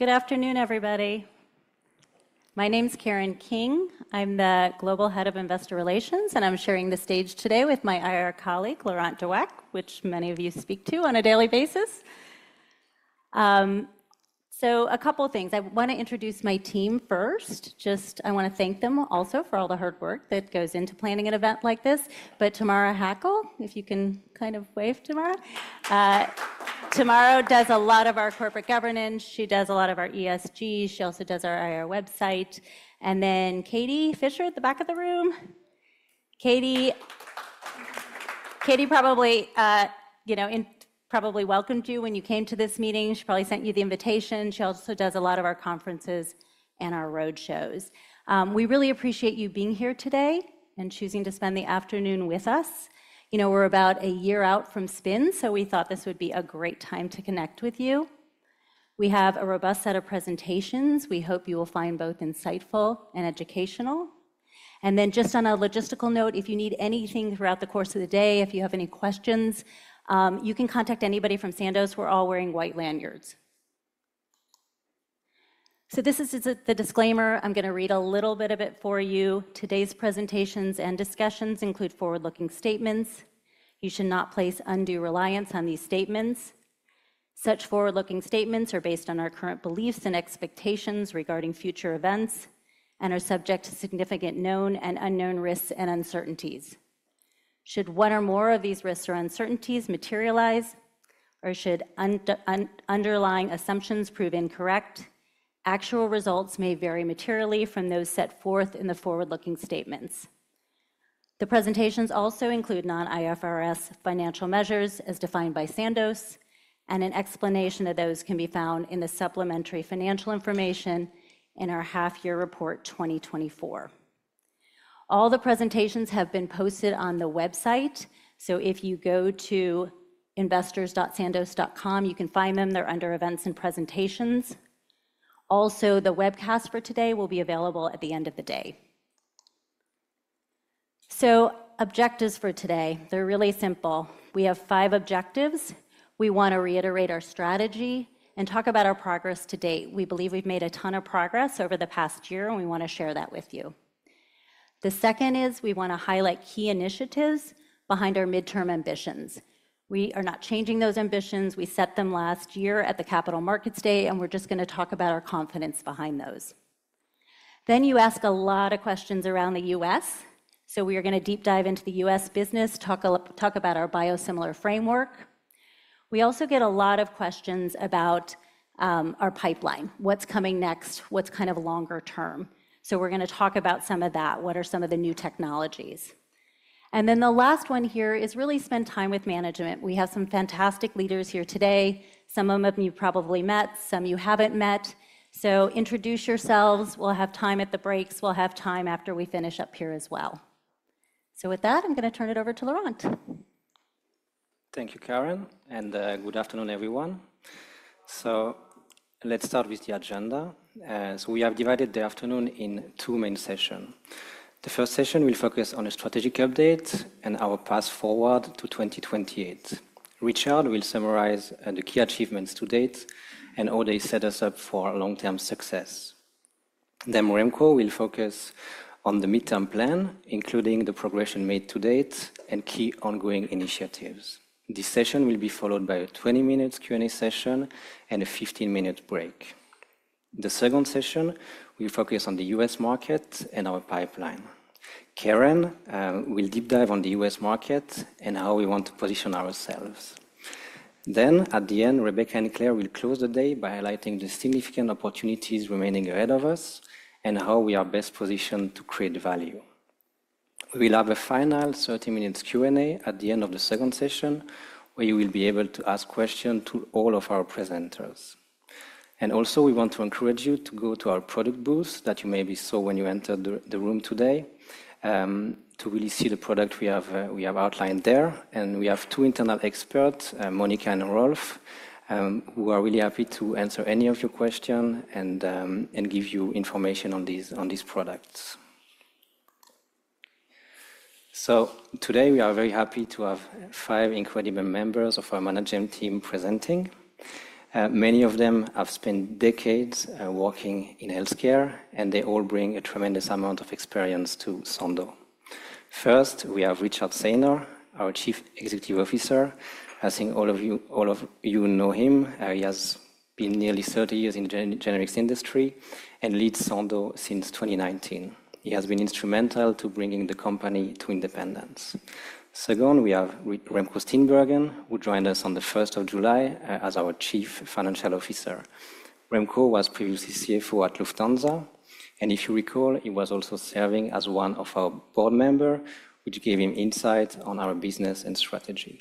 Good afternoon, everybody. My name is Karen King. I'm the Global Head of Investor Relations, and I'm sharing the stage today with my IR colleague, Laurent de Weck, which many of you speak to on a daily basis. So a couple of things. I want to introduce my team first. Just I want to thank them also for all the hard work that goes into planning an event like this. But Tamara Hackl, if you can kind of wave, Tamara. Tamara does a lot of our corporate governance. She does a lot of our ESG. She also does our IR website. And then Katie Fisher at the back of the room. Katie probably, you know, probably welcomed you when you came to this meeting. She probably sent you the invitation. She also does a lot of our conferences and our road shows. We really appreciate you being here today and choosing to spend the afternoon with us. You know, we're about a year out from spin, so we thought this would be a great time to connect with you. We have a robust set of presentations we hope you will find both insightful and educational. And then just on a logistical note, if you need anything throughout the course of the day, if you have any questions, you can contact anybody from Sandoz. We're all wearing white lanyards. So this is the disclaimer. I'm going to read a little bit of it for you. Today's presentations and discussions include forward-looking statements. You should not place undue reliance on these statements. Such forward-looking statements are based on our current beliefs and expectations regarding future events and are subject to significant known and unknown risks and uncertainties. Should one or more of these risks or uncertainties materialize, or should underlying assumptions prove incorrect, actual results may vary materially from those set forth in the forward-looking statements. The presentations also include non-IFRS financial measures, as defined by Sandoz, and an explanation of those can be found in the supplementary financial information in our Half Year Report 2024. All the presentations have been posted on the website, so if you go to investors.sandoz.com, you can find them. They're under Events and Presentations. Also, the webcast for today will be available at the end of the day. Objectives for today, they're really simple. We have five objectives. We want to reiterate our strategy and talk about our progress to date. We believe we've made a ton of progress over the past year, and we want to share that with you. The second is we want to highlight key initiatives behind our midterm ambitions. We are not changing those ambitions. We set them last year at the Capital Markets Day, and we're just going to talk about our confidence behind those. Then, you ask a lot of questions around the U.S., so we are going to deep dive into the U.S. business, talk about our biosimilar framework. We also get a lot of questions about our pipeline, what's coming next, what's kind of longer term. So we're going to talk about some of that. What are some of the new technologies? And then the last one here is really spend time with management. We have some fantastic leaders here today. Some of them you've probably met, some you haven't met. So introduce yourselves. We'll have time at the breaks. We'll have time after we finish up here as well. So with that, I'm going to turn it over to Laurent. Thank you, Karen, and good afternoon, everyone. So let's start with the agenda. So we have divided the afternoon in two main session. The first session will focus on a strategic update and our path forward to 2028. Richard will summarize the key achievements to date and how they set us up for long-term success. Then Remco will focus on the midterm plan, including the progression made to date and key ongoing initiatives. This session will be followed by a 20 minutes Q&A session and a 15-minute break. The second session will focus on the U.S. market and our pipeline. Keren will deep dive on the U.S. market and how we want to position ourselves. Then, at the end, Rebecca and Claire will close the day by highlighting the significant opportunities remaining ahead of us and how we are best positioned to create value. We will have a final 30 minutes Q&A at the end of the second session, where you will be able to ask questions to all of our presenters. And also, we want to encourage you to go to our product booth, that you maybe saw when you entered the room today, to really see the product we have, we have outlined there. And we have two internal experts, Monica and Rolf, who are really happy to answer any of your questions and give you information on these products. So today, we are very happy to have 5 incredible members of our management team presenting. Many of them have spent decades working in healthcare, and they all bring a tremendous amount of experience to Sandoz. First, we have Richard Saynor, our Chief Executive Officer. I think all of you, all of you know him. He has been nearly thirty years in the generics industry and leads Sandoz since twenty nineteen. He has been instrumental to bringing the company to independence. Second, we have Remco Steenbergen, who joined us on the first of July, as our Chief Financial Officer. Remco was previously CFO at Lufthansa, and if you recall, he was also serving as one of our board member, which gave him insight on our business and strategy.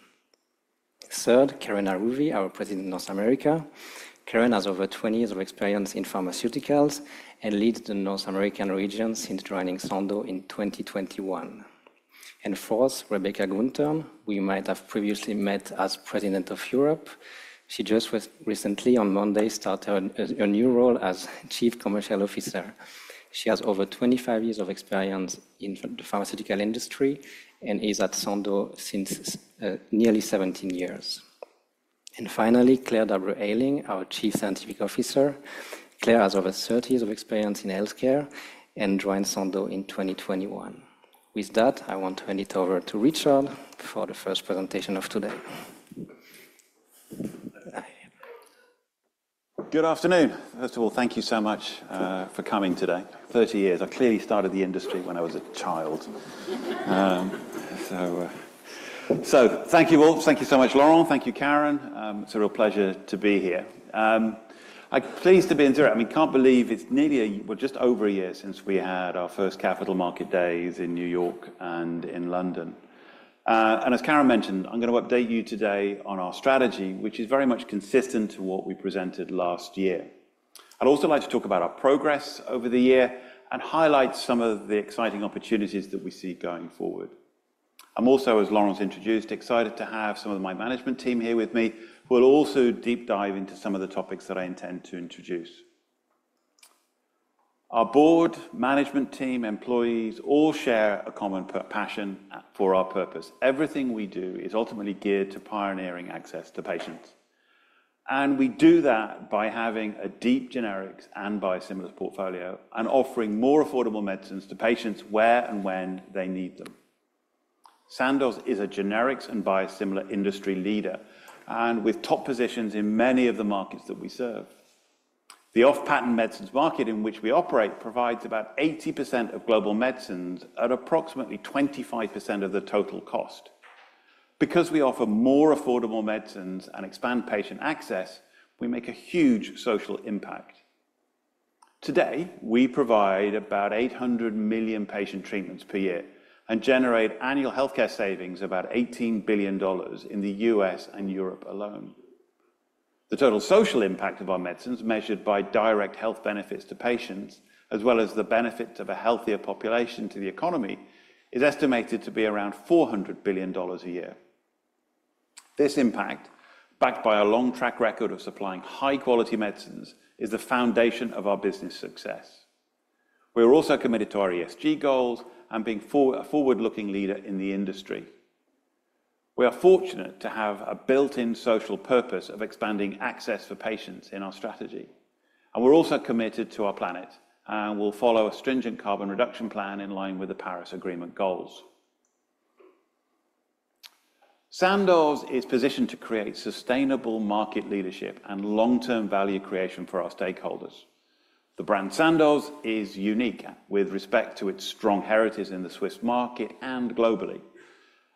Third, Keren Haruvi, our President, North America. Keren has over twenty years of experience in pharmaceuticals and leads the North American region since joining Sandoz in 2021. And fourth, Rebecca Guntern, who you might have previously met as President of Europe. She just recently, on Monday, started a new role as Chief Commercial Officer. She has over twenty-five years of experience in the pharmaceutical industry and is at Sandoz since nearly seventeen years. And finally, Claire D'Abreu-Hayling, our Chief Scientific Officer. Claire has over thirty years of experience in healthcare and joined Sandoz in 2021. With that, I want to hand it over to Richard for the first presentation of today. Good afternoon. First of all, thank you so much for coming today. Thirty years, I clearly started the industry when I was a child. Thank you all. Thank you so much, Laurent. Thank you, Keren. It's a real pleasure to be here. I'm pleased to be in Zurich. I mean, can't believe it's nearly a, well, just over a year since we had our first Capital Market Days in New York and in London. And as Keren mentioned, I'm gonna update you today on our strategy, which is very much consistent to what we presented last year. I'd also like to talk about our progress over the year and highlight some of the exciting opportunities that we see going forward. I'm also, as Laurent introduced, excited to have some of my management team here with me, who will also deep dive into some of the topics that I intend to introduce. Our board, management team, employees, all share a common passion for our purpose. Everything we do is ultimately geared to pioneering access to patients, and we do that by having a deep generics and biosimilars portfolio and offering more affordable medicines to patients where and when they need them. Sandoz is a generics and biosimilar industry leader, and with top positions in many of the markets that we serve. The off-patent medicines market in which we operate provides about 80% of global medicines at approximately 25% of the total cost. Because we offer more affordable medicines and expand patient access, we make a huge social impact. Today, we provide about 800 million patient treatments per year and generate annual healthcare savings of about $18 billion in the U.S. and Europe alone. The total social impact of our medicines, measured by direct health benefits to patients, as well as the benefit of a healthier population to the economy, is estimated to be around $400 billion a year. This impact, backed by a long track record of supplying high-quality medicines, is the foundation of our business success. We are also committed to our ESG goals and being a forward-looking leader in the industry. We are fortunate to have a built-in social purpose of expanding access for patients in our strategy, and we're also committed to our planet, and we'll follow a stringent carbon reduction plan in line with the Paris Agreement goals. Sandoz is positioned to create sustainable market leadership and long-term value creation for our stakeholders. The brand Sandoz is unique with respect to its strong heritage in the Swiss market and globally,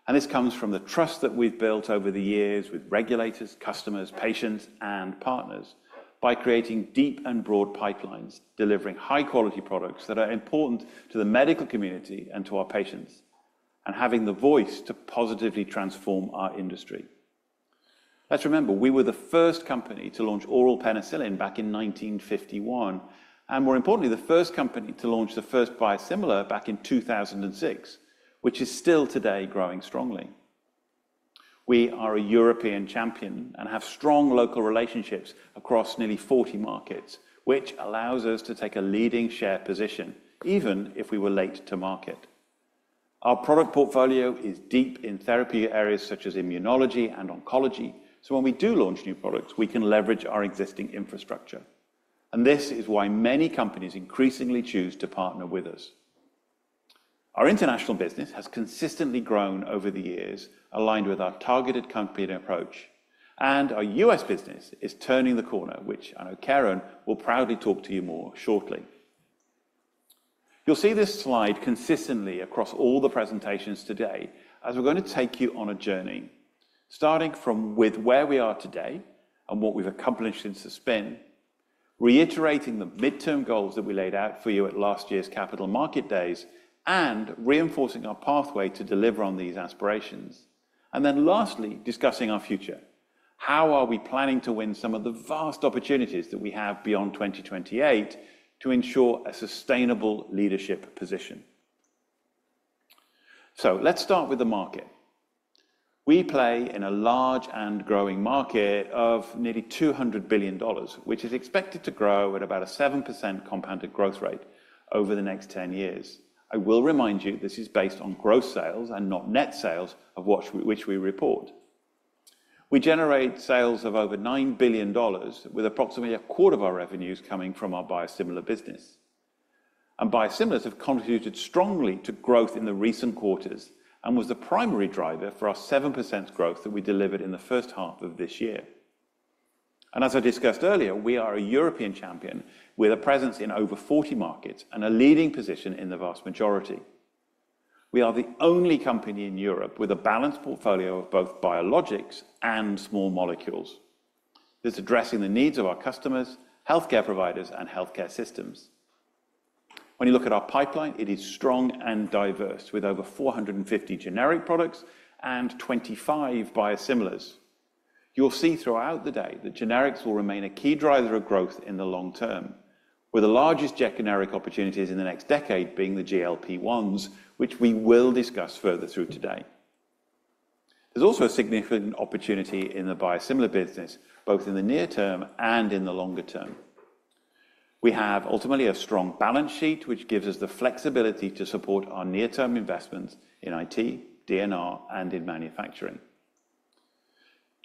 and this comes from the trust that we've built over the years with regulators, customers, patients, and partners by creating deep and broad pipelines, delivering high-quality products that are important to the medical community and to our patients, and having the voice to positively transform our industry. Let's remember, we were the first company to launch oral penicillin back in nineteen fifty-one, and more importantly, the first company to launch the first biosimilar back in two thousand and six, which is still today growing strongly. We are a European champion and have strong local relationships across nearly forty markets, which allows us to take a leading share position, even if we were late to market. Our product portfolio is deep in therapy areas such as immunology and oncology. So when we do launch new products, we can leverage our existing infrastructure, and this is why many companies increasingly choose to partner with us. Our international business has consistently grown over the years, aligned with our targeted competing approach, and our U.S. business is turning the corner, which I know Keren will proudly talk to you more shortly. You'll see this slide consistently across all the presentations today, as we're going to take you on a journey, starting from with where we are today and what we've accomplished since then, reiterating the midterm goals that we laid out for you at last year's Capital Markets Day, and reinforcing our pathway to deliver on these aspirations, and then lastly discussing our future. How are we planning to win some of the vast opportunities that we have beyond 2028 to ensure a sustainable leadership position? Let's start with the market. We play in a large and growing market of nearly $200 billion, which is expected to grow at about a 7% compounded growth rate over the next ten years. I will remind you, this is based on gross sales and not net sales of which we report. We generate sales of over $9 billion, with approximately a quarter of our revenues coming from our biosimilar business. Biosimilars have contributed strongly to growth in the recent quarters and was the primary driver for our 7% growth that we delivered in the first half of this year. And as I discussed earlier, we are a European champion with a presence in over 40 markets and a leading position in the vast majority. We are the only company in Europe with a balanced portfolio of both biologics and small molecules. This, addressing the needs of our customers, healthcare providers, and healthcare systems. When you look at our pipeline, it is strong and diverse, with over 450 generic products and 25 biosimilars. You'll see throughout the day that generics will remain a key driver of growth in the long term, with the largest generic opportunities in the next decade being the GLP-1s, which we will discuss further through today. There's also a significant opportunity in the biosimilar business, both in the near term and in the longer term.... We have ultimately a strong balance sheet, which gives us the flexibility to support our near-term investments in IT, R&D, and in manufacturing.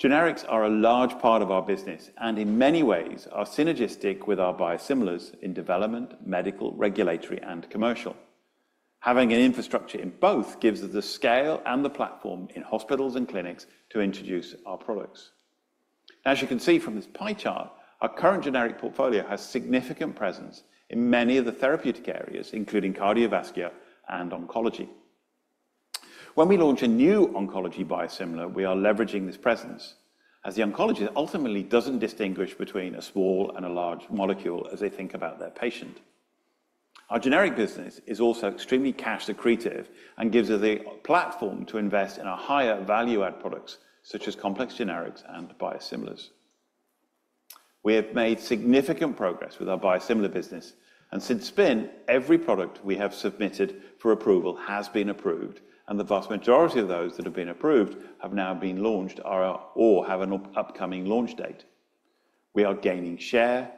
Generics are a large part of our business, and in many ways are synergistic with our biosimilars in development, medical, regulatory, and commercial. Having an infrastructure in both gives us the scale and the platform in hospitals and clinics to introduce our products. As you can see from this pie chart, our current generic portfolio has significant presence in many of the therapeutic areas, including cardiovascular and oncology. When we launch a new oncology biosimilar, we are leveraging this presence, as the oncologist ultimately doesn't distinguish between a small and a large molecule as they think about their patient. Our generic business is also extremely cash accretive and gives us the platform to invest in our higher value-add products, such as complex generics and biosimilars. We have made significant progress with our biosimilar business, and since spin, every product we have submitted for approval has been approved, and the vast majority of those that have been approved have now been launched or have an upcoming launch date. We are gaining share,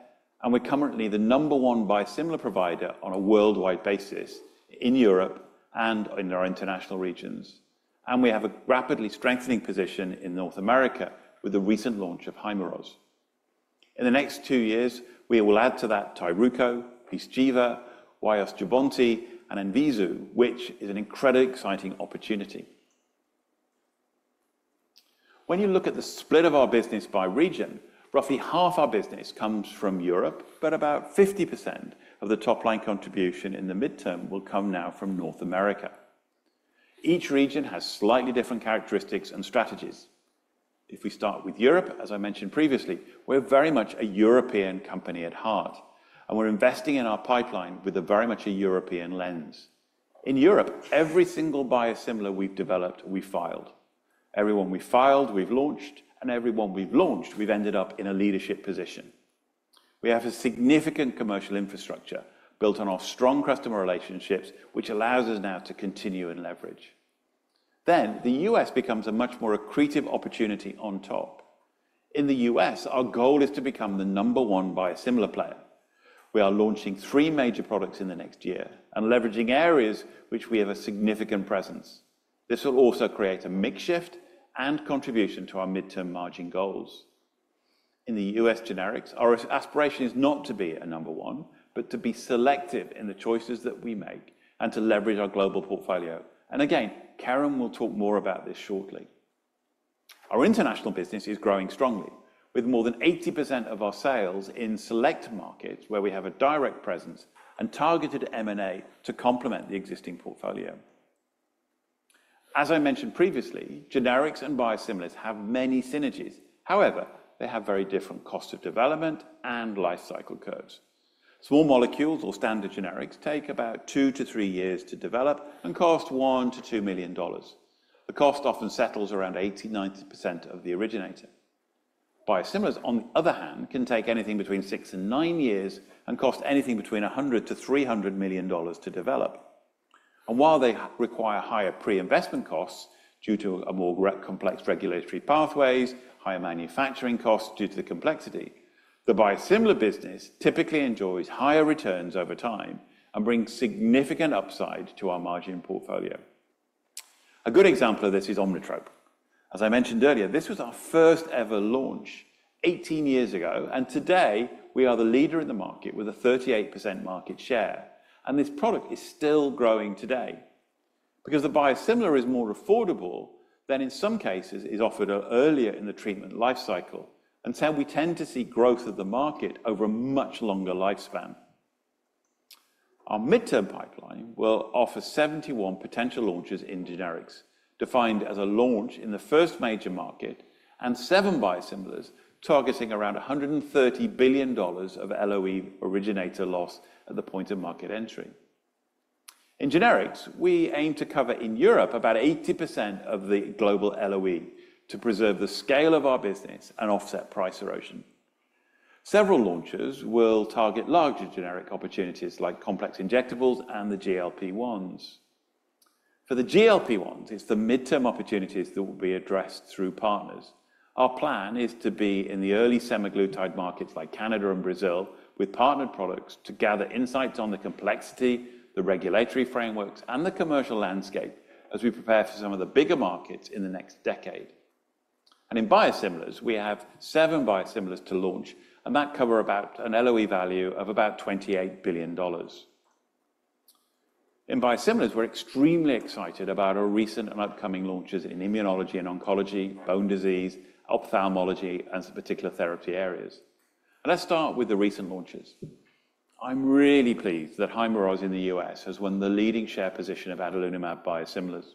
and we're currently the number one biosimilar provider on a worldwide basis in Europe and in our international regions. And we have a rapidly strengthening position in North America with the recent launch of Hyrimoz. In the next two years, we will add to that Tyruko, Pyzchiva, Jubbonti, and Enzeevu, which is an incredibly exciting opportunity. When you look at the split of our business by region, roughly half our business comes from Europe, but about 50% of the top-line contribution in the midterm will come now from North America. Each region has slightly different characteristics and strategies. If we start with Europe, as I mentioned previously, we're very much a European company at heart, and we're investing in our pipeline with a very much a European lens. In Europe, every single biosimilar we've developed, we filed. Every one we filed, we've launched, and every one we've launched, we've ended up in a leadership position. We have a significant commercial infrastructure built on our strong customer relationships, which allows us now to continue and leverage. Then, the U.S. becomes a much more accretive opportunity on top. In the U.S., our goal is to become the number one biosimilar player. We are launching three major products in the next year and leveraging areas which we have a significant presence. This will also create a mix shift and contribution to our midterm margin goals. In the US generics, our aspiration is not to be a number one, but to be selective in the choices that we make and to leverage our global portfolio. And again, Keren will talk more about this shortly. Our international business is growing strongly, with more than 80% of our sales in select markets where we have a direct presence and targeted M&A to complement the existing portfolio. As I mentioned previously, generics and biosimilars have many synergies. However, they have very different costs of development and life cycle curves. Small molecules or standard generics take about two to three years to develop and cost $1 million-$2 million. The cost often settles around 80-90% of the originator. Biosimilars, on the other hand, can take anything between six and nine years and cost anything between $100 million-$300 million to develop. While they require higher pre-investment costs due to a more complex regulatory pathways, higher manufacturing costs due to the complexity, the biosimilar business typically enjoys higher returns over time and brings significant upside to our margin portfolio. A good example of this is Omnitrope. As I mentioned earlier, this was our first ever launch eighteen years ago, and today, we are the leader in the market with a 38% market share, and this product is still growing today. Because the biosimilar is more affordable, then in some cases is offered earlier in the treatment life cycle, and so we tend to see growth of the market over a much longer lifespan. Our midterm pipeline will offer 71 potential launches in generics, defined as a launch in the first major market, and seven biosimilars targeting around $130 billion of LOE originator loss at the point of market entry. In generics, we aim to cover in Europe about 80% of the global LOE to preserve the scale of our business and offset price erosion. Several launches will target larger generic opportunities like complex injectables and the GLP-1s. For the GLP-1s, it's the midterm opportunities that will be addressed through partners. Our plan is to be in the early semaglutide markets like Canada and Brazil, with partnered products to gather insights on the complexity, the regulatory frameworks, and the commercial landscape as we prepare for some of the bigger markets in the next decade. In biosimilars, we have seven biosimilars to launch, and that cover about an LOE value of about $28 billion. In biosimilars, we're extremely excited about our recent and upcoming launches in immunology and oncology, bone disease, ophthalmology, and some particular therapy areas. Let's start with the recent launches. I'm really pleased that Hyrimoz in the U.S. has won the leading share position of adalimumab biosimilars,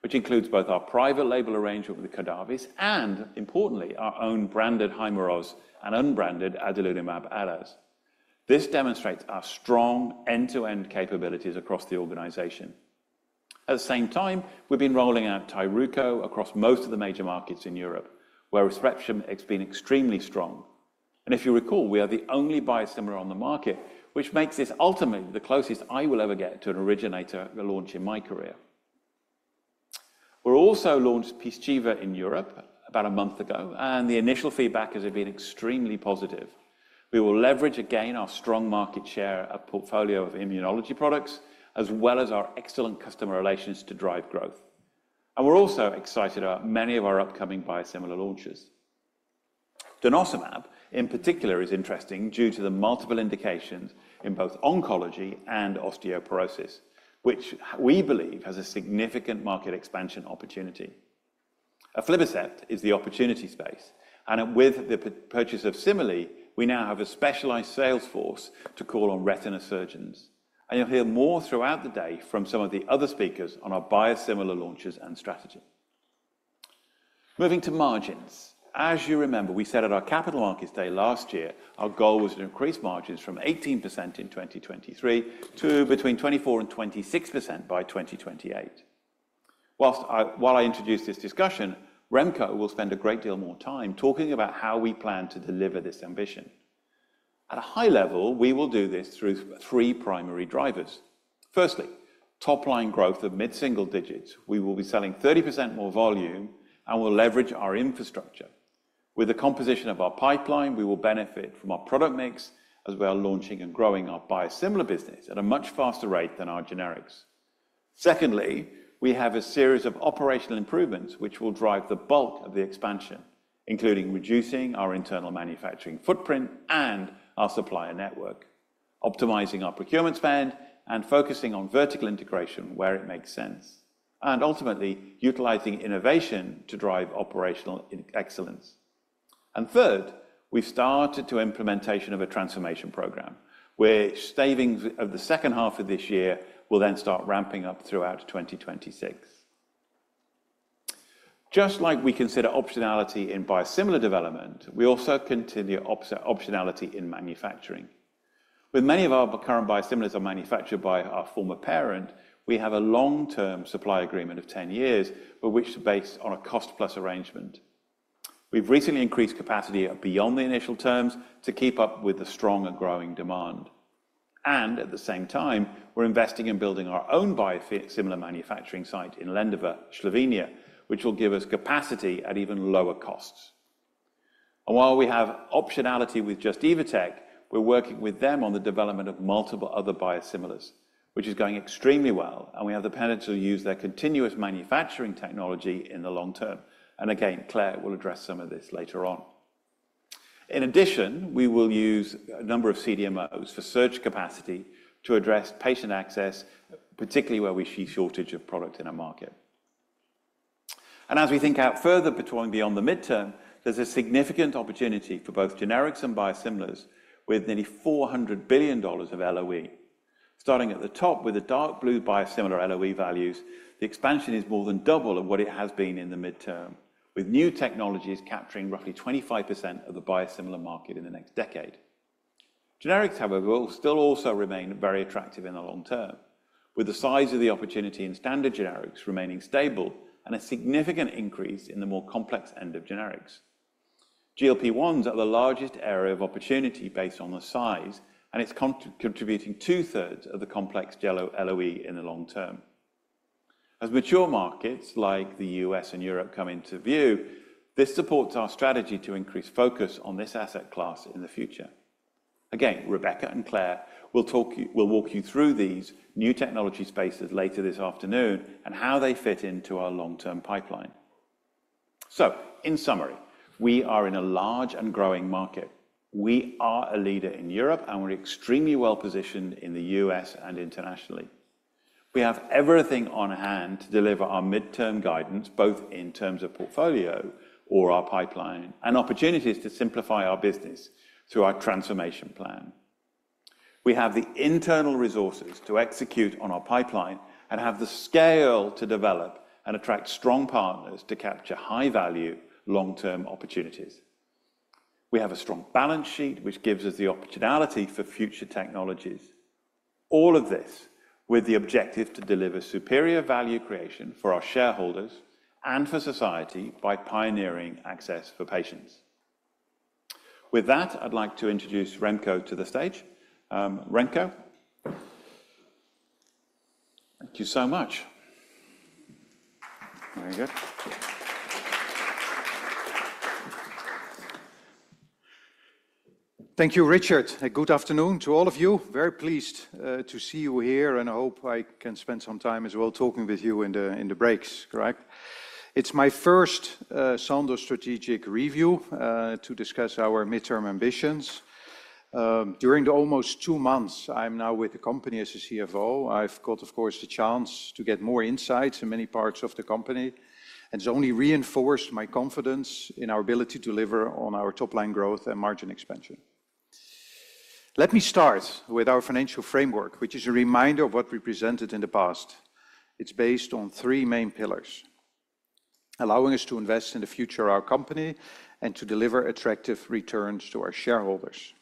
which includes both our private label arrangement with Cordavis and, importantly, our own branded Hyrimoz and unbranded adalimumab-adaz. This demonstrates our strong end-to-end capabilities across the organization. At the same time, we've been rolling out Tyruko across most of the major markets in Europe, where prescription has been extremely strong. And if you recall, we are the only biosimilar on the market, which makes this ultimately the closest I will ever get to an originator launch in my career. We've also launched Pyzchiva in Europe about a month ago, and the initial feedback has been extremely positive. We will leverage again our strong market share, a portfolio of immunology products, as well as our excellent customer relations to drive growth. And we're also excited about many of our upcoming biosimilar launches. Denosumab, in particular, is interesting due to the multiple indications in both oncology and osteoporosis, which we believe has a significant market expansion opportunity. aflibercept is the opportunity space, and with the purchase of Cimerli, we now have a specialized sales force to call on retina surgeons. And you'll hear more throughout the day from some of the other speakers on our biosimilar launches and strategy. Moving to margins. As you remember, we said at our Capital Markets Day last year, our goal was to increase margins from 18% in 2023 to between 24% and 26% by 2028. While I introduce this discussion, Remco will spend a great deal more time talking about how we plan to deliver this ambition. At a high level, we will do this through three primary drivers. Firstly, top-line growth of mid-single digits. We will be selling 30% more volume and will leverage our infrastructure. With the composition of our pipeline, we will benefit from our product mix, as well launching and growing our biosimilar business at a much faster rate than our generics. Secondly, we have a series of operational improvements, which will drive the bulk of the expansion, including reducing our internal manufacturing footprint and our supplier network, optimizing our procurement spend, and focusing on vertical integration where it makes sense, and ultimately, utilizing innovation to drive operational excellence. And third, we've started the implementation of a transformation program, where savings of the second half of this year will then start ramping up throughout 2026. Just like we consider optionality in biosimilar development, we also continue optionality in manufacturing. With many of our current biosimilars are manufactured by our former parent, we have a long-term supply agreement of ten years, but which is based on a cost-plus arrangement. We've recently increased capacity beyond the initial terms to keep up with the strong and growing demand, and at the same time, we're investing in building our own biosimilar manufacturing site in Lendava, Slovenia, which will give us capacity at even lower costs. While we have optionality with Just - Evotec, we're working with them on the development of multiple other biosimilars, which is going extremely well, and we have the potential to use their continuous manufacturing technology in the long term. Again, Claire will address some of this later on. In addition, we will use a number of CDMOs for surge capacity to address patient access, particularly where we see shortage of product in our market. As we think out further beyond the midterm, there's a significant opportunity for both generics and biosimilars with nearly $400 billion of LOE. Starting at the top with the dark blue biosimilar LOE values, the expansion is more than double of what it has been in the midterm, with new technologies capturing roughly 25% of the biosimilar market in the next decade. Generics, however, will still also remain very attractive in the long term, with the size of the opportunity in standard generics remaining stable and a significant increase in the more complex end of generics. GLP-1s are the largest area of opportunity based on the size, and it's contributing two-thirds of the complex yellow LOE in the long term. As mature markets like the U.S. and Europe come into view, this supports our strategy to increase focus on this asset class in the future. Again, Rebecca and Claire will walk you through these new technology spaces later this afternoon and how they fit into our long-term pipeline. So in summary, we are in a large and growing market. We are a leader in Europe, and we're extremely well-positioned in the U.S. and internationally. We have everything on hand to deliver our midterm guidance, both in terms of portfolio or our pipeline, and opportunities to simplify our business through our transformation plan. We have the internal resources to execute on our pipeline and have the scale to develop and attract strong partners to capture high-value, long-term opportunities. We have a strong balance sheet, which gives us the optionality for future technologies. All of this with the objective to deliver superior value creation for our shareholders and for society by pioneering access for patients. With that, I'd like to introduce Remco to the stage. Remco? Thank you so much. Very good. Thank you, Richard, and good afternoon to all of you. Very pleased to see you here, and I hope I can spend some time as well talking with you in the, in the breaks, correct? It's my first Sandoz strategic review to discuss our midterm ambitions. During the almost two months, I'm now with the company as a CFO, I've got, of course, the chance to get more insights in many parts of the company, and it's only reinforced my confidence in our ability to deliver on our top-line growth and margin expansion. Let me start with our financial framework, which is a reminder of what we presented in the past. It's based on three main pillars, allowing us to invest in the future of our company and to deliver attractive returns to our shareholders.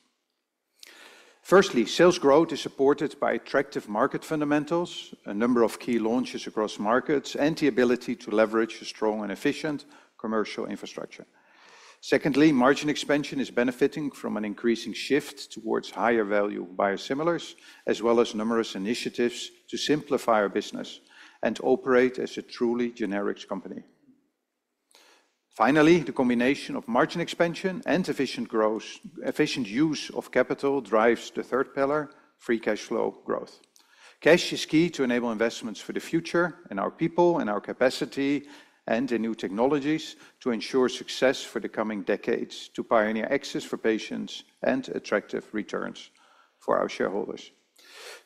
Firstly, sales growth is supported by attractive market fundamentals, a number of key launches across markets, and the ability to leverage a strong and efficient commercial infrastructure. Secondly, margin expansion is benefiting from an increasing shift towards higher-value biosimilars, as well as numerous initiatives to simplify our business and operate as a truly generics company. Finally, the combination of margin expansion and efficient growth, efficient use of capital drives the third pillar, free cash flow growth. Cash is key to enable investments for the future, in our people, in our capacity, and in new technologies to ensure success for the coming decades, to pioneer access for patients and attractive returns for our shareholders.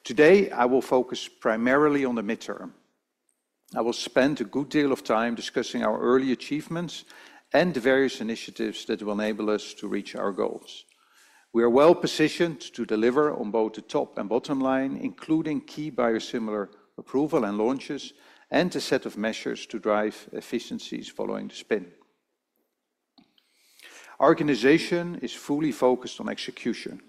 Today, I will focus primarily on the midterm. I will spend a good deal of time discussing our early achievements and the various initiatives that will enable us to reach our goals. We are well-positioned to deliver on both the top and bottom line, including key biosimilar approval and launches, and a set of measures to drive efficiencies following the spin. Our organization is fully focused on execution.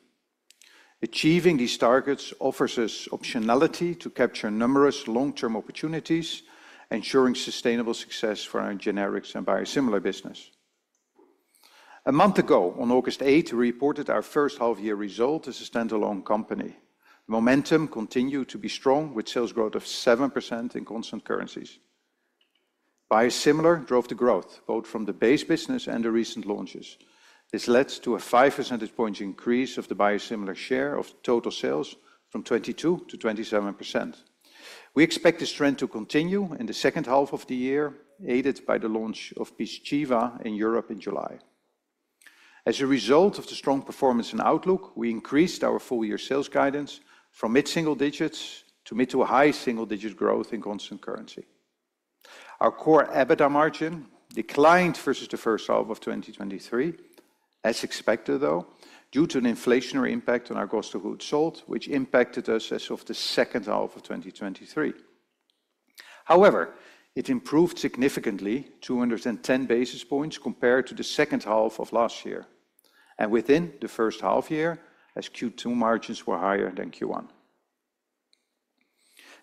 Achieving these targets offers us optionality to capture numerous long-term opportunities, ensuring sustainable success for our generics and biosimilar business. A month ago, on August eighth, we reported our first half-year result as a standalone company. Momentum continued to be strong, with sales growth of 7% in constant currencies. Biosimilar drove the growth, both from the base business and the recent launches. This led to a five percentage point increase of the biosimilar share of total sales from 22% to 27%. We expect this trend to continue in the second half of the year, aided by the launch of Pyzchiva in Europe in July. As a result of the strong performance and outlook, we increased our full-year sales guidance from mid-single digits to mid- to high-single-digit growth in constant currency. Our core EBITDA margin declined versus the first half of 2023, as expected, though due to an inflationary impact on our cost of goods sold, which impacted us as of the second half of 2023. However, it improved significantly, 210 basis points, compared to the second half of last year, and within the first half year, as Q2 margins were higher than Q1.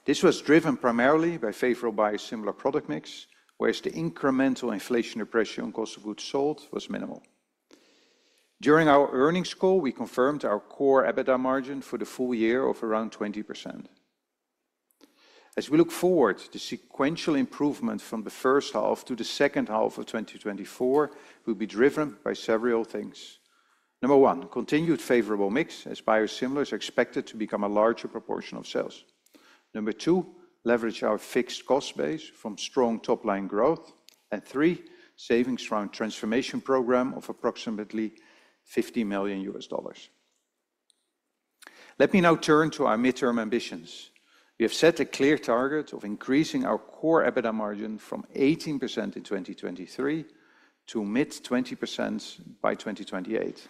This was driven primarily by favorable biosimilar product mix, whereas the incremental inflationary pressure on cost of goods sold was minimal. During our earnings call, we confirmed our core EBITDA margin for the full year of around 20%. As we look forward, the sequential improvement from the first half to the second half of 2024 will be driven by several things. Number one, continued favorable mix, as biosimilars are expected to become a larger proportion of sales. Number two, leverage our fixed cost base from strong top-line growth. And three, savings from our transformation program of approximately $50 million. Let me now turn to our midterm ambitions. We have set a clear target of increasing our core EBITDA margin from 18% in 2023 to mid-20% by 2028.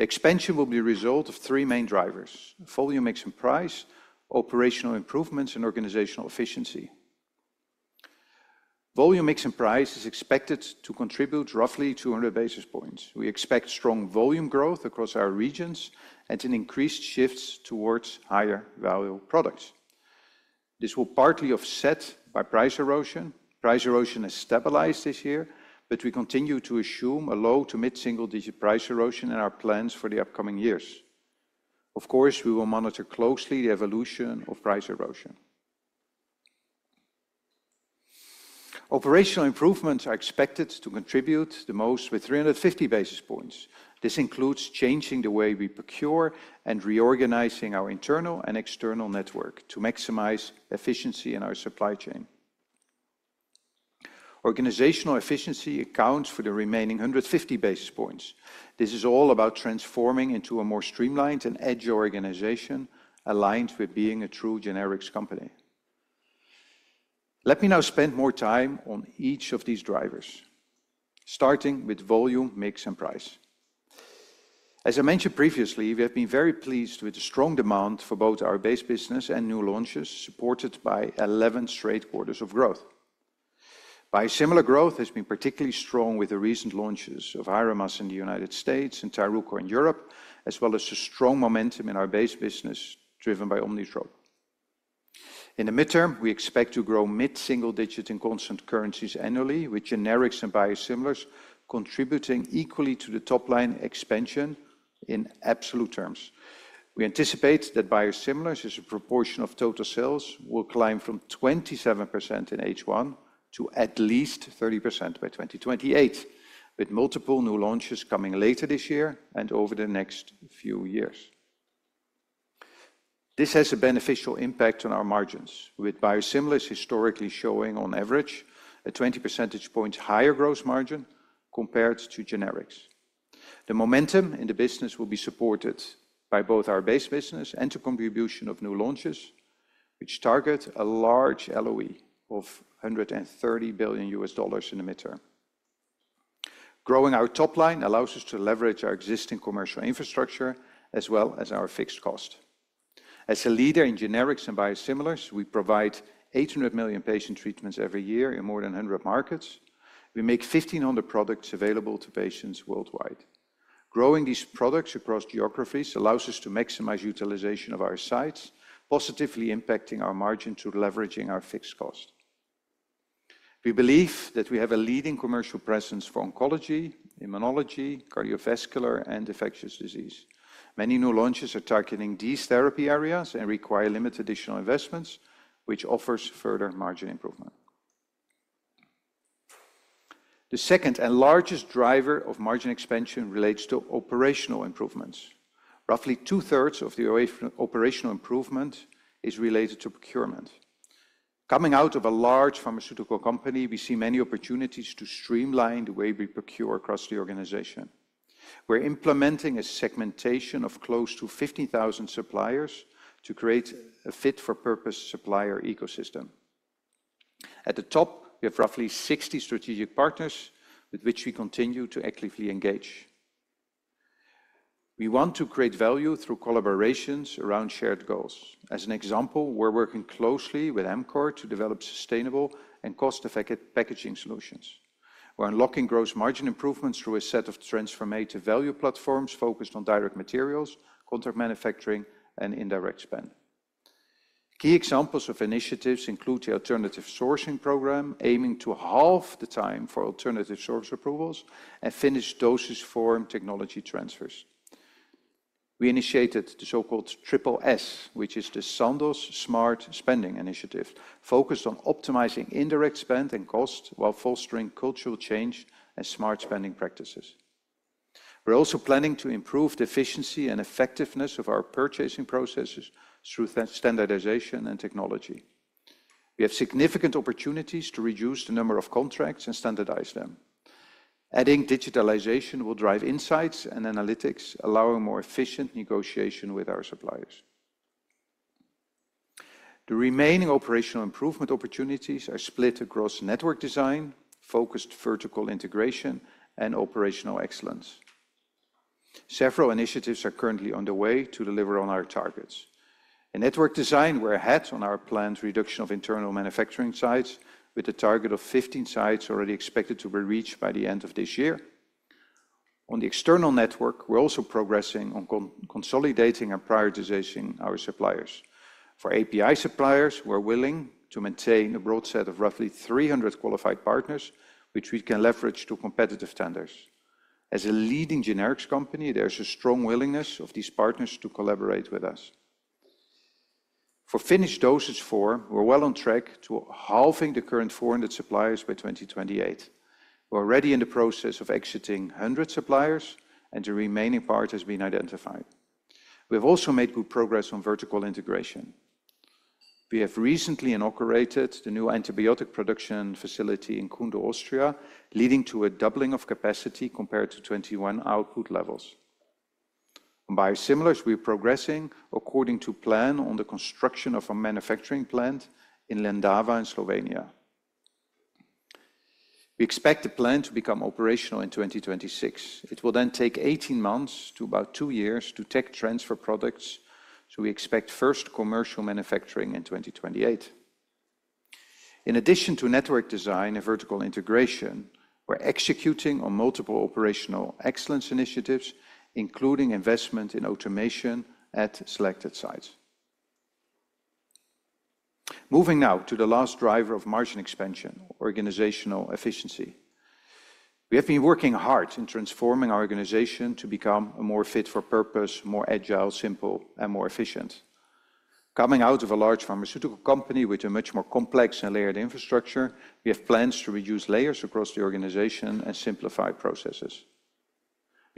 The expansion will be a result of three main drivers: volume, mix, and price; operational improvements; and organizational efficiency. Volume, mix, and price is expected to contribute roughly 200 basis points. We expect strong volume growth across our regions and an increased shift towards higher-value products. This will partly offset by price erosion. Price erosion has stabilized this year, but we continue to assume a low- to mid-single-digit price erosion in our plans for the upcoming years. Of course, we will monitor closely the evolution of price erosion. Operational improvements are expected to contribute the most with 350 basis points. This includes changing the way we procure and reorganizing our internal and external network to maximize efficiency in our supply chain. Organizational efficiency accounts for the remaining 150 basis points. This is all about transforming into a more streamlined and agile organization, aligned with being a true generics company. Let me now spend more time on each of these drivers, starting with volume, mix, and price. As I mentioned previously, we have been very pleased with the strong demand for both our base business and new launches, supported by eleven straight quarters of growth. Biosimilar growth has been particularly strong with the recent launches of Hyrimoz in the United States and Tyruko in Europe, as well as the strong momentum in our base business, driven by Omnitrope. In the midterm, we expect to grow mid-single digits in constant currencies annually, with generics and biosimilars contributing equally to the top-line expansion in absolute terms. We anticipate that biosimilars, as a proportion of total sales, will climb from 27% in H1 to at least 30% by 2028, with multiple new launches coming later this year and over the next few years. This has a beneficial impact on our margins, with biosimilars historically showing, on average, a 20 percentage point higher gross margin compared to generics. The momentum in the business will be supported by both our base business and the contribution of new launches, which target a large LOE of $130 billion in the midterm. Growing our top line allows us to leverage our existing commercial infrastructure as well as our fixed cost. As a leader in generics and biosimilars, we provide 800 million patient treatments every year in more than 100 markets. We make 1,500 products available to patients worldwide. Growing these products across geographies allows us to maximize utilization of our sites, positively impacting our margin through leveraging our fixed cost. We believe that we have a leading commercial presence for oncology, immunology, cardiovascular, and infectious disease. Many new launches are targeting these therapy areas and require limited additional investments, which offers further margin improvement. The second and largest driver of margin expansion relates to operational improvements. Roughly two-thirds of the operational improvement is related to procurement. Coming out of a large pharmaceutical company, we see many opportunities to streamline the way we procure across the organization. We're implementing a segmentation of close to 50,000 suppliers to create a fit-for-purpose supplier ecosystem. At the top, we have roughly 60 strategic partners with which we continue to actively engage. We want to create value through collaborations around shared goals. As an example, we're working closely with Amcor to develop sustainable and cost-effective packaging solutions. We're unlocking gross margin improvements through a set of transformative value platforms focused on direct materials, contract manufacturing, and indirect spend. Key examples of initiatives include the alternative sourcing program, aiming to halve the time for alternative source approvals and finished dosage form technology transfers. We initiated the so-called Triple S, which is the Sandoz Smart Spending Initiative, focused on optimizing indirect spend and cost while fostering cultural change and smart spending practices. We're also planning to improve the efficiency and effectiveness of our purchasing processes through standardization and technology. We have significant opportunities to reduce the number of contracts and standardize them. Adding digitalization will drive insights and analytics, allowing more efficient negotiation with our suppliers. The remaining operational improvement opportunities are split across network design, focused vertical integration, and operational excellence. Several initiatives are currently underway to deliver on our targets. In network design, we're ahead on our planned reduction of internal manufacturing sites, with a target of fifteen sites already expected to be reached by the end of this year. On the external network, we're also progressing on consolidating and prioritizing our suppliers. For API suppliers, we're willing to maintain a broad set of roughly 300 qualified partners, which we can leverage to competitive tenders. As a leading generics company, there's a strong willingness of these partners to collaborate with us. For finished dosage form, we're well on track to halving the current 400 suppliers by 2028. We're already in the process of exiting 100 suppliers, and the remaining part has been identified. We've also made good progress on vertical integration. We have recently inaugurated the new antibiotic production facility in Kundl, Austria, leading to a doubling of capacity compared to 2021 output levels. On biosimilars, we're progressing according to plan on the construction of a manufacturing plant in Lendava, in Slovenia. We expect the plant to become operational in 2026. It will then take eighteen months to about two years to tech transfer products, so we expect first commercial manufacturing in 2028. In addition to network design and vertical integration, we're executing on multiple operational excellence initiatives, including investment in automation at selected sites. Moving now to the last driver of margin expansion, organizational efficiency. We have been working hard in transforming our organization to become a more fit for purpose, more agile, simple, and more efficient. Coming out of a large pharmaceutical company with a much more complex and layered infrastructure, we have plans to reduce layers across the organization and simplify processes.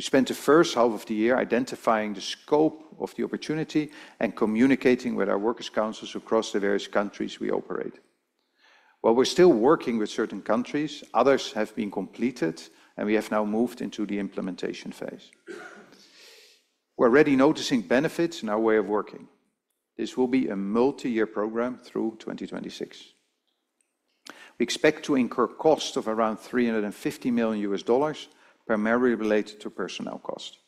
We spent the first half of the year identifying the scope of the opportunity and communicating with our workers' councils across the various countries we operate. While we're still working with certain countries, others have been completed, and we have now moved into the implementation phase. We're already noticing benefits in our way of working. This will be a multi-year program through 2026. We expect to incur costs of around $350 million, primarily related to personnel costs.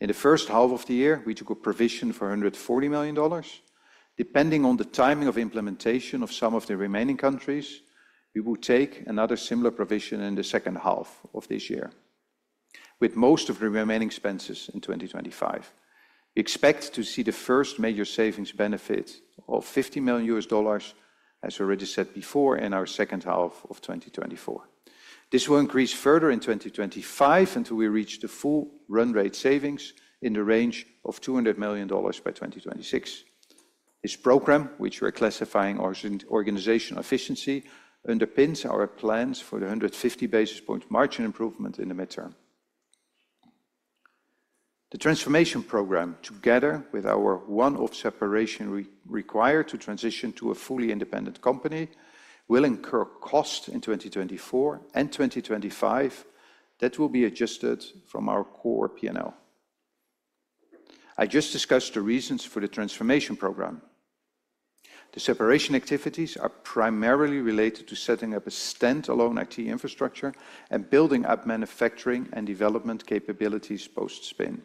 In the first half of the year, we took a provision for $140 million. Depending on the timing of implementation of some of the remaining countries, we will take another similar provision in the second half of this year, with most of the remaining expenses in 2025. We expect to see the first major savings benefit of $50 million, as already said before, in our second half of 2024. This will increase further in 2025 until we reach the full run rate savings in the range of $200 million by 2026. This program, which we're classifying as organizational efficiency, underpins our plans for the 150 basis point margin improvement in the midterm. The transformation program, together with our one-off separation required to transition to a fully independent company, will incur costs in 2024 and 2025 that will be adjusted from our core P&L. I just discussed the reasons for the transformation program. The separation activities are primarily related to setting up a standalone IT infrastructure and building up manufacturing and development capabilities post-spin.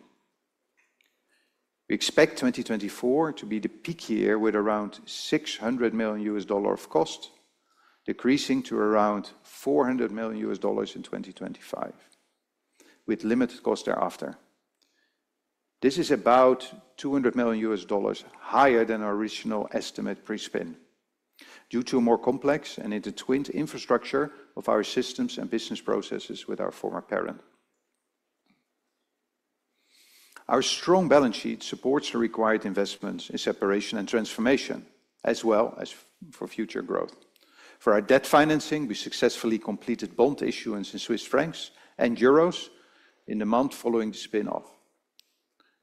We expect 2024 to be the peak year, with around $600 million of cost, decreasing to around $400 million in 2025, with limited cost thereafter. This is about $200 million higher than our original estimate pre-spin, due to a more complex and intertwined infrastructure of our systems and business processes with our former parent. Our strong balance sheet supports the required investments in separation and transformation, as well as for future growth. For our debt financing, we successfully completed bond issuance in CHF and EUR in the month following the spin-off.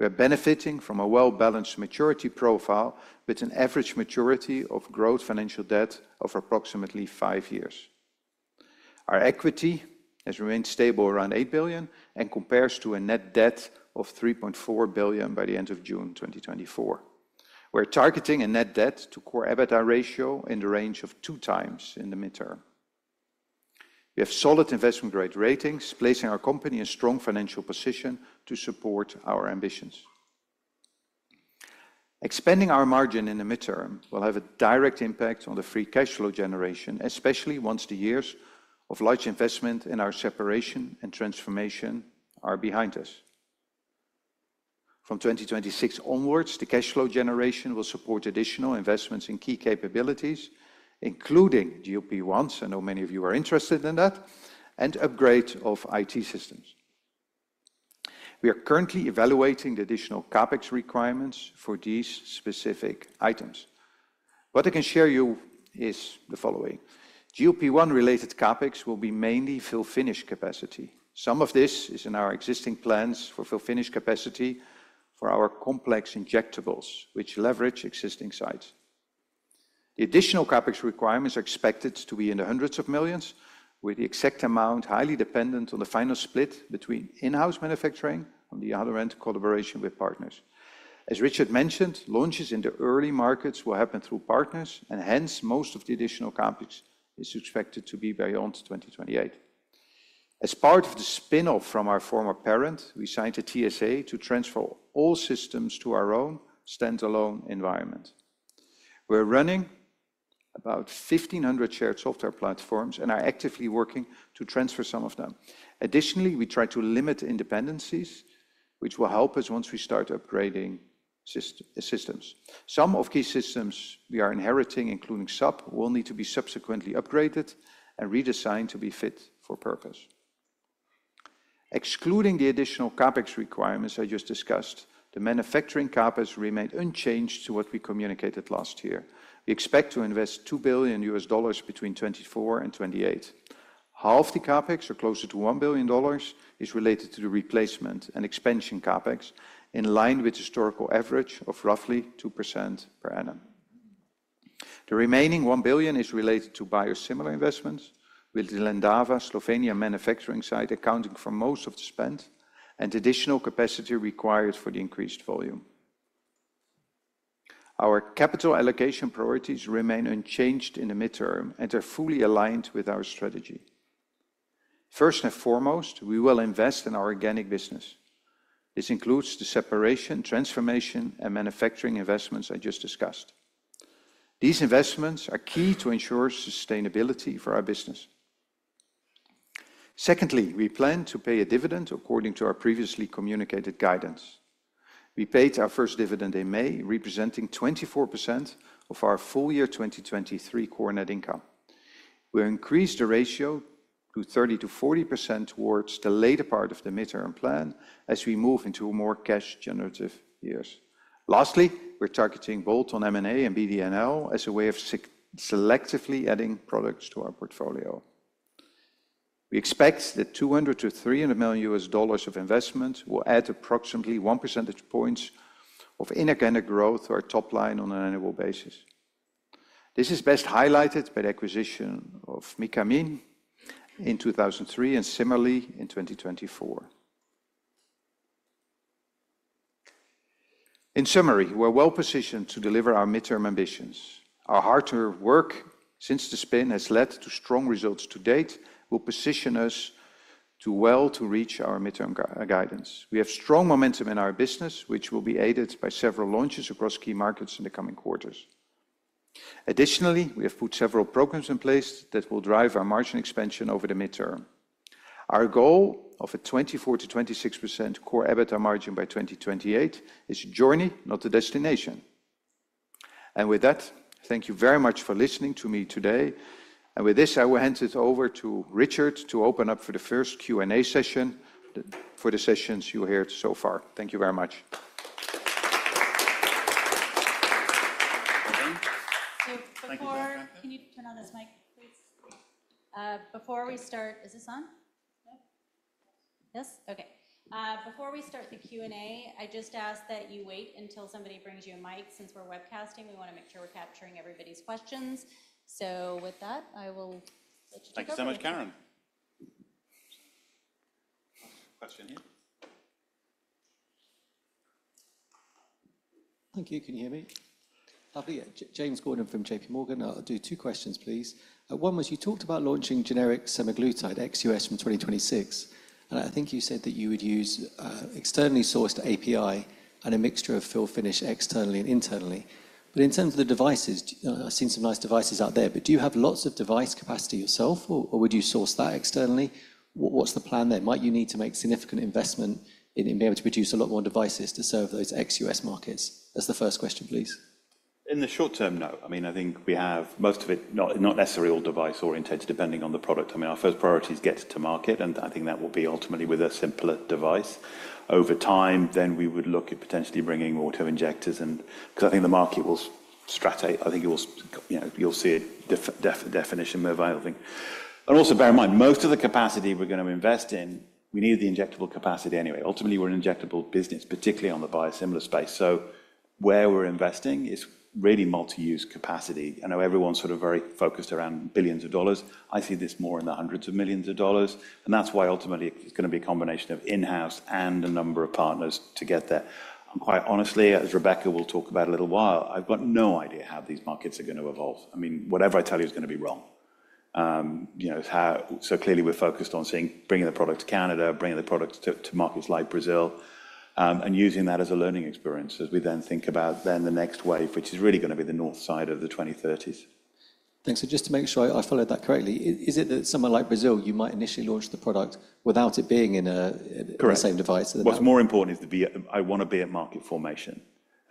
We are benefiting from a well-balanced maturity profile, with an average maturity of gross financial debt of approximately five years. Our equity has remained stable around $8 billion and compares to a net debt of $3.4 billion by the end of June 2024. We're targeting a net debt to core EBITDA ratio in the range of two times in the midterm. We have solid investment-grade ratings, placing our company in a strong financial position to support our ambitions. Expanding our margin in the midterm will have a direct impact on the free cash flow generation, especially once the years of large investment in our separation and transformation are behind us. From 2026 onwards, the cash flow generation will support additional investments in key capabilities, including GLP-1s, I know many of you are interested in that, and upgrade of IT systems. We are currently evaluating the additional CapEx requirements for these specific items. What I can share you is the following: GLP-1 related CapEx will be mainly fill-finish capacity. Some of this is in our existing plans for fill-finish capacity for our complex injectables, which leverage existing sites. The additional CapEx requirements are expected to be in the hundreds of millions CHF, with the exact amount highly dependent on the final split between in-house manufacturing, on the other hand, collaboration with partners. As Richard mentioned, launches in the early markets will happen through partners, and hence, most of the additional CapEx is expected to be beyond 2028. As part of the spin-off from our former parent, we signed a TSA to transfer all systems to our own standalone environment. We're running about 1,500 shared software platforms and are actively working to transfer some of them. Additionally, we try to limit dependencies, which will help us once we start upgrading systems. Some of the key systems we are inheriting, including SAP, will need to be subsequently upgraded and redesigned to be fit for purpose. Excluding the additional CapEx requirements I just discussed, the manufacturing CapEx remained unchanged to what we communicated last year. We expect to invest $2 billion between 2024 and 2028. Half the CapEx, or closer to $1 billion, is related to the replacement and expansion CapEx, in line with historical average of roughly 2% per annum. The remaining $1 billion is related to biosimilar investments, with the Lendava, Slovenia, manufacturing site accounting for most of the spend and additional capacity required for the increased volume. Our capital allocation priorities remain unchanged in the midterm and are fully aligned with our strategy. First and foremost, we will invest in our organic business. This includes the separation, transformation, and manufacturing investments I just discussed. These investments are key to ensure sustainability for our business. Secondly, we plan to pay a dividend according to our previously communicated guidance. We paid our first dividend in May, representing 24% of our full year 2023 core net income. We'll increase the ratio to 30%-40% towards the later part of the midterm plan as we move into more cash generative years. Lastly, we're targeting both on M&A and BD&L as a way of selectively adding products to our portfolio. We expect that $200 million-$300 million of investment will add approximately one percentage points of inorganic growth to our top line on an annual basis. This is best highlighted by the acquisition of Mycamine in 2003 and Cimerli in 2024. In summary, we're well-positioned to deliver our midterm ambitions. Our hard-earned work since the spin has led to strong results to date, will position us well to reach our midterm guidance. We have strong momentum in our business, which will be aided by several launches across key markets in the coming quarters. Additionally, we have put several programs in place that will drive our margin expansion over the midterm. Our goal of a 24%-26% core EBITDA margin by 2028 is a journey, not a destination. And with that, thank you very much for listening to me today, and with this, I will hand it over to Richard to open up for the first Q&A session, for the sessions you heard so far. Thank you very much. Before we start, is this on? No. Yes? Okay. Before we start the Q&A, I just ask that you wait until somebody brings you a mic. Since we're webcasting, we want to make sure we're capturing everybody's questions. With that, I will let you take over. Thank you so much, Keren. Question here.... Thank you. Can you hear me? Lovely. James Gordon from J.P. Morgan. I'll do two questions, please. One was, you talked about launching generic semaglutide ex-US from 2026, and I think you said that you would use externally sourced API and a mixture of fill finish externally and internally. But in terms of the devices, I've seen some nice devices out there, but do you have lots of device capacity yourself, or would you source that externally? What's the plan there? Might you need to make significant investment in being able to produce a lot more devices to serve those ex-US markets? That's the first question, please. In the short term, no. I mean, I think we have most of it, not necessarily all device-oriented, depending on the product. I mean, our first priority is to get it to market, and I think that will be ultimately with a simpler device. Over time, then we would look at potentially bringing auto-injectors and... Because I think the market will stratify. I think it will, you know, you'll see a differentiation move, I think. And also, bear in mind, most of the capacity we're going to invest in, we needed the injectable capacity anyway. Ultimately, we're an injectable business, particularly on the biosimilar space. So where we're investing is really multi-use capacity. I know everyone's sort of very focused around billions of dollars. I see this more in the hundreds of millions of dollars, and that's why ultimately it's going to be a combination of in-house and a number of partners to get there. And quite honestly, as Rebecca will talk about in a little while, I've got no idea how these markets are going to evolve. I mean, whatever I tell you is going to be wrong. You know, so clearly, we're focused on bringing the product to Canada, bringing the product to markets like Brazil, and using that as a learning experience as we then think about the next wave, which is really going to be the North America side of the 2030s. Thanks. So just to make sure I followed that correctly, is it that somewhere like Brazil, you might initially launch the product without it being in a- Correct... the same device as well? What's more important is to be at market formation. I want to be at market formation,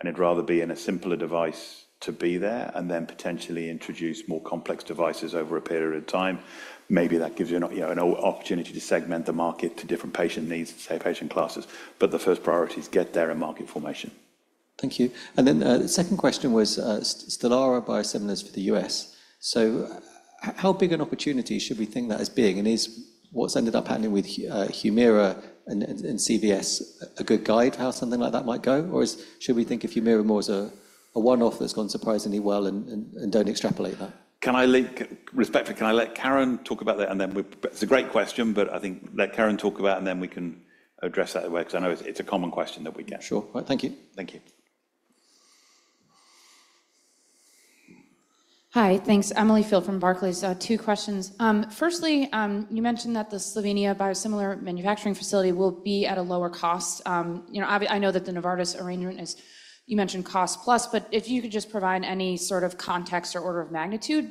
and I'd rather be in a simpler device to be there and then potentially introduce more complex devices over a period of time. Maybe that gives you, you know, an opportunity to segment the market to different patient needs and, say, patient classes. But the first priority is get there in market formation. Thank you. And then, the second question was, Stelara biosimilars for the U.S. So how big an opportunity should we think that as being, and is what's ended up happening with Humira and CVS a good guide for how something like that might go? Or is... Should we think of Humira more as a one-off that's gone surprisingly well and don't extrapolate that? Respectfully, can I let Keren talk about that, and then we. It's a great question, but I think let Keren talk about it, and then we can address that way because I know it's a common question that we get. Sure, well, thank you. Thank you. Hi, thanks. Emily Field from Barclays. Two questions. Firstly, you mentioned that the Slovenia biosimilar manufacturing facility will be at a lower cost. You know, I know that the Novartis arrangement is, you mentioned cost plus, but if you could just provide any sort of context or order of magnitude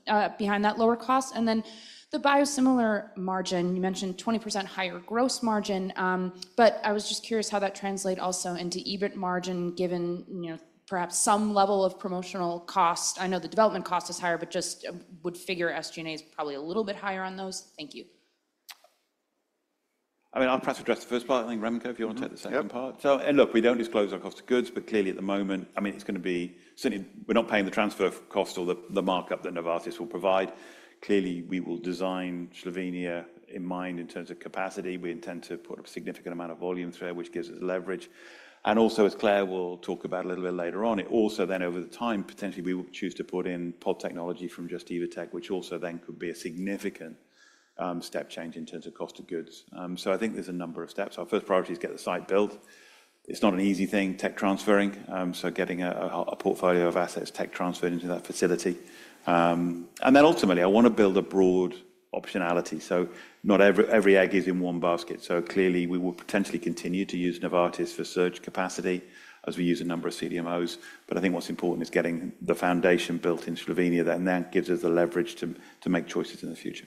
behind that lower cost. And then the biosimilar margin, you mentioned 20% higher gross margin, but I was just curious how that translate also into EBIT margin, given, you know, perhaps some level of promotional cost. I know the development cost is higher, but just, would figure SG&A is probably a little bit higher on those. Thank you. I mean, I'll perhaps address the first part. I think, Remco, if you want to take the second part. Mm-hmm. Yep. And look, we don't disclose our cost of goods, but clearly, at the moment, I mean, it's going to be certainly we're not paying the transfer cost or the markup that Novartis will provide. Clearly, we will design Slovenia in mind in terms of capacity. We intend to put a significant amount of volume through, which gives us leverage. And also, as Claire will talk about a little bit later on, it also then, over the time, potentially we will choose to put in pod technology from Just - Evotec, which also then could be a significant step change in terms of cost of goods. So I think there's a number of steps. Our first priority is get the site built. It's not an easy thing, tech transferring, so getting a portfolio of assets tech transferred into that facility. And then ultimately, I want to build a broad optionality, so not every egg is in one basket. So clearly, we will potentially continue to use Novartis for surge capacity as we use a number of CDMOs. But I think what's important is getting the foundation built in Slovenia, then that gives us the leverage to make choices in the future.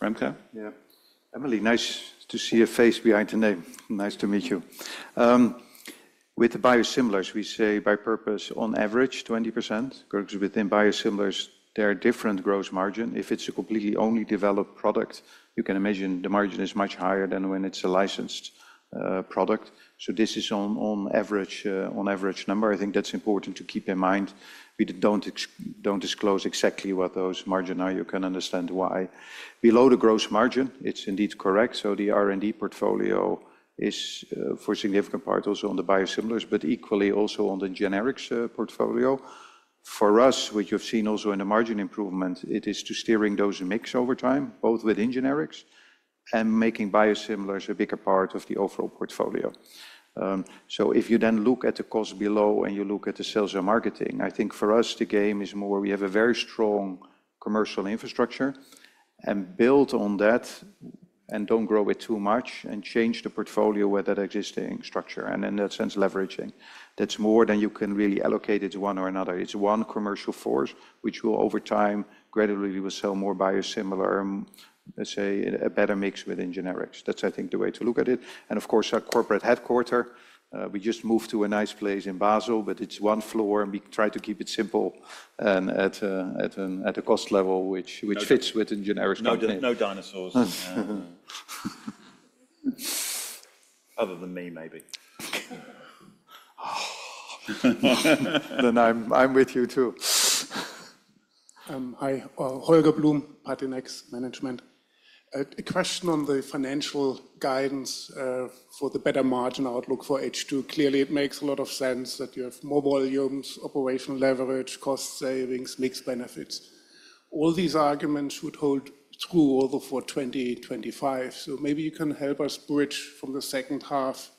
Remco? Yeah. Emily, nice to see a face behind the name. Nice to meet you. With the biosimilars, we say by purpose, on average, 20%, 'cause within biosimilars, there are different gross margin. If it's a completely only developed product, you can imagine the margin is much higher than when it's a licensed product. So this is on average number. I think that's important to keep in mind. We don't disclose exactly what those margin are. You can understand why. Below the gross margin, it's indeed correct, so the R&D portfolio is, for significant part, also on the biosimilars, but equally also on the generics portfolio. For us, what you've seen also in the margin improvement, it is to steering those mix over time, both within generics and making biosimilars a bigger part of the overall portfolio. So if you then look at the cost below and you look at the sales and marketing, I think for us, the game is more we have a very strong commercial infrastructure, and build on that, and don't grow it too much, and change the portfolio with that existing structure, and in that sense, leveraging. That's more than you can really allocate it to one or another. It's one commercial force, which will, over time, gradually sell more biosimilar, let's say, a better mix within generics. That's, I think, the way to look at it. And of course, our corporate headquarters, we just moved to a nice place in Basel, but it's one floor, and we try to keep it simple and at a cost level which fits with the generics- No din, no dinosaurs. Other than me, maybe. Then I'm with you, too. Hi. Holger Blum, Pareto Securities. A question on the financial guidance for the better margin outlook for H2. Clearly, it makes a lot of sense that you have more volumes, operational leverage, cost savings, mixed benefits.... All these arguments would hold true also for 2025. So maybe you can help us bridge from the second half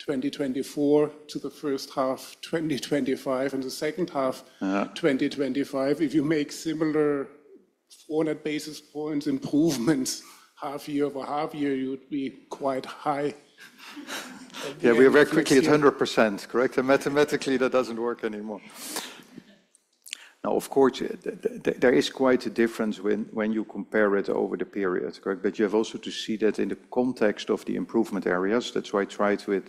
2024 to the first half 2025, and the second half- Uh. 2025. If you make similar 400 basis points improvements, half year over half year, you'd be quite high. Yeah, we are very quickly at 100%, correct? And mathematically, that doesn't work anymore. Now, of course, there is quite a difference when you compare it over the period, correct? But you have also to see that in the context of the improvement areas. That's why I tried to, at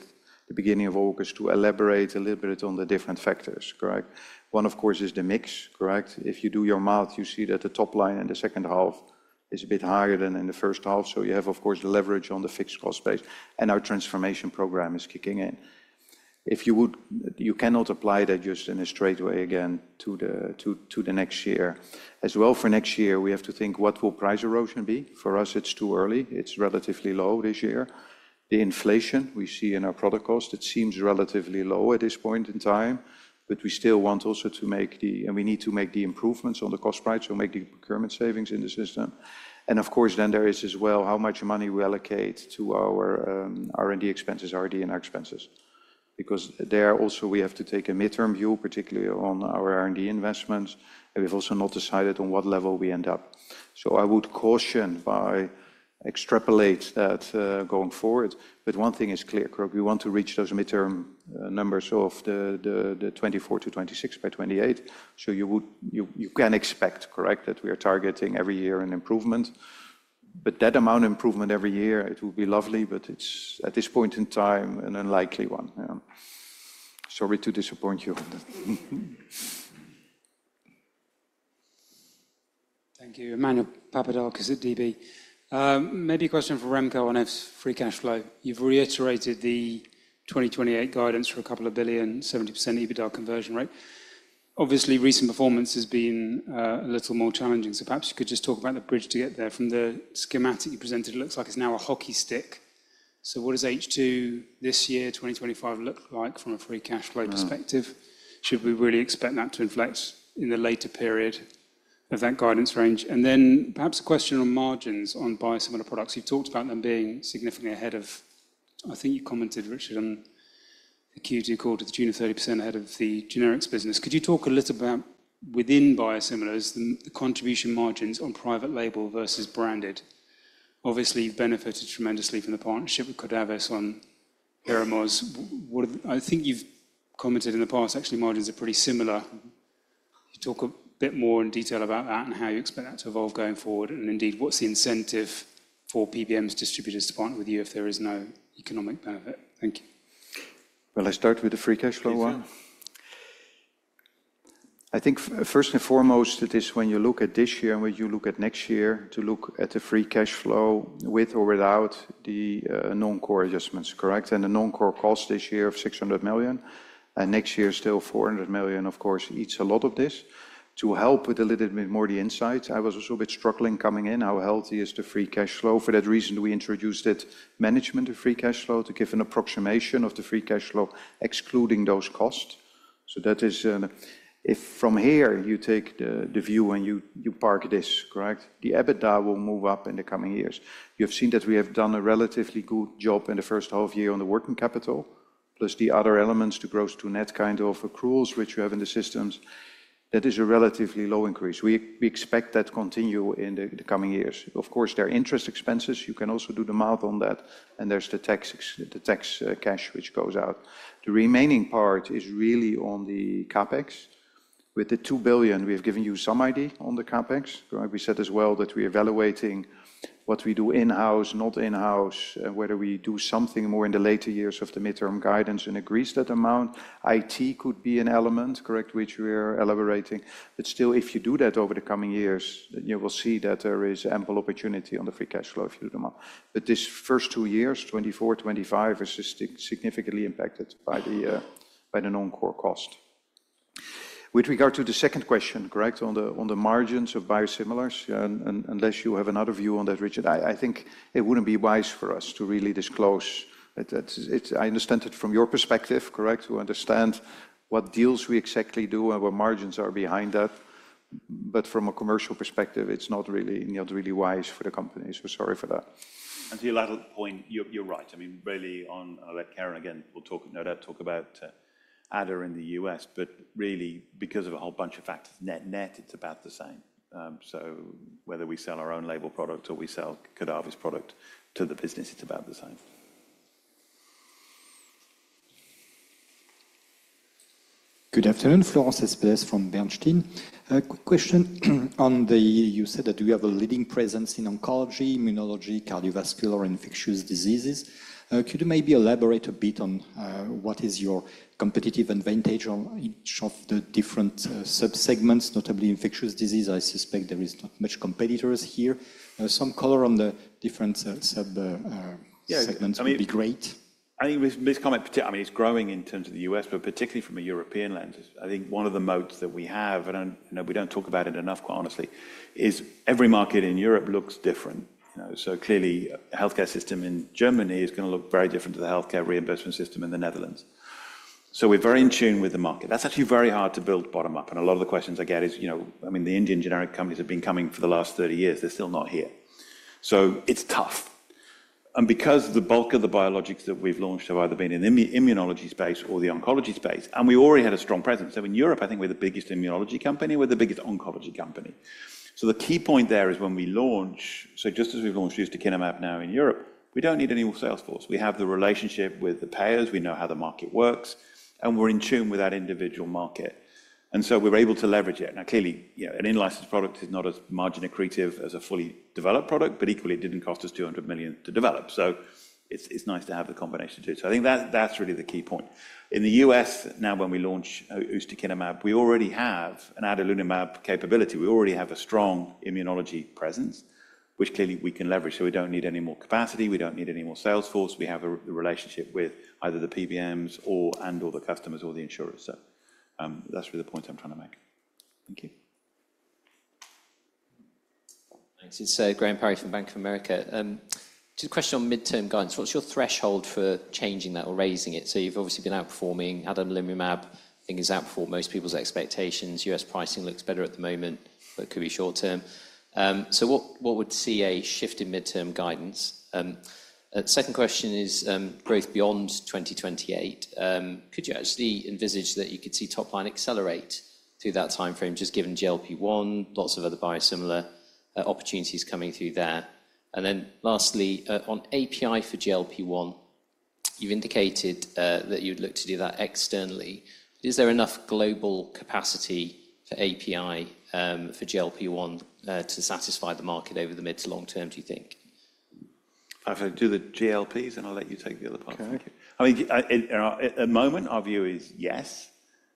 the beginning of August, to elaborate a little bit on the different factors, correct? One, of course, is the mix, correct. If you do your math, you see that the top line in the second half is a bit higher than in the first half. So you have, of course, leverage on the fixed cost base, and our transformation program is kicking in. You cannot apply that just in a straight way again, to the next year. As well for next year, we have to think, what will price erosion be? For us, it's too early. It's relatively low this year. The inflation we see in our product cost, it seems relatively low at this point in time, but we still want also to make the improvements on the cost price, so make the procurement savings in the system. And of course, then there is as well, how much money we allocate to our R&D expenses, R&D expenses. Because there also, we have to take a midterm view, particularly on our R&D investments, and we've also not decided on what level we end up. So I would caution by extrapolate that going forward. But one thing is clear, correct, we want to reach those midterm numbers of the 2024 to 2026 by 2028. So you can expect, correct, that we are targeting every year an improvement. But that amount of improvement every year, it will be lovely, but it's at this point in time an unlikely one. Yeah. Sorry to disappoint you. Thank you. Emmanuel Papadakis at DB. Maybe a question for Remco on free cash flow. You've reiterated the 2028 guidance for a couple of billion, 70% EBITDA conversion rate. Obviously, recent performance has been a little more challenging, so perhaps you could just talk about the bridge to get there. From the schematic you presented, it looks like it's now a hockey stick. So what does H2 this year, 2025, look like from a free cash flow perspective? Uh. Should we really expect that to inflect in the later period of that guidance range? And then perhaps a question on margins, on biosimilar products. You've talked about them being significantly ahead of... I think you commented, Richard, on the Q2 call, to the tune of 30% ahead of the generics business. Could you talk a little about, within biosimilars, the, the contribution margins on private label versus branded? Obviously, you've benefited tremendously from the partnership with Cordavis on Hyrimoz. What are the... I think you've commented in the past, actually, margins are pretty similar. Could you talk a bit more in detail about that and how you expect that to evolve going forward? And indeed, what's the incentive for PBMs distributors to partner with you if there is no economic benefit? Thank you. I start with the free cash flow one. Please do. I think first and foremost, it is when you look at this year and when you look at next year, to look at the free cash flow with or without the non-core adjustments, correct? And the non-core cost this year of 600 million, and next year is still 400 million. Of course, it's a lot of this. To help with a little bit more the insight, I was also a bit struggling coming in, how healthy is the free cash flow? For that reason, we introduced that management of free cash flow to give an approximation of the free cash flow, excluding those costs. So that is, if from here, you take the view, and you park this, correct? The EBITDA will move up in the coming years. You have seen that we have done a relatively good job in the first half year on the working capital, plus the other elements, the gross to net kind of accruals, which we have in the systems. That is a relatively low increase. We expect that to continue in the coming years. Of course, there are interest expenses. You can also do the math on that, and there's the tax cash, which goes out. The remaining part is really on the CapEx. With the 2 billion, we have given you some idea on the CapEx. We said as well that we're evaluating what we do in-house, not in-house, and whether we do something more in the later years of the midterm guidance and increase that amount. IT could be an element, correct, which we are elaborating. But still, if you do that over the coming years, you will see that there is ample opportunity on the free cash flow if you do the math. But these first two years, 2024, 2025, is significantly impacted by the non-core cost. With regard to the second question, correct, on the margins of biosimilars, and unless you have another view on that, Richard, I think it wouldn't be wise for us to really disclose. That's it. I understand it from your perspective, correct, to understand what deals we exactly do and what margins are behind that. But from a commercial perspective, it's not really, you know, really wise for the company, so sorry for that. To your latter point, you're right. I mean, really, on... I'll let Keren again no doubt talk about Adaz in the U.S., but really, because of a whole bunch of factors, net-net, it's about the same. So whether we sell our own label product or we sell Cordavis product to the business, it's about the same. Good afternoon, Florence Cespedes from Bernstein. A quick question on the... You said that you have a leading presence in oncology, immunology, cardiovascular, infectious diseases. Could you maybe elaborate a bit on what is your competitive advantage on each of the different sub-segments, notably infectious disease? I suspect there is not much competitors here. Some color on the different sub-segments- Yeah, I mean- Would be great. I think, I mean, it's growing in terms of the U.S., but particularly from a European lens, I think one of the moats that we have, I don't... You know, we don't talk about it enough, quite honestly, is every market in Europe looks different. You know, so clearly, healthcare system in Germany is gonna look very different to the healthcare reimbursement system in the Netherlands. So we're very in tune with the market. That's actually very hard to build bottom up, and a lot of the questions I get is, you know, I mean, the Indian generic companies have been coming for the last 30 years. They're still not here. So it's tough. And because the bulk of the biologics that we've launched have either been in immunology space or the oncology space, and we already had a strong presence. So in Europe, I think we're the biggest immunology company, we're the biggest oncology company. So the key point there is when we launch, so just as we've launched ustekinumab now in Europe, we don't need any more sales force. We have the relationship with the payers, we know how the market works, and we're in tune with that individual market, and so we're able to leverage it. Now, clearly, yeah, an in-licensed product is not as margin accretive as a fully developed product, but equally, it didn't cost us 200 million to develop. So it's nice to have the combination, too. So I think that's really the key point. In the U.S., now, when we launch ustekinumab, we already have an adalimumab capability. We already have a strong immunology presence, which clearly we can leverage. So we don't need any more capacity, we don't need any more sales force. We have the relationship with either the PBMs or, and/or the customers or the insurers. So, that's really the point I'm trying to make. Thank you. Thanks. It's Graham Parry from Bank of America. Just a question on midterm guidance. What's your threshold for changing that or raising it? You've obviously been outperforming adalimumab. I think it's outperformed most people's expectations. U.S. pricing looks better at the moment, but it could be short term. What would see a shift in midterm guidance? Second question is growth beyond 2028. Could you actually envisage that you could see top line accelerate through that time frame, just given GLP-1, lots of other biosimilar opportunities coming through there? And then lastly, on API for GLP-1, you've indicated that you'd look to do that externally. Is there enough global capacity for API for GLP-1 to satisfy the market over the mid to long term, do you think? have to do the GLPs, and I'll let you take the other part. Okay. Thank you. I mean, at the moment, our view is yes.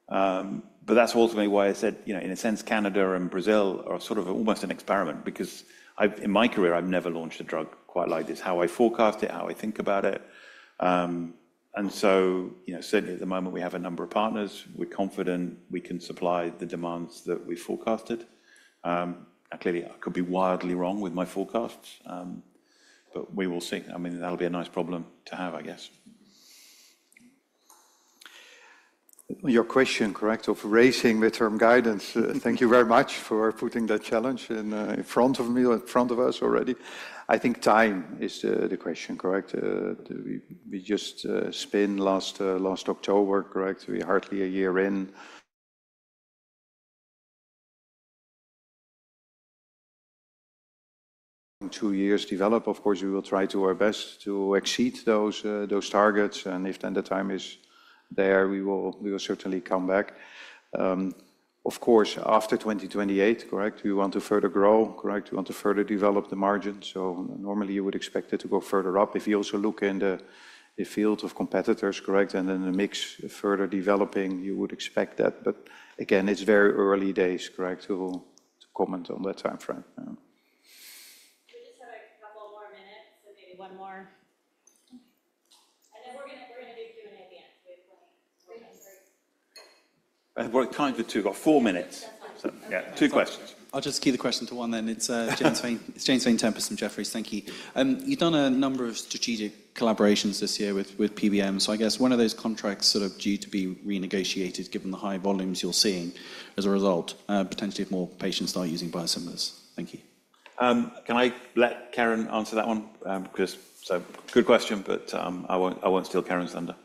But that's ultimately why I said, you know, in a sense, Canada and Brazil are sort of almost an experiment, because I've in my career, I've never launched a drug quite like this, how I forecast it, how I think about it. And so, you know, certainly at the moment, we have a number of partners. We're confident we can supply the demands that we forecasted. And clearly, I could be wildly wrong with my forecasts, but we will see. I mean, that'll be a nice problem to have, I guess. Your question, correct, of raising midterm guidance, thank you very much for putting that challenge in, in front of me, in front of us already. I think time is the question, correct? We just spun last October, correct? We're hardly a year in. Two years develop. Of course, we will try our best to exceed those targets, and if then the time is there, we will certainly come back. Of course, after 2028, correct, we want to further grow, correct? We want to further develop the margin, so normally you would expect it to go further up. If you also look in the field of competitors, correct, and then the mix further developing, you would expect that. But again, it's very early days, correct, to comment on that time frame. Yeah. We just have a couple more minutes, so maybe one more, and then we're gonna, we're gonna do Q&A at the end. We have plenty. Well, it's kind of two to four minutes. That's fine. So, yeah, two questions. I'll just keep the question to one then. It's James Vane-Tempest from Jefferies. Thank you. You've done a number of strategic collaborations this year with, with PBM, so I guess one of those contracts sort of due to be renegotiated, given the high volumes you're seeing as a result, potentially if more patients start using biosimilars. Thank you. Can I let Keren answer that one? 'Cause... So good question, but, I won't steal Keren's thunder.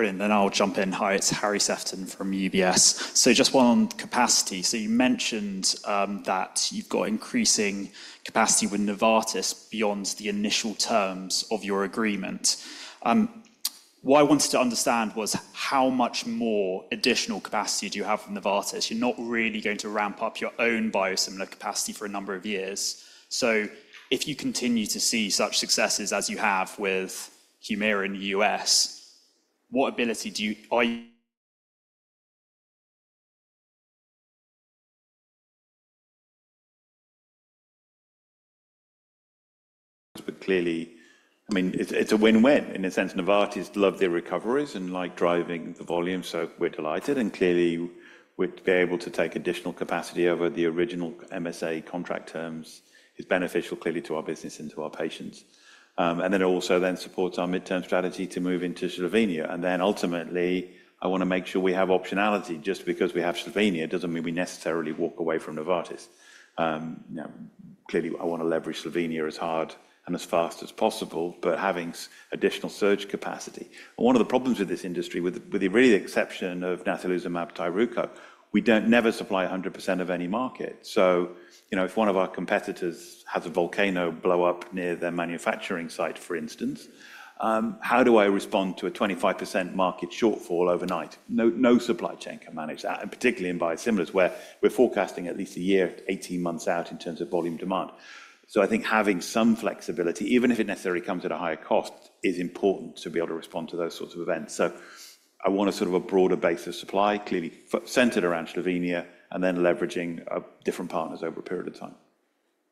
Brilliant. Then I'll jump in. Hi, it's Harry Sephton from UBS. So just one on capacity. So you mentioned that you've got increasing capacity with Novartis beyond the initial terms of your agreement. What I wanted to understand was how much more additional capacity do you have from Novartis? You're not really going to ramp up your own biosimilar capacity for a number of years. So if you continue to see such successes as you have with Humira in the U.S., what ability do you, are you- But clearly, I mean, it's a win-win. In a sense, Novartis love their recoveries and like driving the volume, so we're delighted, and clearly, we'd be able to take additional capacity over the original MSA contract terms. It's beneficial, clearly, to our business and to our patients. And then it also then supports our midterm strategy to move into Slovenia. And then ultimately, I wanna make sure we have optionality. Just because we have Slovenia, doesn't mean we necessarily walk away from Novartis. Clearly, I wanna leverage Slovenia as hard and as fast as possible, but having additional surge capacity. One of the problems with this industry, with really the exception of natalizumab Tysabri, we don't never supply 100% of any market. So, you know, if one of our competitors has a volcano blow up near their manufacturing site, for instance, how do I respond to a 25% market shortfall overnight? No, no supply chain can manage that, and particularly in biosimilars, where we're forecasting at least a year, eighteen months out in terms of volume demand. So I think having some flexibility, even if it necessarily comes at a higher cost, is important to be able to respond to those sorts of events. So I want a sort of a broader base of supply, clearly centered around Slovenia, and then leveraging different partners over a period of time,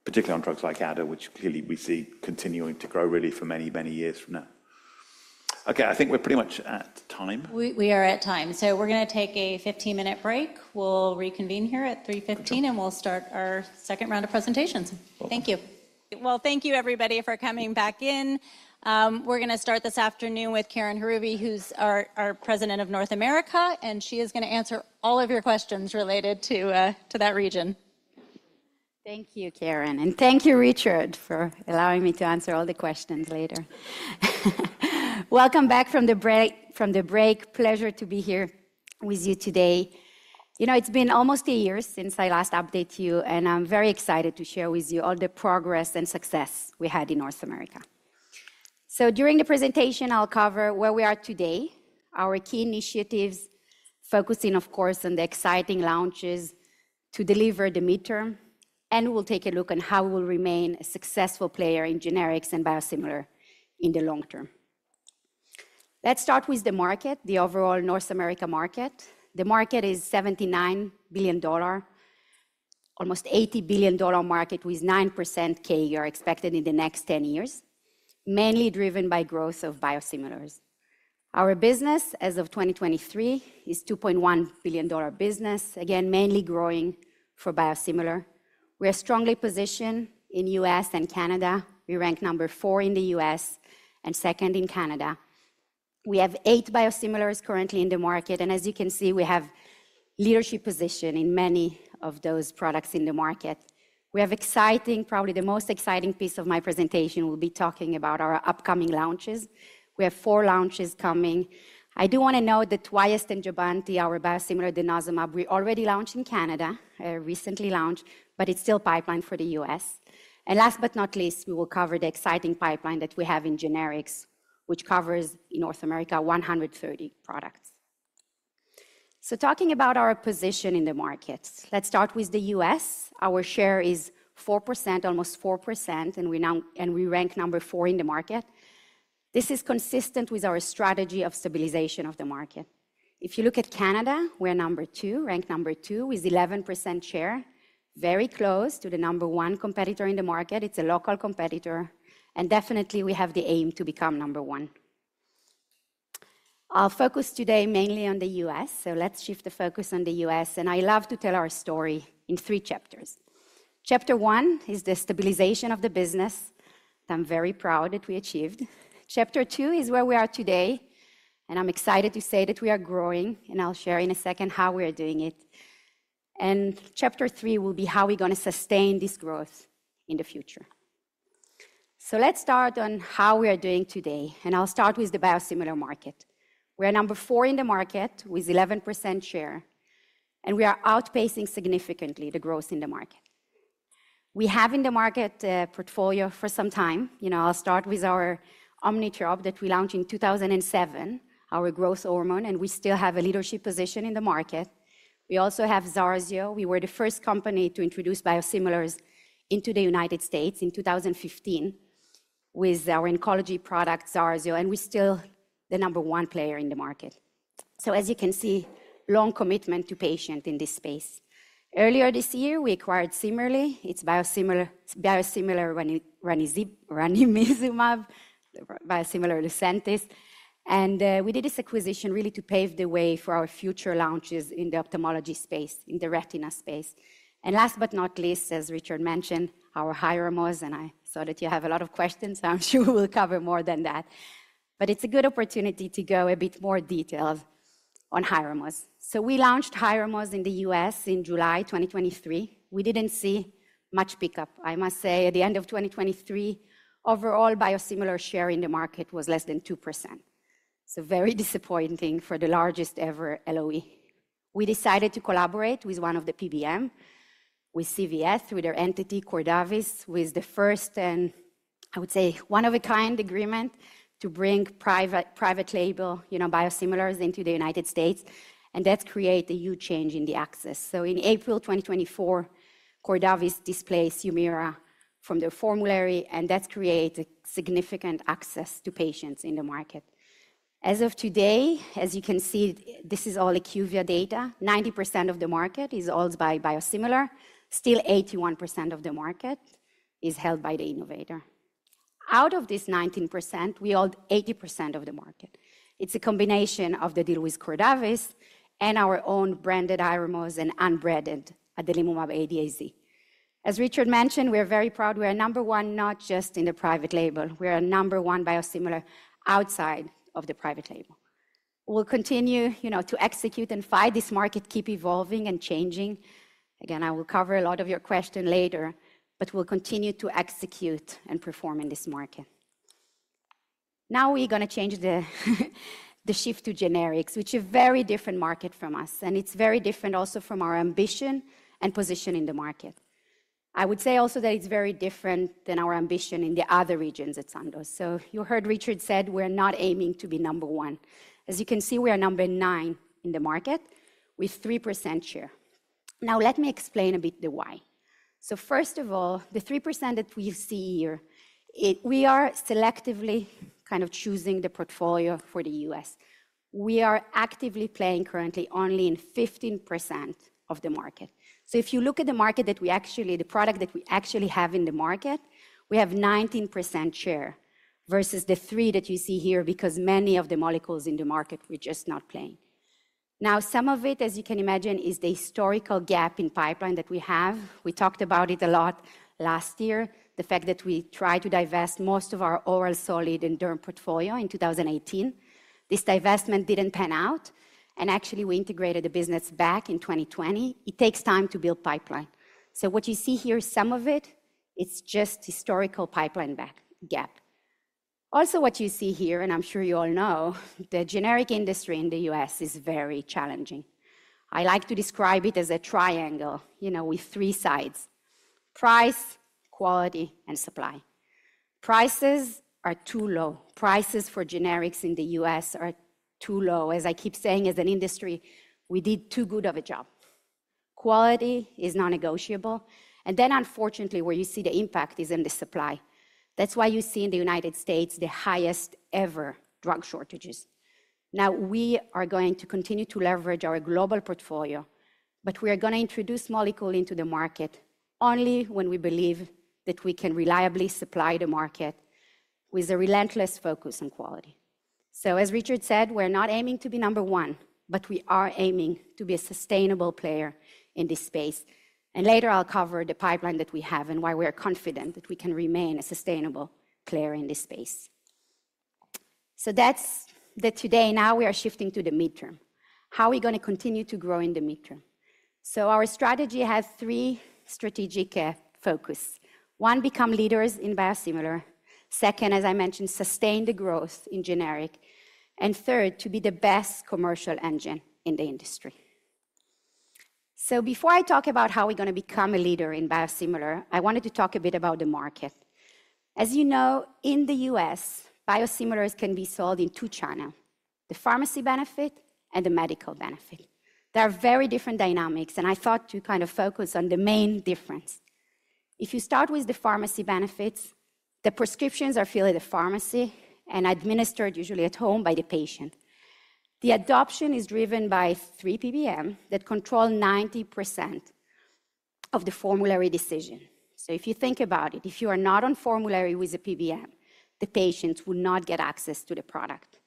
particularly on drugs like adaz, which clearly we see continuing to grow really for many, many years from now. Okay, I think we're pretty much at time. We are at time. So we're gonna take a fifteen-minute break. We'll reconvene here at 3:15 P.M., and we'll start our second round of presentations. Welcome. Thank you.... Thank you, everybody, for coming back in. We're going to start this afternoon with Keren Haruvi, who's our President of North America, and she is going to answer all of your questions related to that region. Thank you, Keren, and thank you, Richard, for allowing me to answer all the questions later. Welcome back from the break. Pleasure to be here with you today. You know, it's been almost a year since I last updated you, and I'm very excited to share with you all the progress and success we had in North America. So during the presentation, I'll cover where we are today, our key initiatives, focusing, of course, on the exciting launches to deliver the midterm, and we'll take a look on how we'll remain a successful player in generics and biosimilar in the long term. Let's start with the market, the overall North America market. The market is $79 billion, almost $80 billion market, with 9% CAGR expected in the next 10 years, mainly driven by growth of biosimilars. Our business, as of 2023, is a $2.1 billion business, again, mainly growing for biosimilars. We are strongly positioned in the U.S. and Canada. We rank number 4 in the U.S. and second in Canada. We have 8 biosimilars currently in the market, and as you can see, we have leadership position in many of those products in the market. We have exciting. Probably the most exciting piece of my presentation will be talking about our upcoming launches. We have four launches coming. I do want to note that Wyost and Jubbonti, our biosimilar denosumab, we already launched in Canada, recently launched, but it's still pipeline for the U.S. And last but not least, we will cover the exciting pipeline that we have in generics, which covers North America, 130 products. So talking about our position in the market, let's start with the U.S. Our share is 4%, almost 4%, and we rank number 4 in the market. This is consistent with our strategy of stabilization of the market. If you look at Canada, we're number 2, ranked number 2, with 11% share, very close to the number 1 competitor in the market. It's a local competitor, and definitely we have the aim to become number 1. I'll focus today mainly on the U.S., so let's shift the focus on the U.S., and I love to tell our story in three chapters. Chapter one is the stabilization of the business, that I'm very proud that we achieved. Chapter two is where we are today, and I'm excited to say that we are growing, and I'll share in a second how we are doing it. Chapter three will be how we're going to sustain this growth in the future. Let's start on how we are doing today, and I'll start with the biosimilar market. We're number four in the market with 11% share, and we are outpacing significantly the growth in the market. We have in the market a portfolio for some time. You know, I'll start with our Omnitrope that we launched in two thousand and seven, our growth hormone, and we still have a leadership position in the market. We also have Zarxio. We were the first company to introduce biosimilars into the United States in two thousand and fifteen with our oncology product, Zarxio, and we're still the number one player in the market. As you can see, long commitment to patient in this space. Earlier this year, we acquired Cimerli. It's a biosimilar ranibizumab, biosimilar Lucentis. We did this acquisition really to pave the way for our future launches in the ophthalmology space, in the retina space. Last but not least, as Richard mentioned, our Hyrimoz, and I saw that you have a lot of questions, so I'm sure we'll cover more than that. It is a good opportunity to go a bit more detailed on Hyrimoz. We launched Hyrimoz in the U.S. in July 2023. We didn't see much pickup. I must say, at the end of 2023, overall biosimilar share in the market was less than 2%. It is very disappointing for the largest-ever LOE. We decided to collaborate with one of the PBM, with CVS, with their entity, Cordavis, with the first and, I would say, one-of-a-kind agreement to bring private, private label, you know, biosimilars into the United States, and that create a huge change in the access. So in April 2024, Cordavis displaced Humira from their formulary, and that created significant access to patients in the market. As of today, as you can see, this is all IQVIA data. 90% of the market is held by biosimilar. Still, 81% of the market is held by the innovator. Out of this 19%, we hold 80% of the market. It's a combination of the deal with Cordavis and our own branded Hyrimoz and unbranded adalimumab-adaz. As Richard mentioned, we are very proud we are number one, not just in the private label. We are number one biosimilar outside of the private label. We'll continue, you know, to execute and fight this market, keep evolving and changing. Again, I will cover a lot of your question later, but we'll continue to execute and perform in this market. Now, we're going to change the shift to generics, which a very different market from us, and it's very different also from our ambition and position in the market. I would say also that it's very different than our ambition in the other regions at Sandoz. So you heard Richard said we're not aiming to be number one. As you can see, we are number nine in the market with 3% share. Now, let me explain a bit the why. So first of all, the 3% that we see here, it, we are selectively kind of choosing the portfolio for the U.S. We are actively playing currently only in 15% of the market. So if you look at the market that we actually, the product that we actually have in the market, we have 19% share, versus the 3% that you see here, because many of the molecules in the market, we're just not playing. Now, some of it, as you can imagine, is the historical gap in pipeline that we have. We talked about it a lot last year, the fact that we tried to divest most of our oral solid and derm portfolio in 2018. This divestment didn't pan out, and actually, we integrated the business back in 2020. It takes time to build pipeline. So what you see here is some of it, it's just historical pipeline gap. Also, what you see here, and I'm sure you all know, the generic industry in the U.S. is very challenging. I like to describe it as a triangle, you know, with three sides: price, quality, and supply. Prices are too low. Prices for generics in the U.S. are too low. As I keep saying, as an industry, we did too good of a job. Quality is non-negotiable, and then unfortunately, where you see the impact is in the supply. That's why you see in the United States, the highest ever drug shortages. Now, we are going to continue to leverage our global portfolio, but we are gonna introduce molecule into the market only when we believe that we can reliably supply the market with a relentless focus on quality. So as Richard said, we're not aiming to be number one, but we are aiming to be a sustainable player in this space, and later I'll cover the pipeline that we have and why we are confident that we can remain a sustainable player in this space. So that's the today. Now we are shifting to the midterm. How are we gonna continue to grow in the midterm? So our strategy has three strategic focus. One, become leaders in biosimilar. Second, as I mentioned, sustain the growth in generic, and third, to be the best commercial engine in the industry. So before I talk about how we're gonna become a leader in biosimilar, I wanted to talk a bit about the market. As you know, in the U.S., biosimilars can be sold in two channel, the pharmacy benefit and the medical benefit. They are very different dynamics, and I thought to kind of focus on the main difference. If you start with the pharmacy benefits, the prescriptions are filled at the pharmacy and administered usually at home by the patient. The adoption is driven by three PBM that control 90% of the formulary decision. So if you think about it, if you are not on formulary with the PBM, the patients will not get access to the product.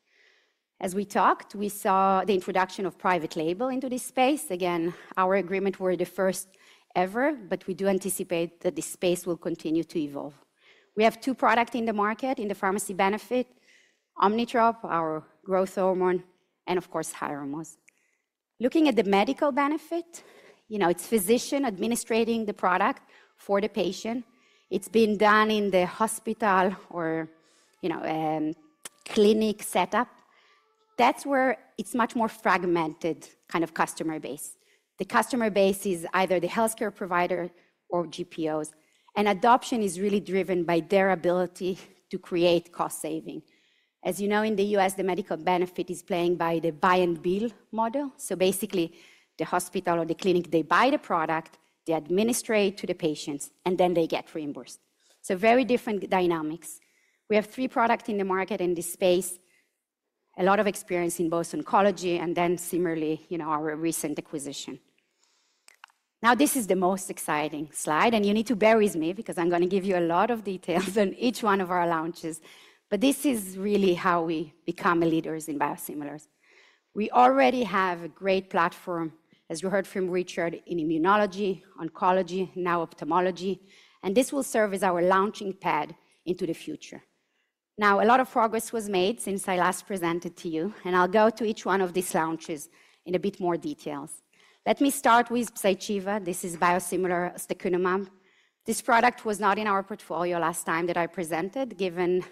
As we talked, we saw the introduction of private label into this space. Again, our agreement were the first ever, but we do anticipate that this space will continue to evolve. We have two product in the market, in the pharmacy benefit, Omnitrope, our growth hormone, and of course, Hyrimoz. Looking at the medical benefit, you know, it's physician administering the product for the patient. It's being done in the hospital or, you know, clinic setup. That's where it's much more fragmented kind of customer base. The customer base is either the healthcare provider or GPOs, and adoption is really driven by their ability to create cost saving. As you know, in the U.S., the medical benefit is playing by the buy and bill model. So basically, the hospital or the clinic, they buy the product, they administer to the patients, and then they get reimbursed. So very different dynamics. We have three product in the market in this space, a lot of experience in both oncology and then Cimerli, you know, our recent acquisition. Now, this is the most exciting slide, and you need to bear with me because I'm gonna give you a lot of details on each one of our launches, but this is really how we become a leaders in biosimilars. We already have a great platform, as you heard from Richard, in immunology, oncology, now ophthalmology, and this will serve as our launching pad into the future. Now, a lot of progress was made since I last presented to you, and I'll go to each one of these launches in a bit more details. Let me start with Pyzchiva. This is biosimilar Tocilizumab. This product was not in our portfolio last time that I presented, given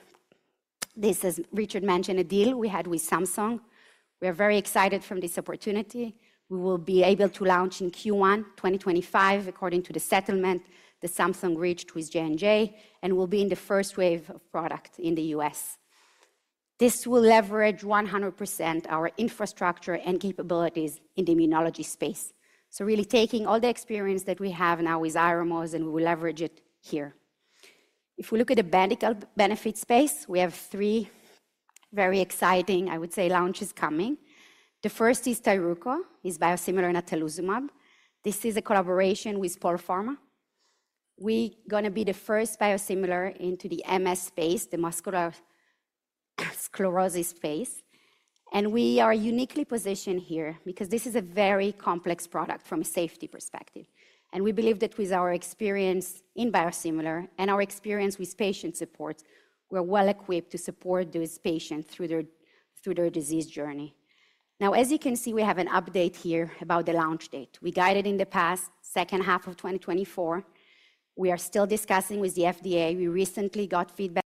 this is, Richard mentioned, a deal we had with Samsung. We are very excited from this opportunity. We will be able to launch in Q1 2025, according to the settlement that Samsung reached with J&J, and will be in the first wave of product in the U.S. This will leverage 100% our infrastructure and capabilities in the immunology space. So really taking all the experience that we have now with Hyrimoz, and we will leverage it here. If we look at the medical benefit space, we have three very exciting, I would say, launches coming. The first is Tyruko, is biosimilar natalizumab. This is a collaboration with Polpharma. We gonna be the first biosimilar into the MS space, the multiple sclerosis space, and we are uniquely positioned here because this is a very complex product from a safety perspective. And we believe that with our experience in biosimilar and our experience with patient support, we're well-equipped to support those patients through their, through their disease journey. Now, as you can see, we have an update here about the launch date. We guided in the past second half of 2024. We are still discussing with the FDA. We recently got feedback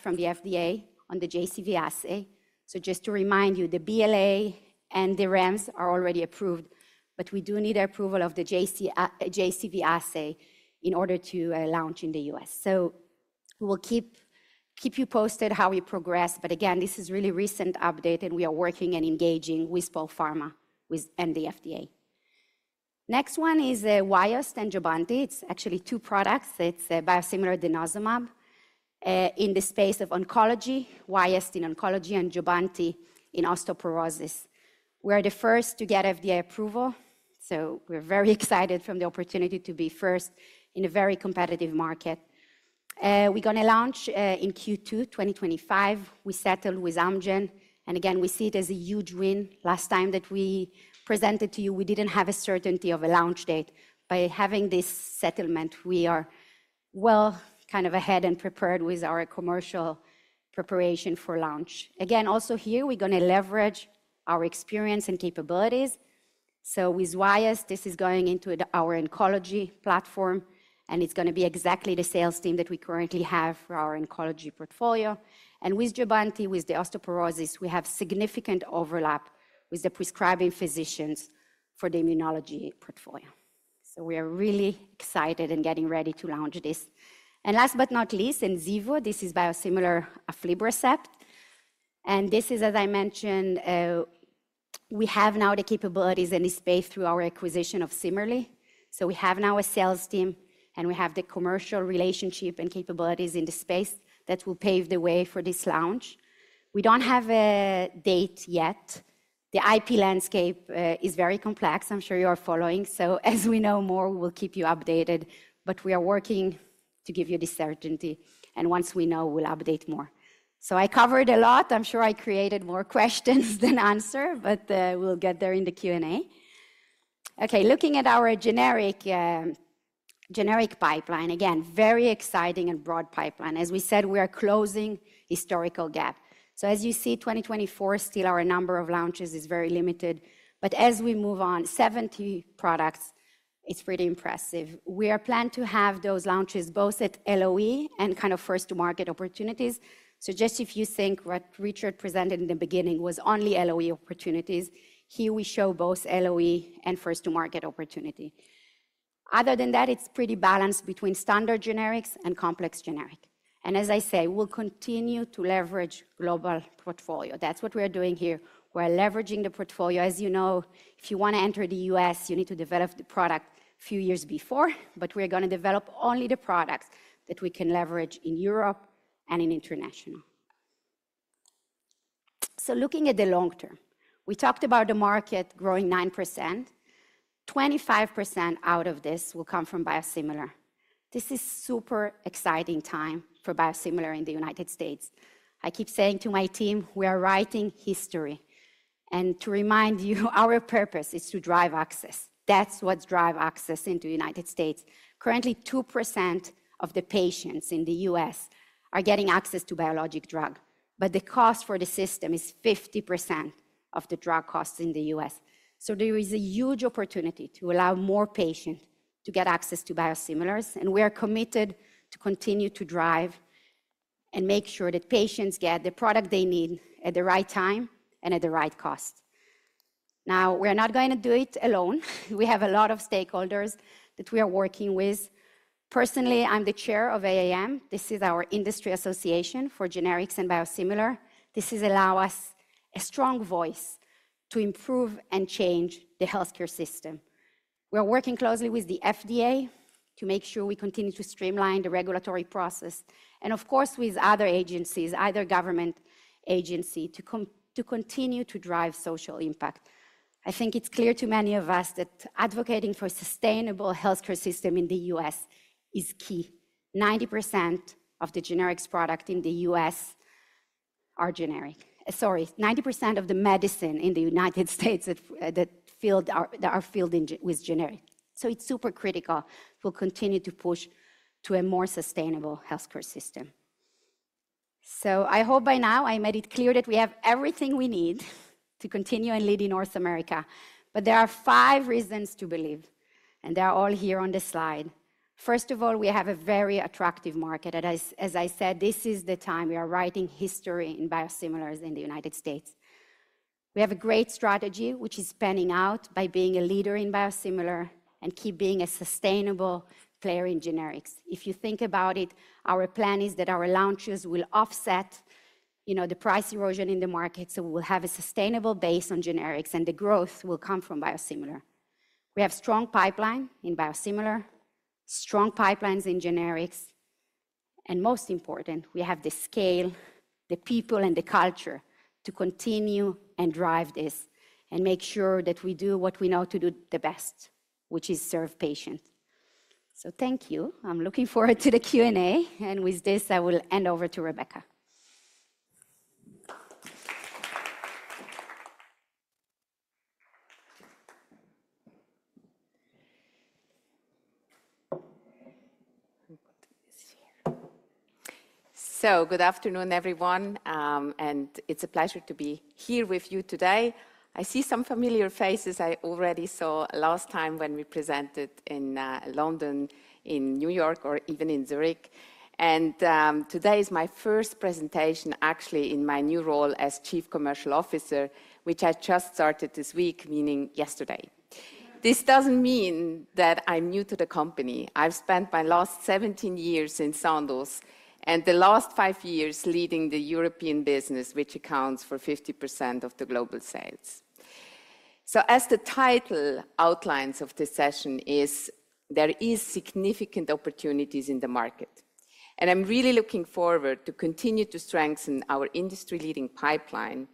from the FDA on the JC virus assay. So just to remind you, the BLA and the REMS are already approved, but we do need approval of the JC virus assay in order to launch in the U.S. So we will keep you posted how we progress. But again, this is really recent update, and we are working and engaging with Spar pharma and the FDA. Next one is Wyost and Jubbonti. It's actually two products. It's a biosimilar denosumab, in the space of oncology, Wyost in oncology, and Jubbonti in osteoporosis. We are the first to get FDA approval, so we're very excited from the opportunity to be first in a very competitive market. We're gonna launch in Q2 2025. We settled with Amgen, and again, we see it as a huge win. Last time that we presented to you, we didn't have a certainty of a launch date. By having this settlement, we are well kind of ahead and prepared with our commercial preparation for launch. Again, also here, we're gonna leverage our experience and capabilities. So with Wyost, this is going into our oncology platform, and it's gonna be exactly the sales team that we currently have for our oncology portfolio. And with Jubbonti, with the osteoporosis, we have significant overlap with the prescribing physicians for the immunology portfolio. So we are really excited and getting ready to launch this. And last but not least, Enzeevu, this is biosimilar aflibercept, and this is, as I mentioned, we have now the capabilities in this space through our acquisition of Cimerli. So we have now a sales team, and we have the commercial relationship and capabilities in the space that will pave the way for this launch. We don't have a date yet. The IP landscape is very complex. I'm sure you are following. So as we know more, we'll keep you updated, but we are working to give you the certainty, and once we know, we'll update more. So I covered a lot. I'm sure I created more questions than answer, but, we'll get there in the Q&A. Okay, looking at our generic generic pipeline, again, very exciting and broad pipeline. As we said, we are closing historical gap. So as you see, 2024, still our number of launches is very limited, but as we move on, 70 products, it's pretty impressive. We are planned to have those launches both at LOE and kind of first-to-market opportunities. So just if you think what Richard presented in the beginning was only LOE opportunities, here we show both LOE and first-to-market opportunity. Other than that, it's pretty balanced between standard generics and complex generic. And as I say, we'll continue to leverage global portfolio. That's what we are doing here. We're leveraging the portfolio. As you know, if you want to enter the U.S., you need to develop the product few years before, but we are gonna develop only the products that we can leverage in Europe and in international. Looking at the long term, we talked about the market growing 9%. 25% out of this will come from biosimilar. This is super exciting time for biosimilar in the United States. I keep saying to my team, "We are writing history." And to remind you, our purpose is to drive access. That's what drive access into United States. Currently, 2% of the patients in the U.S. are getting access to biologic drug, but the cost for the system is 50% of the drug costs in the U.S. So there is a huge opportunity to allow more patients to get access to biosimilars, and we are committed to continue to drive and make sure that patients get the product they need at the right time and at the right cost. Now, we're not going to do it alone. We have a lot of stakeholders that we are working with. Personally, I'm the chair of AAM. This is our industry association for generics and biosimilar. This allows us a strong voice to improve and change the healthcare system. We are working closely with the FDA to make sure we continue to streamline the regulatory process and, of course, with other agencies, other government agency, to continue to drive social impact. I think it's clear to many of us that advocating for sustainable healthcare system in the U.S. is key. 90% of the generics product in the U.S. are generic. Sorry, 90% of the medicine in the United States that are filled with generic. So it's super critical. We'll continue to push to a more sustainable healthcare system. So I hope by now I made it clear that we have everything we need to continue and lead in North America, but there are five reasons to believe, and they are all here on this slide. First of all, we have a very attractive market, and as I said, this is the time. We are writing history in biosimilars in the United States. We have a great strategy, which is panning out by being a leader in biosimilar and keep being a sustainable player in generics. If you think about it, our plan is that our launches will offset, you know, the price erosion in the market, so we'll have a sustainable base on generics, and the growth will come from biosimilar. We have strong pipeline in biosimilar, strong pipelines in generics, and most important, we have the scale, the people, and the culture to continue and drive this and make sure that we do what we know to do the best, which is serve patient. So thank you. I'm looking forward to the Q&A, and with this, I will hand over to Rebecca. So good afternoon, everyone, and it's a pleasure to be here with you today. I see some familiar faces I already saw last time when we presented in London, in New York, or even in Zurich, and today is my first presentation actually in my new role as Chief Commercial Officer, which I just started this week, meaning yesterday. This doesn't mean that I'm new to the company. I've spent my last 17 years in Sandoz, and the last five years leading the European business, which accounts for 50% of the global sales. So as the title outlines of this session is, there is significant opportunities in the market. And I'm really looking forward to continue to strengthen our industry-leading pipeline,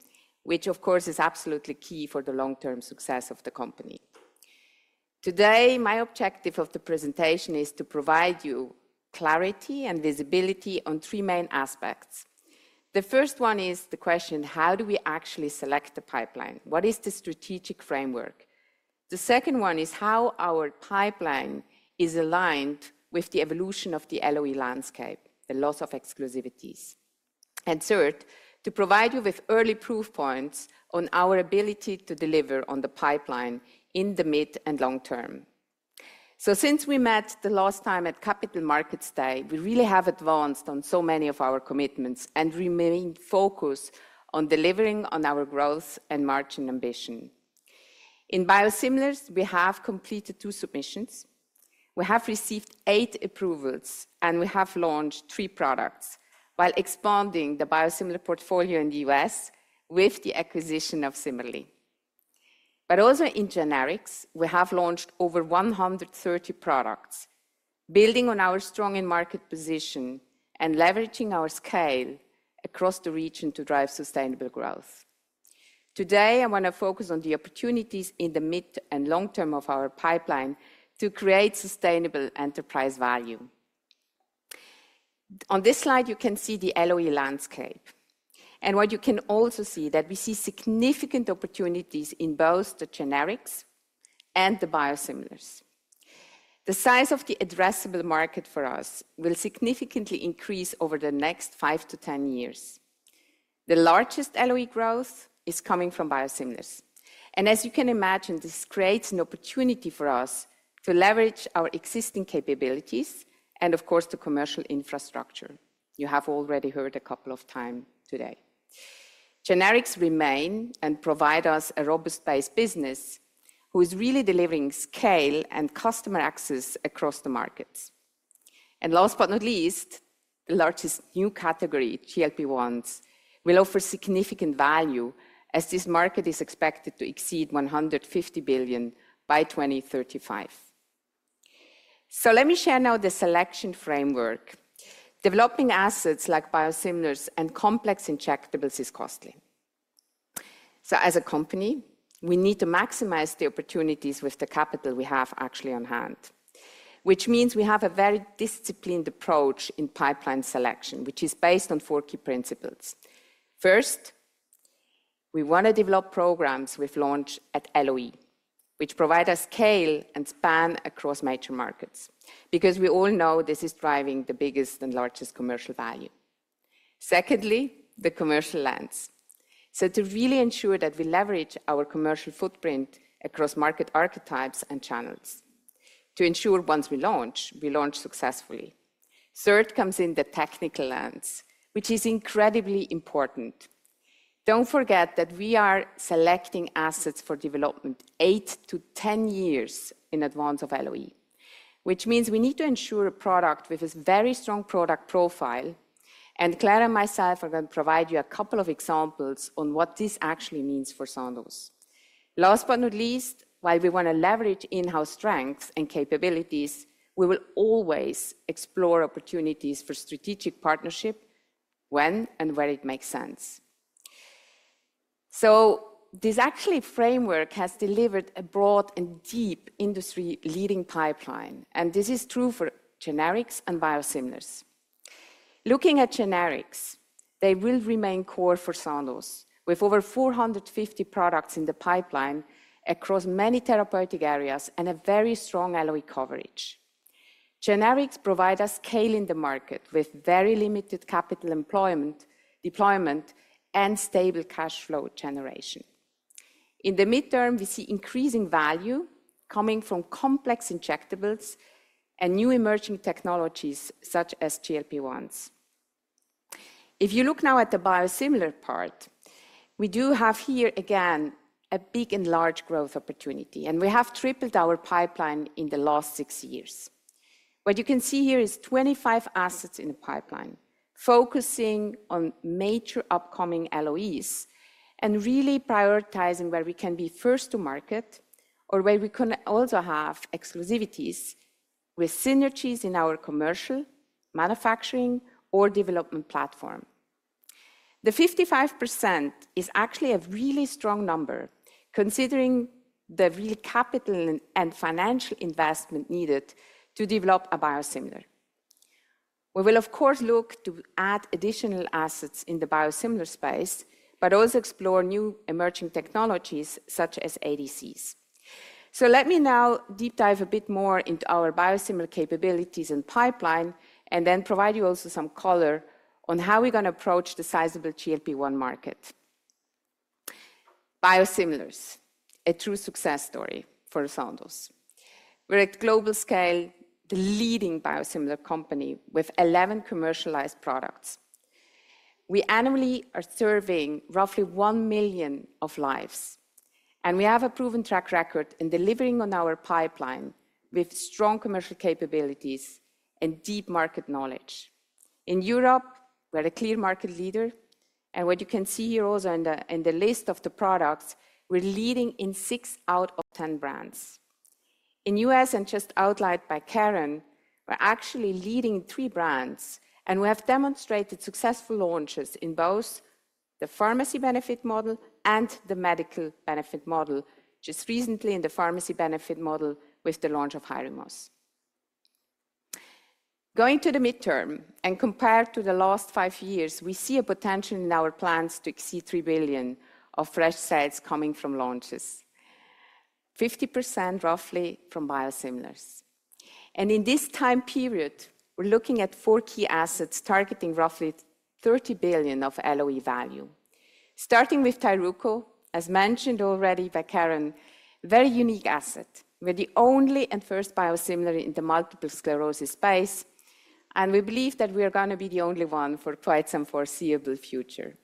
which of course is absolutely key for the long-term success of the company. Today, my objective of the presentation is to provide you clarity and visibility on three main aspects. The first one is the question: how do we actually select the pipeline? What is the strategic framework? The second one is how our pipeline is aligned with the evolution of the LOE landscape, the loss of exclusivities. And third, to provide you with early proof points on our ability to deliver on the pipeline in the mid and long term. So since we met the last time at Capital Markets Day, we really have advanced on so many of our commitments and remain focused on delivering on our growth and margin ambition. In biosimilars, we have completed two submissions, we have received eight approvals, and we have launched three products while expanding the biosimilar portfolio in the U.S. with the acquisition of Cimerli. But also in generics, we have launched over 130 products, building on our strong in-market position and leveraging our scale across the region to drive sustainable growth. Today, I want to focus on the opportunities in the mid- and long-term of our pipeline to create sustainable enterprise value. On this slide, you can see the LOE landscape, and what you can also see, that we see significant opportunities in both the generics and the biosimilars. The size of the addressable market for us will significantly increase over the next 5 to 10 years. The largest LOE growth is coming from biosimilars, and as you can imagine, this creates an opportunity for us to leverage our existing capabilities and of course, the commercial infrastructure you have already heard a couple of times today. Generics remain and provide us a robust base business, which is really delivering scale and customer access across the markets. Last but not least, the largest new category, GLP-1s, will offer significant value as this market is expected to exceed $150 billion by 2035. Let me share now the selection framework. Developing assets like biosimilars and complex injectables is costly. As a company, we need to maximize the opportunities with the capital we have actually on hand, which means we have a very disciplined approach in pipeline selection, which is based on four key principles. First, we want to develop programs with launch at LOE, which provide us scale and span across major markets, because we all know this is driving the biggest and largest commercial value. Secondly, the commercial lens. To really ensure that we leverage our commercial footprint across market archetypes and channels to ensure once we launch, we launch successfully. Third comes in the technical lens, which is incredibly important. Don't forget that we are selecting assets for development eight to ten years in advance of LOE, which means we need to ensure a product with a very strong product profile. And Claire and myself are going to provide you a couple of examples on what this actually means for Sandoz. Last but not least, while we want to leverage in-house strengths and capabilities, we will always explore opportunities for strategic partnership when and where it makes sense. This actually framework has delivered a broad and deep industry-leading pipeline, and this is true for generics and biosimilars. Looking at generics, they will remain core for Sandoz, with over 450 products in the pipeline across many therapeutic areas and a very strong LOE coverage. Generics provide us scale in the market with very limited capital employment, deployment, and stable cash flow generation. In the midterm, we see increasing value coming from complex injectables and new emerging technologies such as GLP-1s. If you look now at the biosimilar part, we do have here again, a big and large growth opportunity, and we have tripled our pipeline in the last six years. What you can see here is 25 assets in the pipeline, focusing on major upcoming LOEs and really prioritizing where we can be first to market or where we can also have exclusivities with synergies in our commercial, manufacturing, or development platform. The 55% is actually a really strong number, considering the real capital and financial investment needed to develop a biosimilar. We will, of course, look to add additional assets in the biosimilar space, but also explore new emerging technologies such as ADCs. So let me now deep dive a bit more into our biosimilar capabilities and pipeline, and then provide you also some color on how we're going to approach the sizable GLP-1 market. Biosimilars, a true success story for Sandoz. We're at global scale, the leading biosimilar company with eleven commercialized products. We annually are serving roughly one million of lives, and we have a proven track record in delivering on our pipeline with strong commercial capabilities and deep market knowledge. In Europe, we're a clear market leader, and what you can see here also in the list of the products, we're leading in six out of 10 brands. In the U.S., and just outlined by Keren, we're actually leading three brands, and we have demonstrated successful launches in both the pharmacy benefit model and the medical benefit model, just recently in the pharmacy benefit model with the launch of Hyrimoz. Going to the midterm, and compared to the last five years, we see a potential in our plans to exceed 3 billion of fresh sales coming from launches, 50% roughly from biosimilars. And in this time period, we're looking at four key assets targeting roughly 30 billion of LOE value. Starting with Tyruko, as mentioned already by Keren, very unique asset. We're the only and first biosimilar in the multiple sclerosis space, and we believe that we are gonna be the only one for quite some foreseeable future.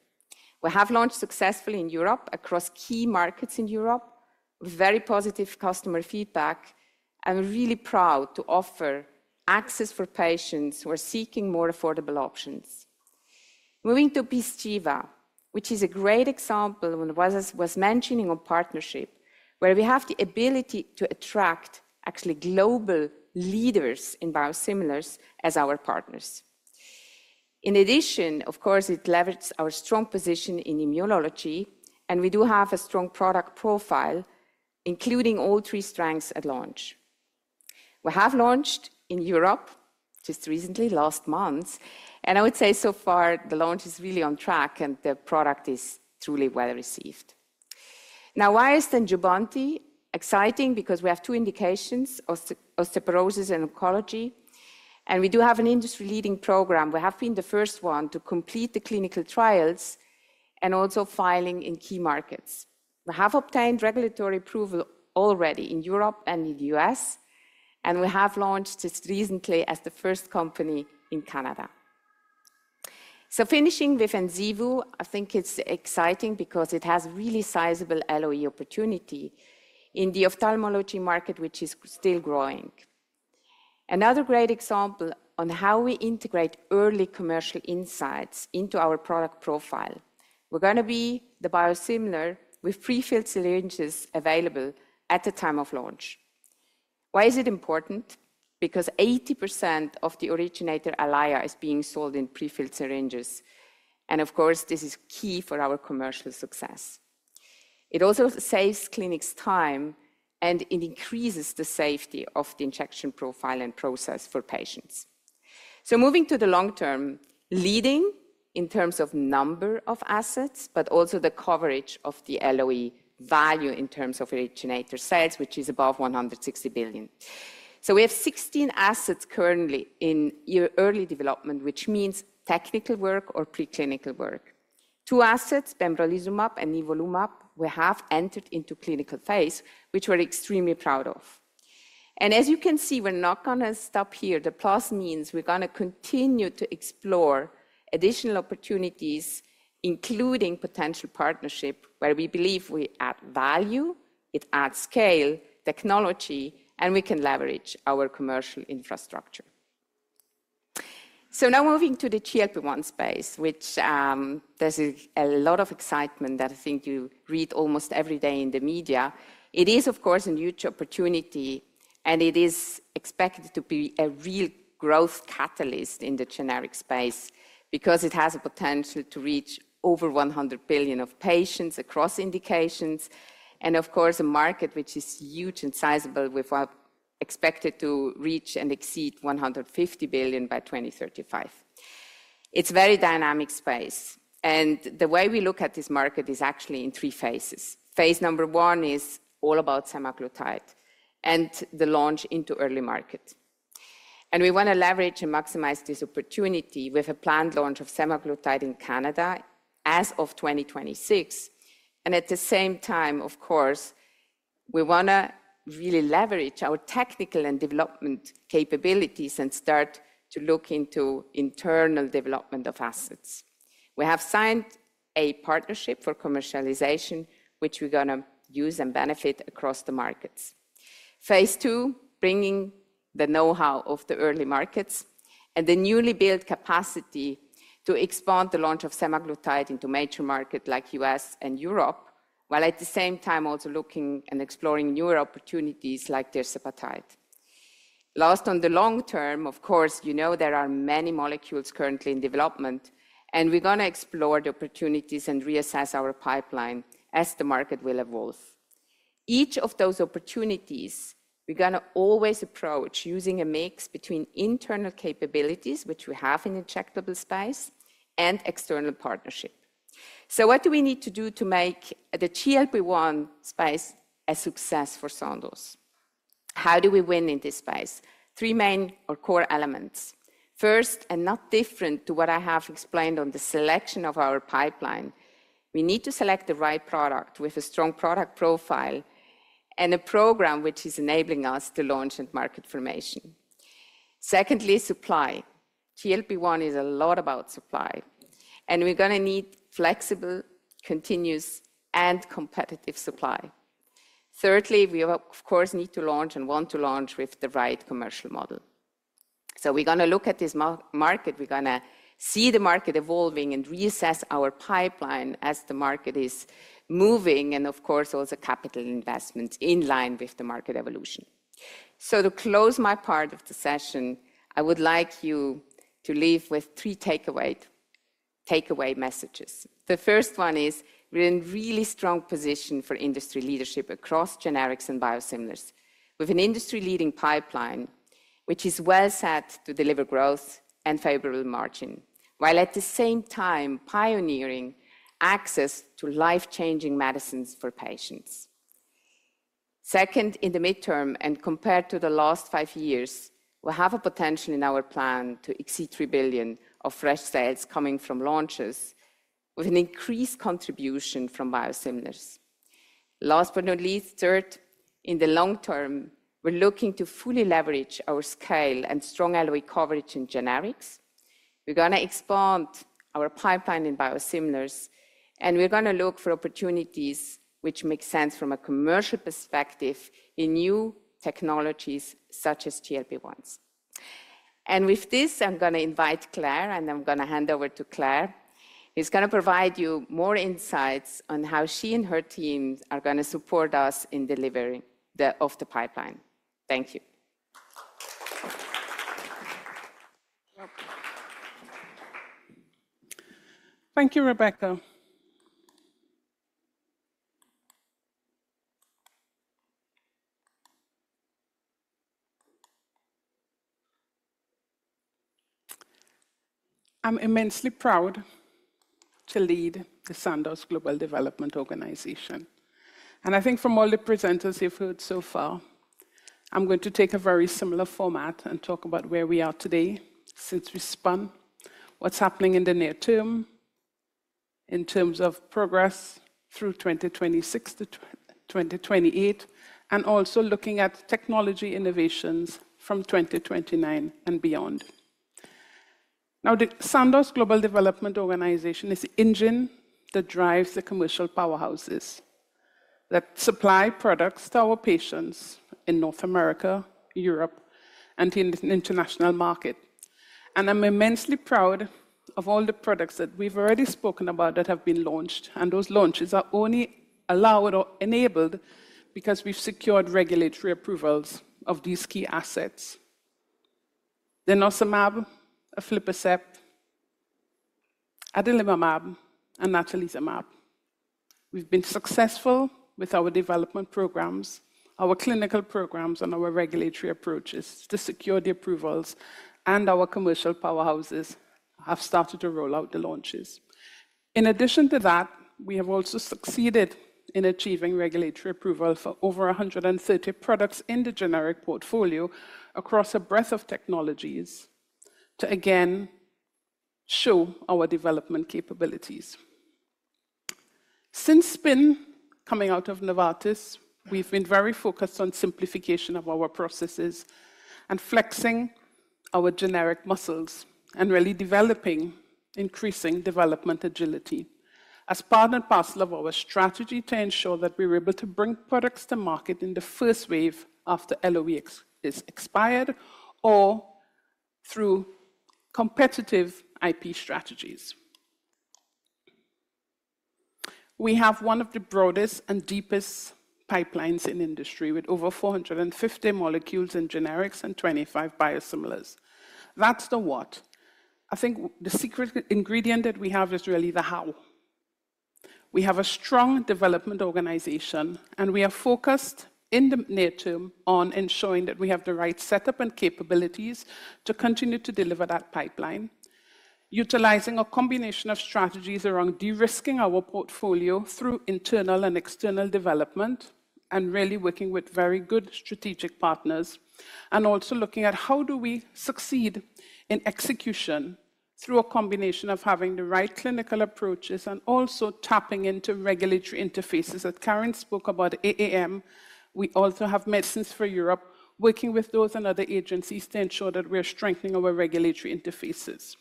We have launched successfully in Europe across key markets in Europe, with very positive customer feedback, and we're really proud to offer access for patients who are seeking more affordable options. Moving to Pyzchiva, which is a great example when was mentioning on partnership, where we have the ability to attract actually global leaders in biosimilars as our partners. In addition, of course, it leverages our strong position in immunology, and we do have a strong product profile, including all three strengths at launch. We have launched in Europe just recently, last month, and I would say so far the launch is really on track and the product is truly well received. Now, why is denosumab exciting? Because we have two indications, osteoporosis and oncology, and we do have an industry-leading program. We have been the first one to complete the clinical trials and also filing in key markets. We have obtained regulatory approval already in Europe and in the U.S., and we have launched just recently as the first company in Canada. So finishing with Enzeevu, I think it's exciting because it has really sizable LOE opportunity in the ophthalmology market, which is still growing. Another great example on how we integrate early commercial insights into our product profile. We're gonna be the biosimilar with pre-filled syringes available at the time of launch. Why is it important? Because 80% of the originator Eylea is being sold in pre-filled syringes, and of course, this is key for our commercial success. It also saves clinics time, and it increases the safety of the injection profile and process for patients. So moving to the long term, leading in terms of number of assets, but also the coverage of the LOE value in terms of originator sales, which is above 160 billion. So we have 16 assets currently in early development, which means technical work or preclinical work. Two assets, pembrolizumab and nivolumab, we have entered into clinical phase, which we're extremely proud of. And as you can see, we're not gonna stop here. The plus means we're gonna continue to explore additional opportunities, including potential partnership, where we believe we add value, it adds scale, technology, and we can leverage our commercial infrastructure. So now moving to the GLP-1 space, which, there's a lot of excitement that I think you read almost every day in the media. It is, of course, a huge opportunity, and it is expected to be a real growth catalyst in the generic space because it has a potential to reach over 100 billion patients across indications, and of course, a market which is huge and sizable, with what's expected to reach and exceed 150 billion by 2035. It's a very dynamic space, and the way we look at this market is actually in three phases. Phase number one is all about semaglutide and the launch into early market. We wanna leverage and maximize this opportunity with a planned launch of semaglutide in Canada as of 2026. At the same time, of course, we wanna really leverage our technical and development capabilities and start to look into internal development of assets. We have signed a partnership for commercialization, which we're gonna use and benefit across the markets. Phase two, bringing the know-how of the early markets and the newly built capacity to expand the launch of semaglutide into major market like U.S. and Europe, while at the same time also looking and exploring newer opportunities like tirzepatide. Last, on the long term, of course, you know there are many molecules currently in development, and we're gonna explore the opportunities and reassess our pipeline as the market will evolve. Each of those opportunities, we're gonna always approach using a mix between internal capabilities, which we have in injectable space, and external partnership. What do we need to do to make the GLP-1 space a success for Sandoz? How do we win in this space? Three main or core elements. First, and not different to what I have explained on the selection of our pipeline, we need to select the right product with a strong product profile and a program which is enabling us to launch and market formulation. Secondly, supply. GLP-1 is a lot about supply, and we're gonna need flexible, continuous, and competitive supply. Thirdly, we, of course, need to launch and want to launch with the right commercial model. So we're gonna look at this market. We're gonna see the market evolving and reassess our pipeline as the market is moving, and of course, also capital investment in line with the market evolution. To close my part of the session, I would like you to leave with three takeaway messages. The first one is, we're in really strong position for industry leadership across generics and biosimilars, with an industry-leading pipeline, which is well set to deliver growth and favorable margin, while at the same time pioneering access to life-changing medicines for patients. Second, in the midterm, and compared to the last five years, we have a potential in our plan to exceed 3 billion of fresh sales coming from launches, with an increased contribution from biosimilars. Last but not least, third, in the long term, we're looking to fully leverage our scale and strong LOE coverage in generics. We're gonna expand our pipeline in biosimilars, and we're gonna look for opportunities which make sense from a commercial perspective in new technologies such as GLP-1s. With this, I'm gonna invite Claire, and I'm gonna hand over to Claire, who's gonna provide you more insights on how she and her teams are gonna support us in delivering the pipeline. Thank you. Thank you, Rebecca. I'm immensely proud to lead the Sandoz Global Development Organization, and I think from all the presenters you've heard so far, I'm going to take a very similar format and talk about where we are today since we spun, what's happening in the near term in terms of progress through 2026 to 2028, and also looking at technology innovations from 2029 and beyond. Now, the Sandoz Global Development Organization is the engine that drives the commercial powerhouses that supply products to our patients in North America, Europe, and in the international market, and I'm immensely proud of all the products that we've already spoken about that have been launched, and those launches are only allowed or enabled because we've secured regulatory approvals of these key assets: denosumab, aflibercept, adalimumab, and natalizumab. We've been successful with our development programs, our clinical programs, and our regulatory approaches to secure the approvals, and our commercial powerhouses have started to roll out the launches. In addition to that, we have also succeeded in achieving regulatory approval for over 130 products in the generic portfolio across a breadth of technologies to, again, show our development capabilities. Since spin, coming out of Novartis, we've been very focused on simplification of our processes and flexing our generic muscles and really developing increasing development agility as part and parcel of our strategy to ensure that we're able to bring products to market in the first wave after LOE expires or through competitive IP strategies. We have one of the broadest and deepest pipelines in industry, with over 450 molecules in generics and 25 biosimilars. That's the what. I think the secret ingredient that we have is really the how. We have a strong development organization, and we are focused in the near term on ensuring that we have the right setup and capabilities to continue to deliver that pipeline, utilizing a combination of strategies around de-risking our portfolio through internal and external development, and really working with very good strategic partners, and also looking at how do we succeed in execution through a combination of having the right clinical approaches and also tapping into regulatory interfaces. As Keren spoke about AAM, we also have Medicines for Europe, working with those and other agencies to ensure that we are strengthening our regulatory interfaces.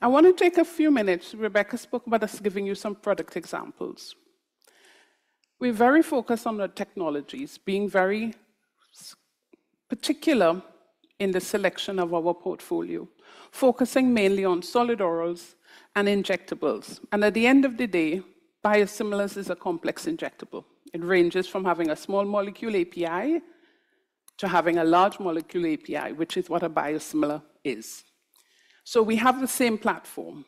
I want to take a few minutes. Rebecca spoke about us giving you some product examples. We're very focused on the technologies, being very particular in the selection of our portfolio, focusing mainly on solid orals and injectables. And at the end of the day, biosimilars is a complex injectable. It ranges from having a small molecule API to having a large molecule API, which is what a biosimilar is. So we have the same platform.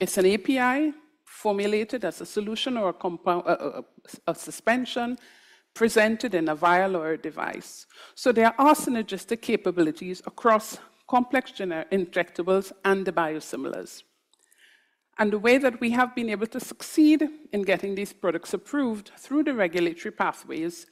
It's an API formulated as a solution or a suspension, presented in a vial or a device. So there are synergistic capabilities across complex injectables and the biosimilars. And the way that we have been able to succeed in getting these products approved through the regulatory pathways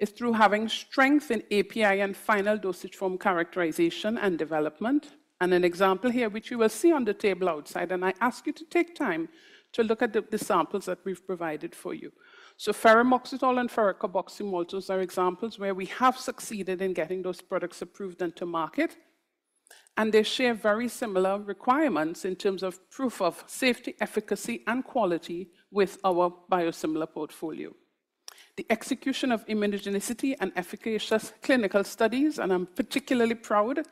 is through having strength in API and final dosage form characterization and development. An example here, which you will see on the table outside, and I ask you to take time to look at the samples that we've provided for you. Ferumoxytol and ferric carboxymaltose are examples where we have succeeded in getting those products approved and to market, and they share very similar requirements in terms of proof of safety, efficacy, and quality with our biosimilar portfolio. The execution of immunogenicity and efficacious clinical studies, and I'm particularly proud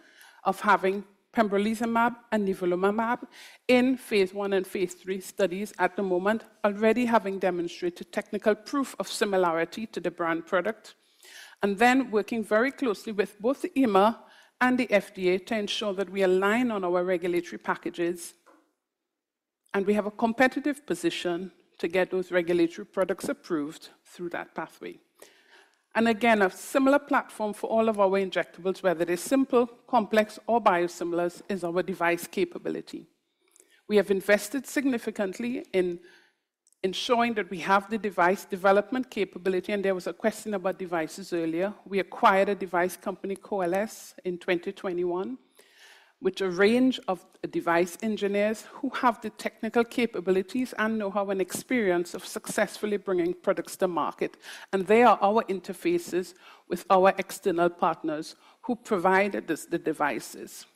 of having pembrolizumab and nivolumab in phase one and phase three studies at the moment, already having demonstrated technical proof of similarity to the brand product. Working very closely with both the EMA and the FDA to ensure that we align on our regulatory packages, and we have a competitive position to get those regulatory products approved through that pathway. And again, a similar platform for all of our injectables, whether it is simple, complex, or biosimilars, is our device capability. We have invested significantly in showing that we have the device development capability, and there was a question about devices earlier. We acquired a device company, Coalesce, in 2021, with a range of device engineers who have the technical capabilities and know-how and experience of successfully bringing products to market, and they are our interfaces with our external partners who provide us the devices.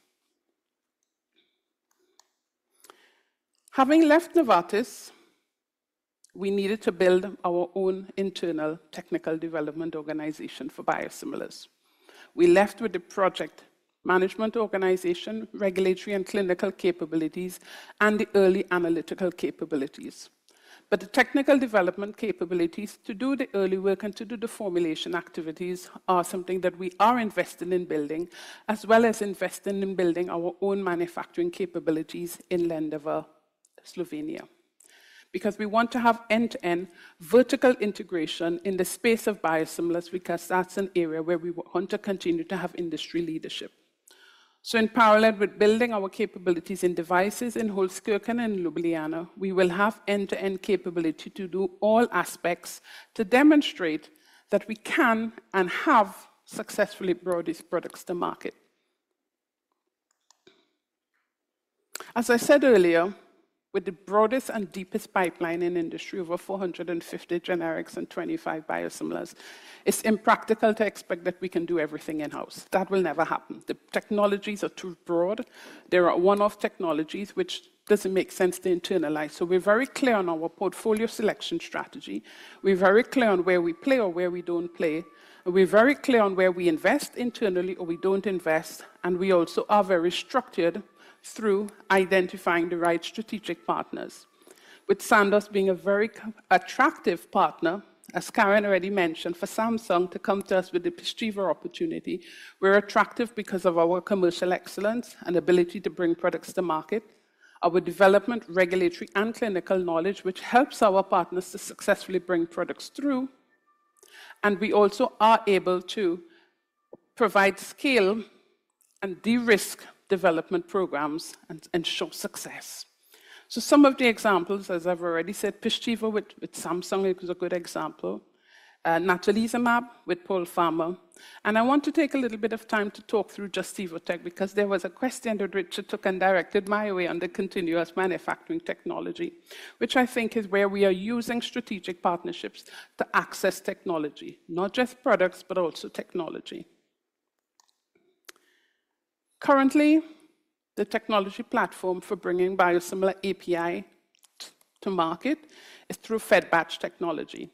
Having left Novartis, we needed to build our own internal technical development organization for biosimilars. We left with the project management organization, regulatory and clinical capabilities, and the early analytical capabilities. But the technical development capabilities to do the early work and to do the formulation activities are something that we are investing in building, as well as investing in building our own manufacturing capabilities in Lendava, Slovenia. Because we want to have end-to-end vertical integration in the space of biosimilars, because that is an area where we want to continue to have industry leadership. So in parallel with building our capabilities in devices in Holzkirchen and Ljubljana, we will have end-to-end capability to do all aspects to demonstrate that we can, and have, successfully brought these products to market. As I said earlier, with the broadest and deepest pipeline in industry, over four hundred and fifty generics and twenty-five biosimilars, it is impractical to expect that we can do everything in-house. That will never happen. The technologies are too broad. They are one-off technologies, which does not make sense to internalize. So we're very clear on our portfolio selection strategy. We're very clear on where we play or where we don't play, and we're very clear on where we invest internally or we don't invest, and we also are very structured through identifying the right strategic partners, with Sandoz being a very attractive partner, as Keren already mentioned, for Samsung to come to us with the Pyzchiva opportunity. We're attractive because of our commercial excellence and ability to bring products to market, our development, regulatory, and clinical knowledge, which helps our partners to successfully bring products through, and we also are able to provide scale and de-risk development programs and show success. So some of the examples, as I've already said, Pyzchiva with Samsung is a good example. Natalizumab with Polpharma. And I want to take a little bit of time to talk through Just - Evotec, because there was a question that Richard took and directed my way on the continuous manufacturing technology, which I think is where we are using strategic partnerships to access technology, not just products, but also technology. Currently, the technology platform for bringing biosimilar API to market is through fed-batch technology.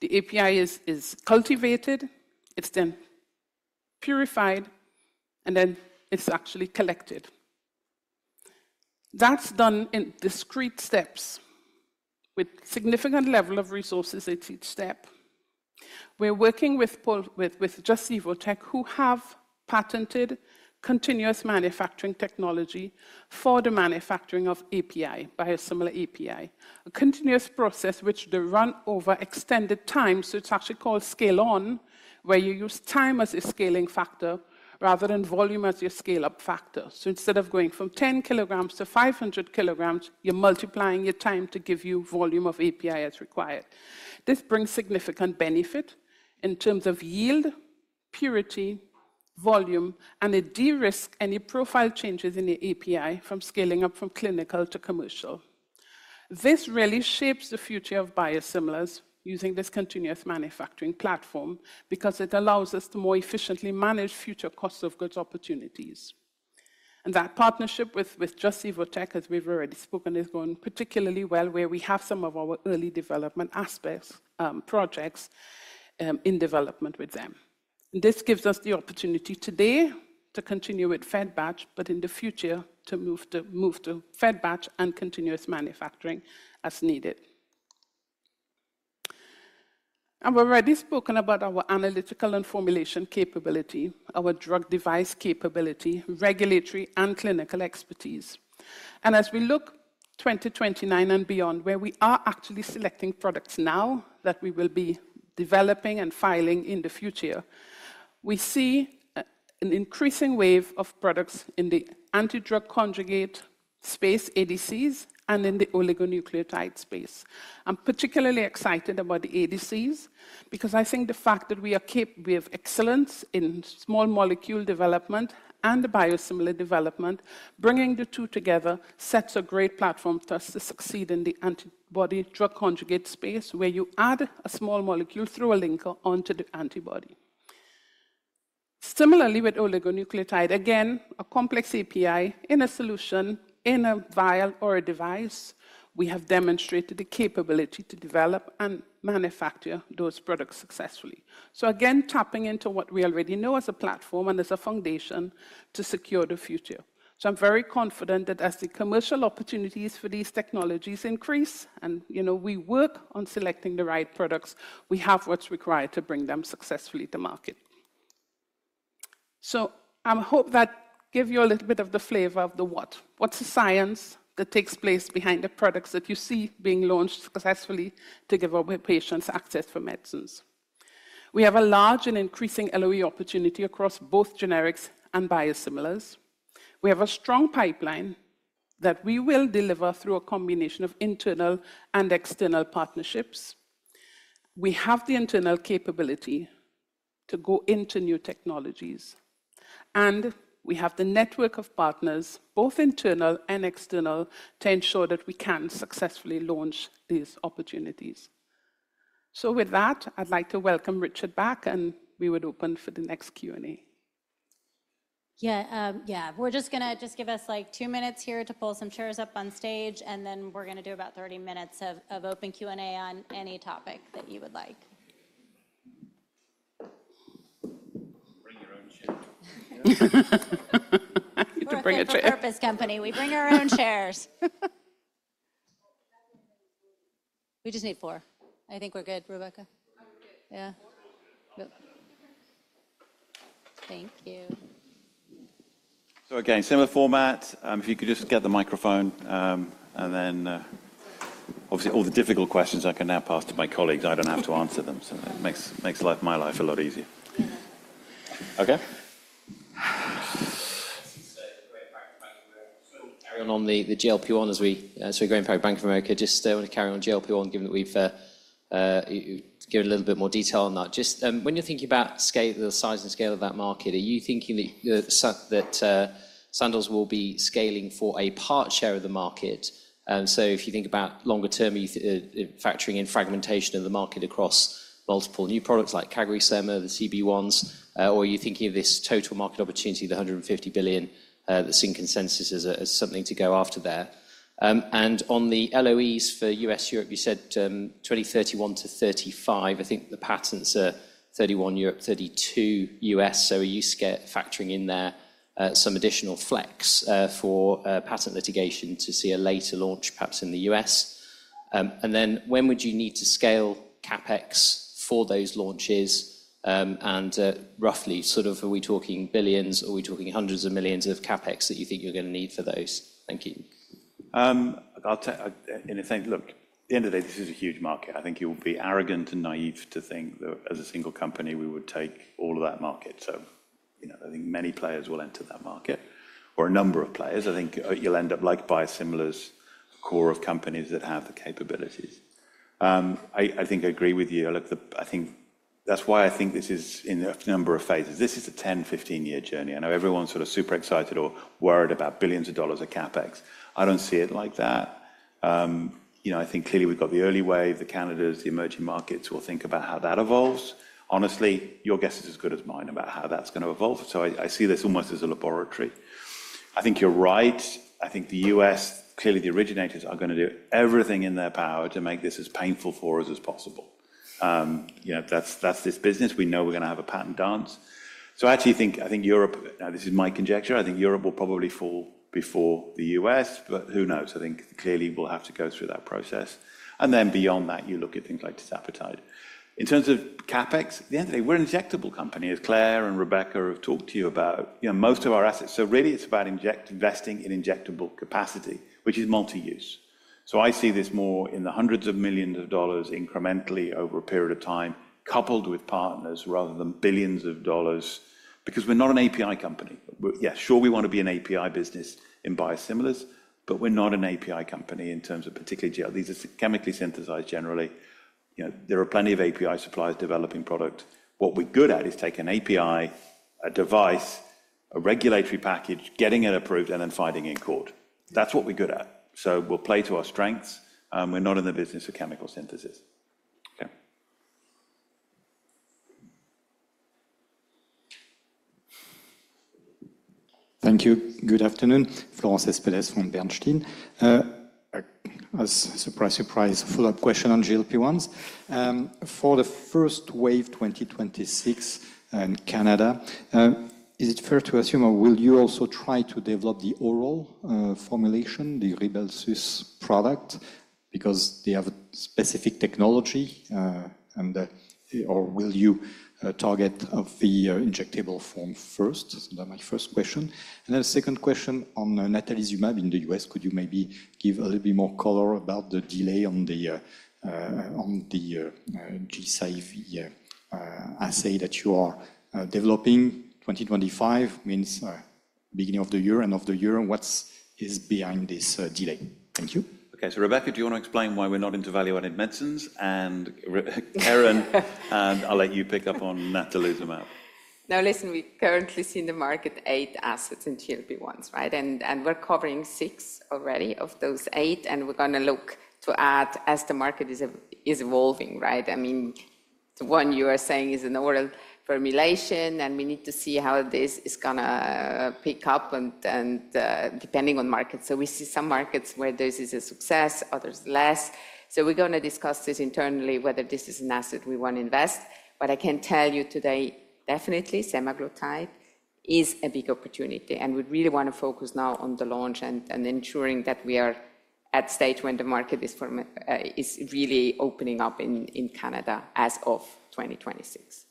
The API is cultivated, it's then purified, and then it's actually collected. That's done in discrete steps with significant level of resources at each step. We're working with Just - Evotec, who have patented continuous manufacturing technology for the manufacturing of API, biosimilar API. A continuous process which they run over extended time, so it's actually called scale-on, where you use time as a scaling factor rather than volume as your scale-up factor. Instead of going from 10 kg to 500 kg, you're multiplying your time to give you volume of API as required. This brings significant benefit in terms of yield, purity, volume, and it de-risk any profile changes in the API from scaling up from clinical to commercial. This really shapes the future of biosimilars using this continuous manufacturing platform, because it allows us to more efficiently manage future costs of goods opportunities. That partnership with Just - Evotec, as we've already spoken, is going particularly well, where we have some of our early development aspects, projects, in development with them. This gives us the opportunity today to continue with fed-batch, but in the future, to move to fed-batch and continuous manufacturing as needed. We've already spoken about our analytical and formulation capability, our drug device capability, regulatory and clinical expertise. And as we look 2029 and beyond, where we are actually selecting products now that we will be developing and filing in the future, we see an increasing wave of products in the antibody-drug conjugate space, ADCs, and in the oligonucleotide space. I'm particularly excited about the ADCs, because I think the fact that we have excellence in small molecule development and biosimilar development, bringing the two together sets a great platform for us to succeed in the antibody drug conjugate space, where you add a small molecule through a linker onto the antibody. Similarly, with oligonucleotide, again, a complex API in a solution, in a vial or a device, we have demonstrated the capability to develop and manufacture those products successfully. So again, tapping into what we already know as a platform and as a foundation to secure the future. So, I'm very confident that as the commercial opportunities for these technologies increase, and, you know, we work on selecting the right products, we have what's required to bring them successfully to market. So, I hope that gave you a little bit of the flavor of the what. What's the science that takes place behind the products that you see being launched successfully to give our patients access for medicines? We have a large and increasing LOE opportunity across both generics and biosimilars. We have a strong pipeline that we will deliver through a combination of internal and external partnerships. We have the internal capability to go into new technologies, and we have the network of partners, both internal and external, to ensure that we can successfully launch these opportunities. So, with that, I'd like to welcome Richard back, and we would open for the next Q&A. Yeah, yeah. We're just gonna just give us, like, two minutes here to pull some chairs up on stage, and then we're gonna do about thirty minutes of open Q&A on any topic that you would like. Bring your own chair. You can bring a chair. We're a purpose company. We bring our own chairs. We just need four. I think we're good, Rebecca. I'm good. Yeah. Good. Thank you. So again, similar format. If you could just get the microphone, and then, obviously, all the difficult questions I can now pass to my colleagues. I don't have to answer them, so it makes life, my life a lot easier. Okay? Carry on the GLP-1. Bank of America just want to carry on GLP-1, given that we've. Give a little bit more detail on that. Just when you're thinking about scale, the size and scale of that market, are you thinking that Sandoz will be scaling for a part share of the market? And so if you think about longer term, you factoring in fragmentation of the market across multiple new products like CagriSema, the GLP-1s, or are you thinking of this total market opportunity, the $150 billion that's in consensus as something to go after there? And on the LOEs for U.S., Europe, you said 2031-2035. I think the patents are 31 Europe, 32 U.S., so are you factoring in there some additional flex for patent litigation to see a later launch, perhaps in the U.S.? Then when would you need to scale CapEx for those launches? Roughly, sort of, are we talking billions, or are we talking hundreds of millions of CapEx that you think you're gonna need for those? Thank you. And I think, look, at the end of the day, this is a huge market. I think you'll be arrogant and naive to think that as a single company, we would take all of that market. So, you know, I think many players will enter that market, or a number of players. I think you'll end up like biosimilars, core of companies that have the capabilities. I think I agree with you. Look, I think that's why I think this is in a number of phases. This is a 10-15-year journey. I know everyone's sort of super excited or worried about billions of dollars of CapEx. I don't see it like that. You know, I think clearly we've got the early wave, the Canada's, the emerging markets will think about how that evolves. Honestly, your guess is as good as mine about how that's going to evolve. So I, I see this almost as a laboratory. I think you're right. I think the U.S., clearly, the originators are going to do everything in their power to make this as painful for us as possible. You know, that's, that's this business. We know we're going to have a patent dance. So I actually think I think Europe, now this is my conjecture, I think Europe will probably fall before the U.S., but who knows? I think clearly we'll have to go through that process. And then beyond that, you look at things like tirzepatide. In terms of CapEx, at the end of day, we're an injectable company, as Claire and Rebecca have talked to you about, you know, most of our assets. So really, it's about investing in injectable capacity, which is multi-use. So I see this more in the hundreds of millions of dollars incrementally over a period of time, coupled with partners, rather than billions of dollars, because we're not an API company. Yeah, sure, we want to be an API business in biosimilars, but we're not an API company in terms of particularly GL. These are chemically synthesized generally. You know, there are plenty of API suppliers developing product. What we're good at is take an API, a device, a regulatory package, getting it approved, and then fighting in court. That's what we're good at. So we'll play to our strengths, and we're not in the business of chemical synthesis. Okay. Thank you. Good afternoon. Florent Cespedes from Bernstein. As surprise, surprise, a follow-up question on GLP-1s. For the first wave, 2026 in Canada, is it fair to assume or will you also try to develop the oral formulation, the Rybelsus product, because they have a specific technology, and that... Or will you target the injectable form first? Is that my first question. And then the second question on natalizumab in the U.S., could you maybe give a little bit more color about the delay on the JCV assay that you are developing? 2025 means, beginning of the year, end of the year, and what is behind this delay? Thank you. Okay, so Rebecca, do you want to explain why we're not into value-added medicines? And, Keren, I'll let you pick up on natalizumab. Now, listen, we currently see in the market eight assets in GLP-1, right? And we're covering six already of those eight, and we're gonna look to add as the market is evolving, right? I mean, one you are saying is an oral formulation, and we need to see how this is going to pick up and depending on market, so we see some markets where this is a success, others less, so we're going to discuss this internally, whether this is an asset we want to invest. What I can tell you today, definitely, semaglutide is a big opportunity, and we really want to focus now on the launch and ensuring that we are at stage when the market is really opening up in Canada as of 2026.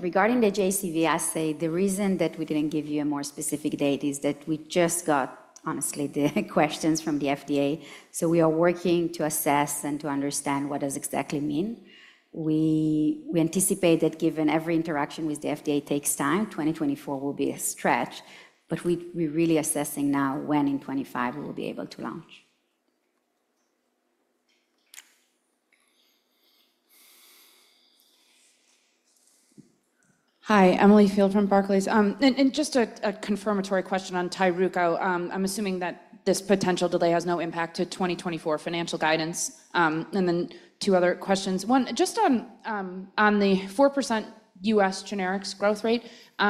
Regarding the JCV assay, the reason that we didn't give you a more specific date is that we just got, honestly, the questions from the FDA. So we are working to assess and to understand what does it exactly mean. We anticipate that given every interaction with the FDA takes time, 2024 will be a stretch, but we're really assessing now when in 2025 we will be able to launch. Hi, Emily Field from Barclays. And just a confirmatory question on Tyruko. I'm assuming that this potential delay has no impact to 2024 financial guidance. And then two other questions. One, just on the 4% U.S. generics growth rate. You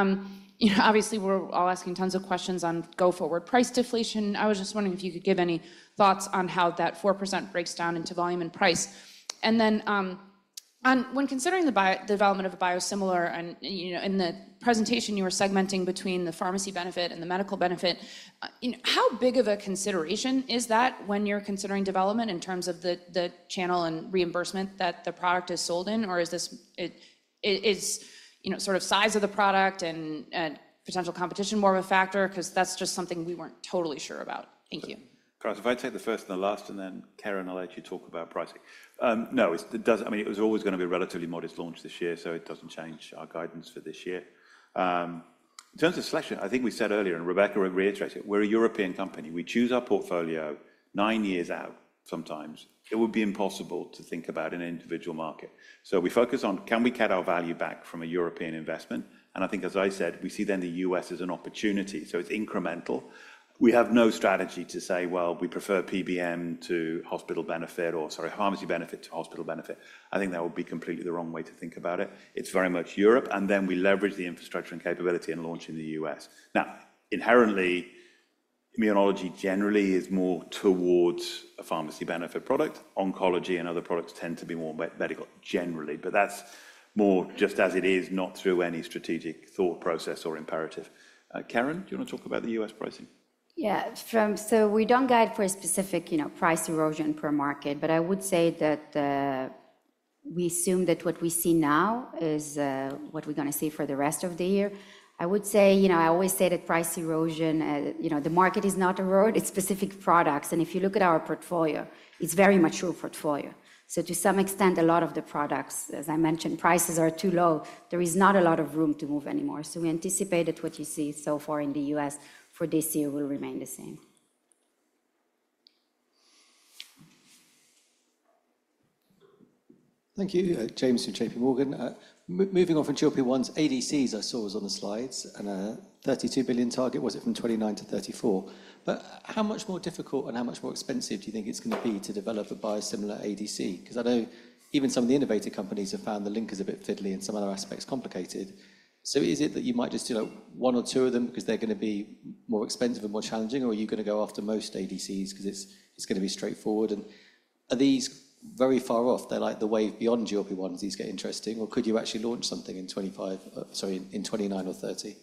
know, obviously, we're all asking tons of questions on go-forward price deflation. I was just wondering if you could give any thoughts on how that 4% breaks down into volume and price. And then, on when considering the development of a biosimilar and, you know, in the presentation you were segmenting between the pharmacy benefit and the medical benefit, how big of a consideration is that when you're considering development in terms of the channel and reimbursement that the product is sold in? Or is this, you know, sort of size of the product and potential competition more of a factor? 'Cause that's just something we weren't totally sure about. Thank you. Chris, if I take the first and the last, and then, Keren, I'll let you talk about pricing. No, it does. I mean, it was always going to be a relatively modest launch this year, so it doesn't change our guidance for this year. In terms of selection, I think we said earlier, and Rebecca reiterated, we're a European company. We choose our portfolio nine years out sometimes. It would be impossible to think about an individual market. So we focus on, can we get our value back from a European investment? And I think, as I said, we see then the U.S. as an opportunity, so it's incremental. We have no strategy to say, well, we prefer PBM to hospital benefit or, sorry, pharmacy benefit to hospital benefit. I think that would be completely the wrong way to think about it. It's very much Europe, and then we leverage the infrastructure and capability and launch in the U.S. Now, inherently, immunology generally is more towards a pharmacy benefit product. Oncology and other products tend to be more medical generally, but that's more just as it is, not through any strategic thought process or imperative. Keren, do you want to talk about the U.S. pricing? Yeah. So we don't guide for a specific, you know, price erosion per market, but I would say that we assume that what we see now is what we're going to see for the rest of the year. I would say, you know, I always say that price erosion, you know, the market is not erode, it's specific products. And if you look at our portfolio, it's very mature portfolio. So to some extent, a lot of the products, as I mentioned, prices are too low. There is not a lot of room to move anymore. So we anticipate that what you see so far in the U.S. for this year will remain the same. Thank you. James from JPMorgan. Moving on from GLP-1s, ADCs, I saw was on the slides, and $32 billion target, was it from 2029 to 2034? But how much more difficult and how much more expensive do you think it's going to be to develop a biosimilar ADC? 'Cause I know even some of the innovator companies have found the linker is a bit fiddly and some other aspects complicated. So is it that you might just do, like, one or two of them because they're going to be more expensive and more challenging, or are you going to go after most ADCs because it's, it's going to be straightforward? And are these very far off? They're like the wave beyond GLP-1s, these get interesting, or could you actually launch something in 2025, in 2029 or 2030?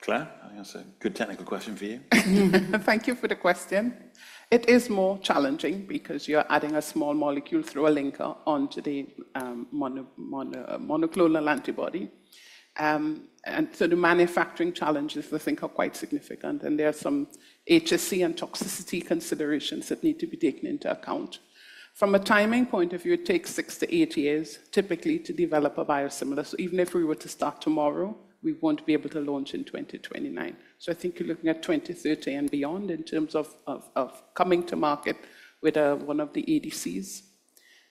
Claire, I think that's a good technical question for you. Thank you for the question. It is more challenging because you're adding a small molecule through a linker onto the monoclonal antibody, and so the manufacturing challenges, I think, are quite significant, and there are some HSE and toxicity considerations that need to be taken into account. From a timing point of view, it takes six to eight years, typically, to develop a biosimilar, so even if we were to start tomorrow, we won't be able to launch in 2029, so I think you're looking at 2030 and beyond in terms of coming to market with one of the ADCs,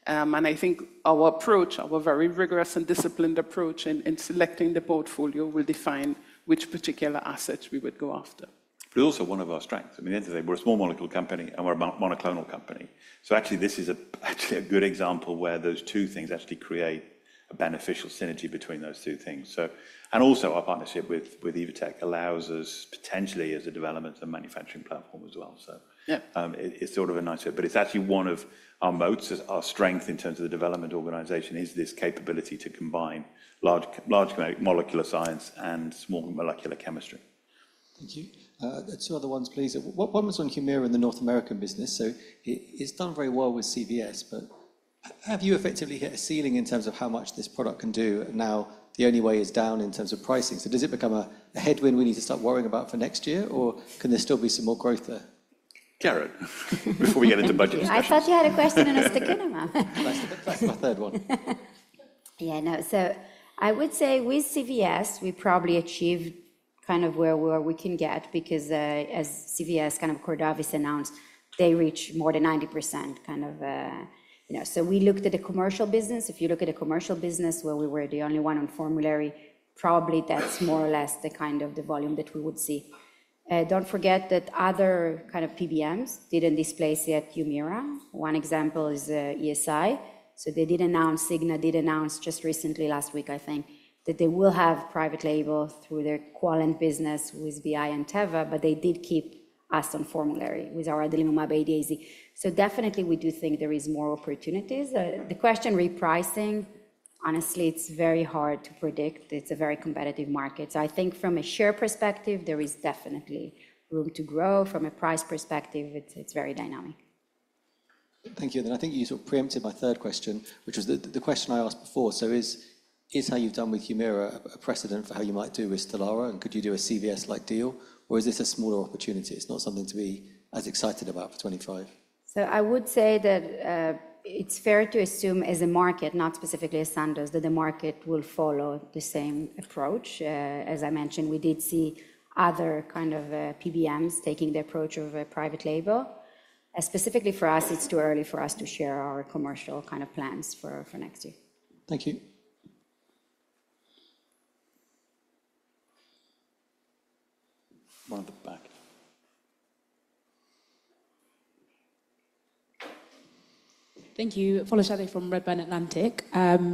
and I think our approach, our very rigorous and disciplined approach in selecting the portfolio will define which particular assets we would go after. But also one of our strengths. I mean, at the end of the day, we're a small molecule company, and we're a monoclonal company. So actually, this is actually a good example where those two things actually create a beneficial synergy between those two things. And also, our partnership with Evotec allows us potentially as a development and manufacturing platform as well. So- Yeah. It's sort of a nice way, but it's actually one of our moats, our strength in terms of the development organization, this capability to combine large molecular science and small molecular chemistry. Thank you. Two other ones, please. One was on Humira in the North American business. So it's done very well with CVS, but have you effectively hit a ceiling in terms of how much this product can do? Now, the only way is down in terms of pricing. So does it become a headwind we need to start worrying about for next year, or can there still be some more growth there? Keren, before we get into budget discussions. I thought you had a question on ustekinumab. That's my third one. Yeah, no. So I would say with CVS, we probably achieved kind of where we can get because, as CVS, kind of, Cordavis announced, they reach more than 90%, kind of, you know. So we looked at the commercial business. If you look at the commercial business, where we were the only one on formulary, probably that's more or less the kind of the volume that we would see. Don't forget that other kind of PBMs didn't displace yet Humira. One example is ESI. So they did announce, Cigna did announce just recently, last week, I think, that they will have private label through their Quallent business with BI and Teva, but they did keep us on formulary with our adalimumab-adaz. So definitely we do think there is more opportunities. The question repricing, honestly, it's very hard to predict. It's a very competitive market. So I think from a share perspective, there is definitely room to grow. From a price perspective, it's very dynamic. Thank you. And I think you sort of preempted my third question, which was the question I asked before. So is how you've done with Humira a precedent for how you might do with Stelara, and could you do a CVS-like deal, or is this a smaller opportunity? It's not something to be as excited about for twenty-five. So I would say that, it's fair to assume as a market, not specifically as Sandoz, that the market will follow the same approach. As I mentioned, we did see other kind of PBMs taking the approach of a private label. Specifically for us, it's too early for us to share our commercial kind of plans for next year. Thank you. One at the back. Thank you. Folashade from Redburn Atlantic.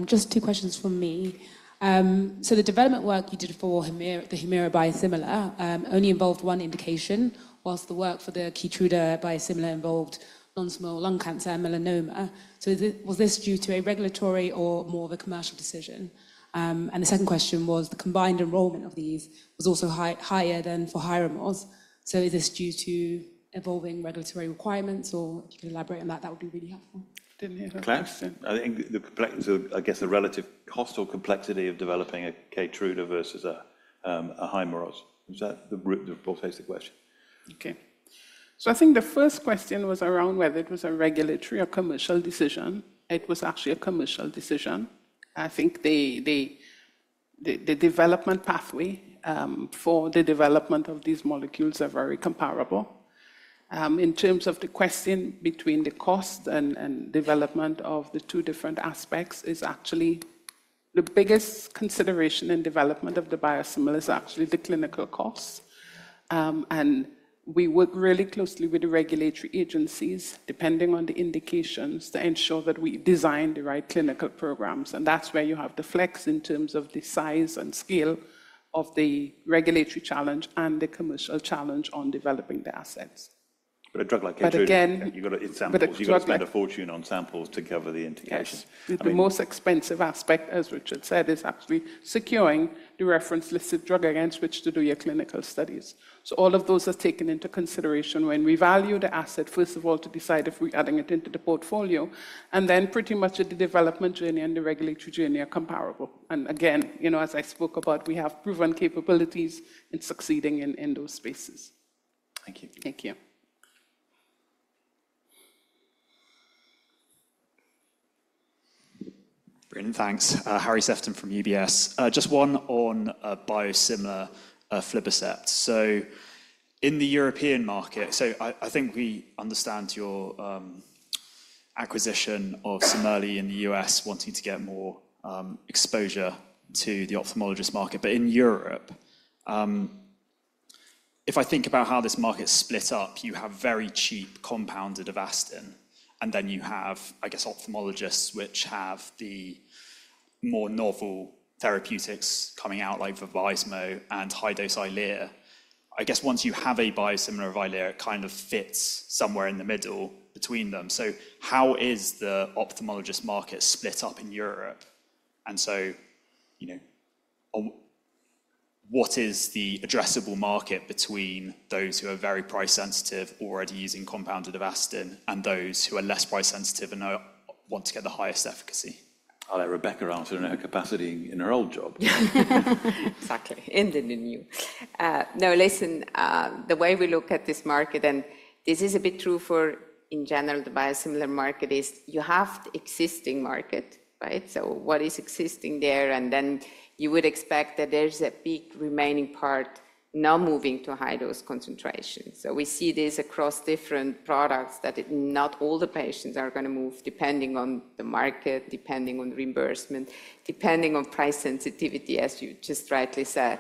Just two questions from me. So the development work you did for Humira, the Humira biosimilar, only involved one indication, while the work for the Keytruda biosimilar involved non-small cell lung cancer and melanoma. So was this due to a regulatory or more of a commercial decision? And the second question was, the combined enrollment of these was also higher than for Hyrimoz. So is this due to evolving regulatory requirements, or if you can elaborate on that, that would be really helpful. Didn't hear her question. Claire? I think the complexity of, I guess, the relative cost or complexity of developing a Keytruda versus a Hyrimoz. Is that the root of the basic question? Okay. So I think the first question was around whether it was a regulatory or commercial decision. It was actually a commercial decision. I think the development pathway for the development of these molecules are very comparable. In terms of the question between the cost and development of the two different aspects is actually the biggest consideration in development of the biosimilar is actually the clinical costs. And we work really closely with the regulatory agencies, depending on the indications, to ensure that we design the right clinical programs, and that's where you have the flex in terms of the size and scale of the regulatory challenge and the commercial challenge on developing the assets. But a drug like Keytruda- But again- You've got to get samples. But a drug like- You've got to spend a fortune on samples to cover the indication. Yes. I mean- The most expensive aspect, as Richard said, is actually securing the reference-listed drug against which to do your clinical studies. So all of those are taken into consideration when we value the asset, first of all, to decide if we're adding it into the portfolio, and then pretty much the development journey and the regulatory journey are comparable. And again, you know, as I spoke about, we have proven capabilities in succeeding in, in those spaces. Thank you. Thank you. Brilliant. Thanks. Harry Sephton from UBS. Just one on biosimilar aflibercept. So in the European market. So I think we understand your acquisition of Cimerli in the U.S., wanting to get more exposure to the ophthalmologist market. But in Europe, if I think about how this market is split up, you have very cheap compounded Avastin, and then you have, I guess, ophthalmologists, which have the more novel therapeutics coming out, like Vabysmo and high-dose Eylea. I guess once you have a biosimilar Eylea, it kind of fits somewhere in the middle between them. So how is the ophthalmologist market split up in Europe? And so, you know, what is the addressable market between those who are very price sensitive, already using compounded Avastin, and those who are less price sensitive and are want to get the highest efficacy? I'll let Rebecca answer in her capacity in her old job. Exactly, in the new. The way we look at this market, and this is a bit true for, in general, the biosimilar market, is you have the existing market, right? So what is existing there, and then you would expect that there's a big remaining part now moving to high-dose concentration. So we see this across different products, that it not all the patients are going to move, depending on the market, depending on reimbursement, depending on price sensitivity, as you just rightly said.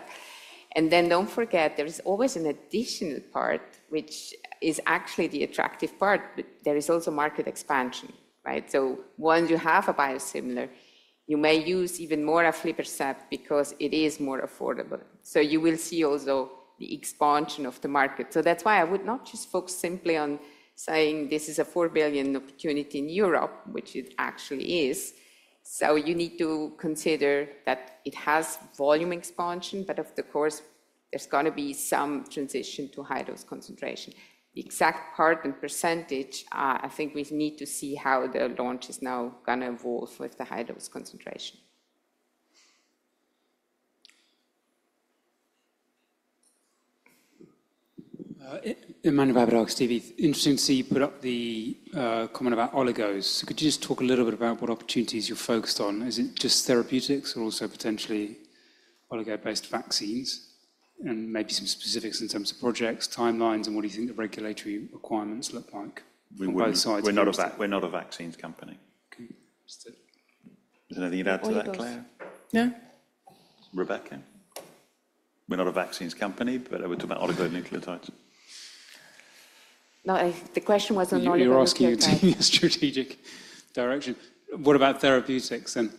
And then don't forget, there is always an additional part, which is actually the attractive part, but there is also market expansion, right? So once you have a biosimilar, you may use even more of aflibercept because it is more affordable. So you will see also the expansion of the market. So that's why I would not just focus simply on saying this is a 4 billion opportunity in Europe, which it actually is. So you need to consider that it has volume expansion, but of course, there's going to be some transition to high-dose concentration. The exact part and percentage, I think we need to see how the launch is now going to evolve with the high-dose concentration. [Emmanuel Babalola, X TV]. Interesting to see you put up the comment about oligos. Could you just talk a little bit about what opportunities you're focused on? Is it just therapeutics or also potentially oligo-based vaccines, and maybe some specifics in terms of projects, timelines, and what do you think the regulatory requirements look like on both sides? We're not a vaccines company. Okay, understood.... Is there anything to add to that, Claire? No. Rebecca? We're not a vaccines company, but we're talking about oligonucleotides. No, the question was on oligonucleotides. You're asking us strategic direction. What about therapeutics then?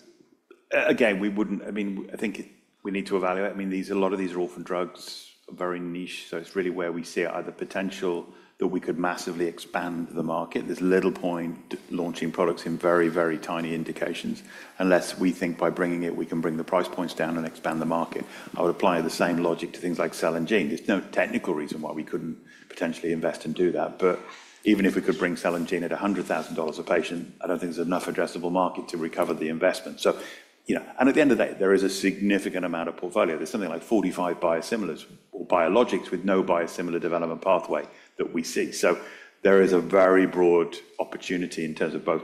Again, we wouldn't. I mean, I think we need to evaluate. I mean, these, a lot of these are orphan drugs, are very niche, so it's really where we see either potential that we could massively expand the market. There's little point to launching products in very, very tiny indications unless we think by bringing it, we can bring the price points down and expand the market. I would apply the same logic to things like cell and gene. There's no technical reason why we couldn't potentially invest and do that, but even if we could bring cell and gene at $100,000 a patient, I don't think there's enough addressable market to recover the investment. So, you know, and at the end of the day, there is a significant amount of portfolio. There's something like 45 biosimilars or biologics with no biosimilar development pathway that we see. So there is a very broad opportunity in terms of both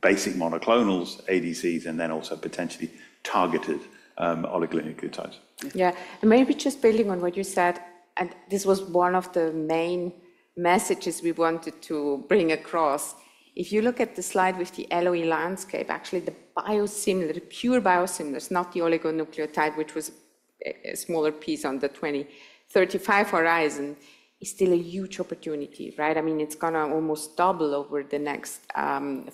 basic monoclonals, ADCs, and then also potentially targeted oligonucleotides. Yeah. And maybe just building on what you said, and this was one of the main messages we wanted to bring across. If you look at the slide with the LOE landscape, actually, the biosimilar, the pure biosimilars, not the oligonucleotide, which was a smaller piece on the twenty thirty-five horizon, is still a huge opportunity, right? I mean, it's going to almost double over the next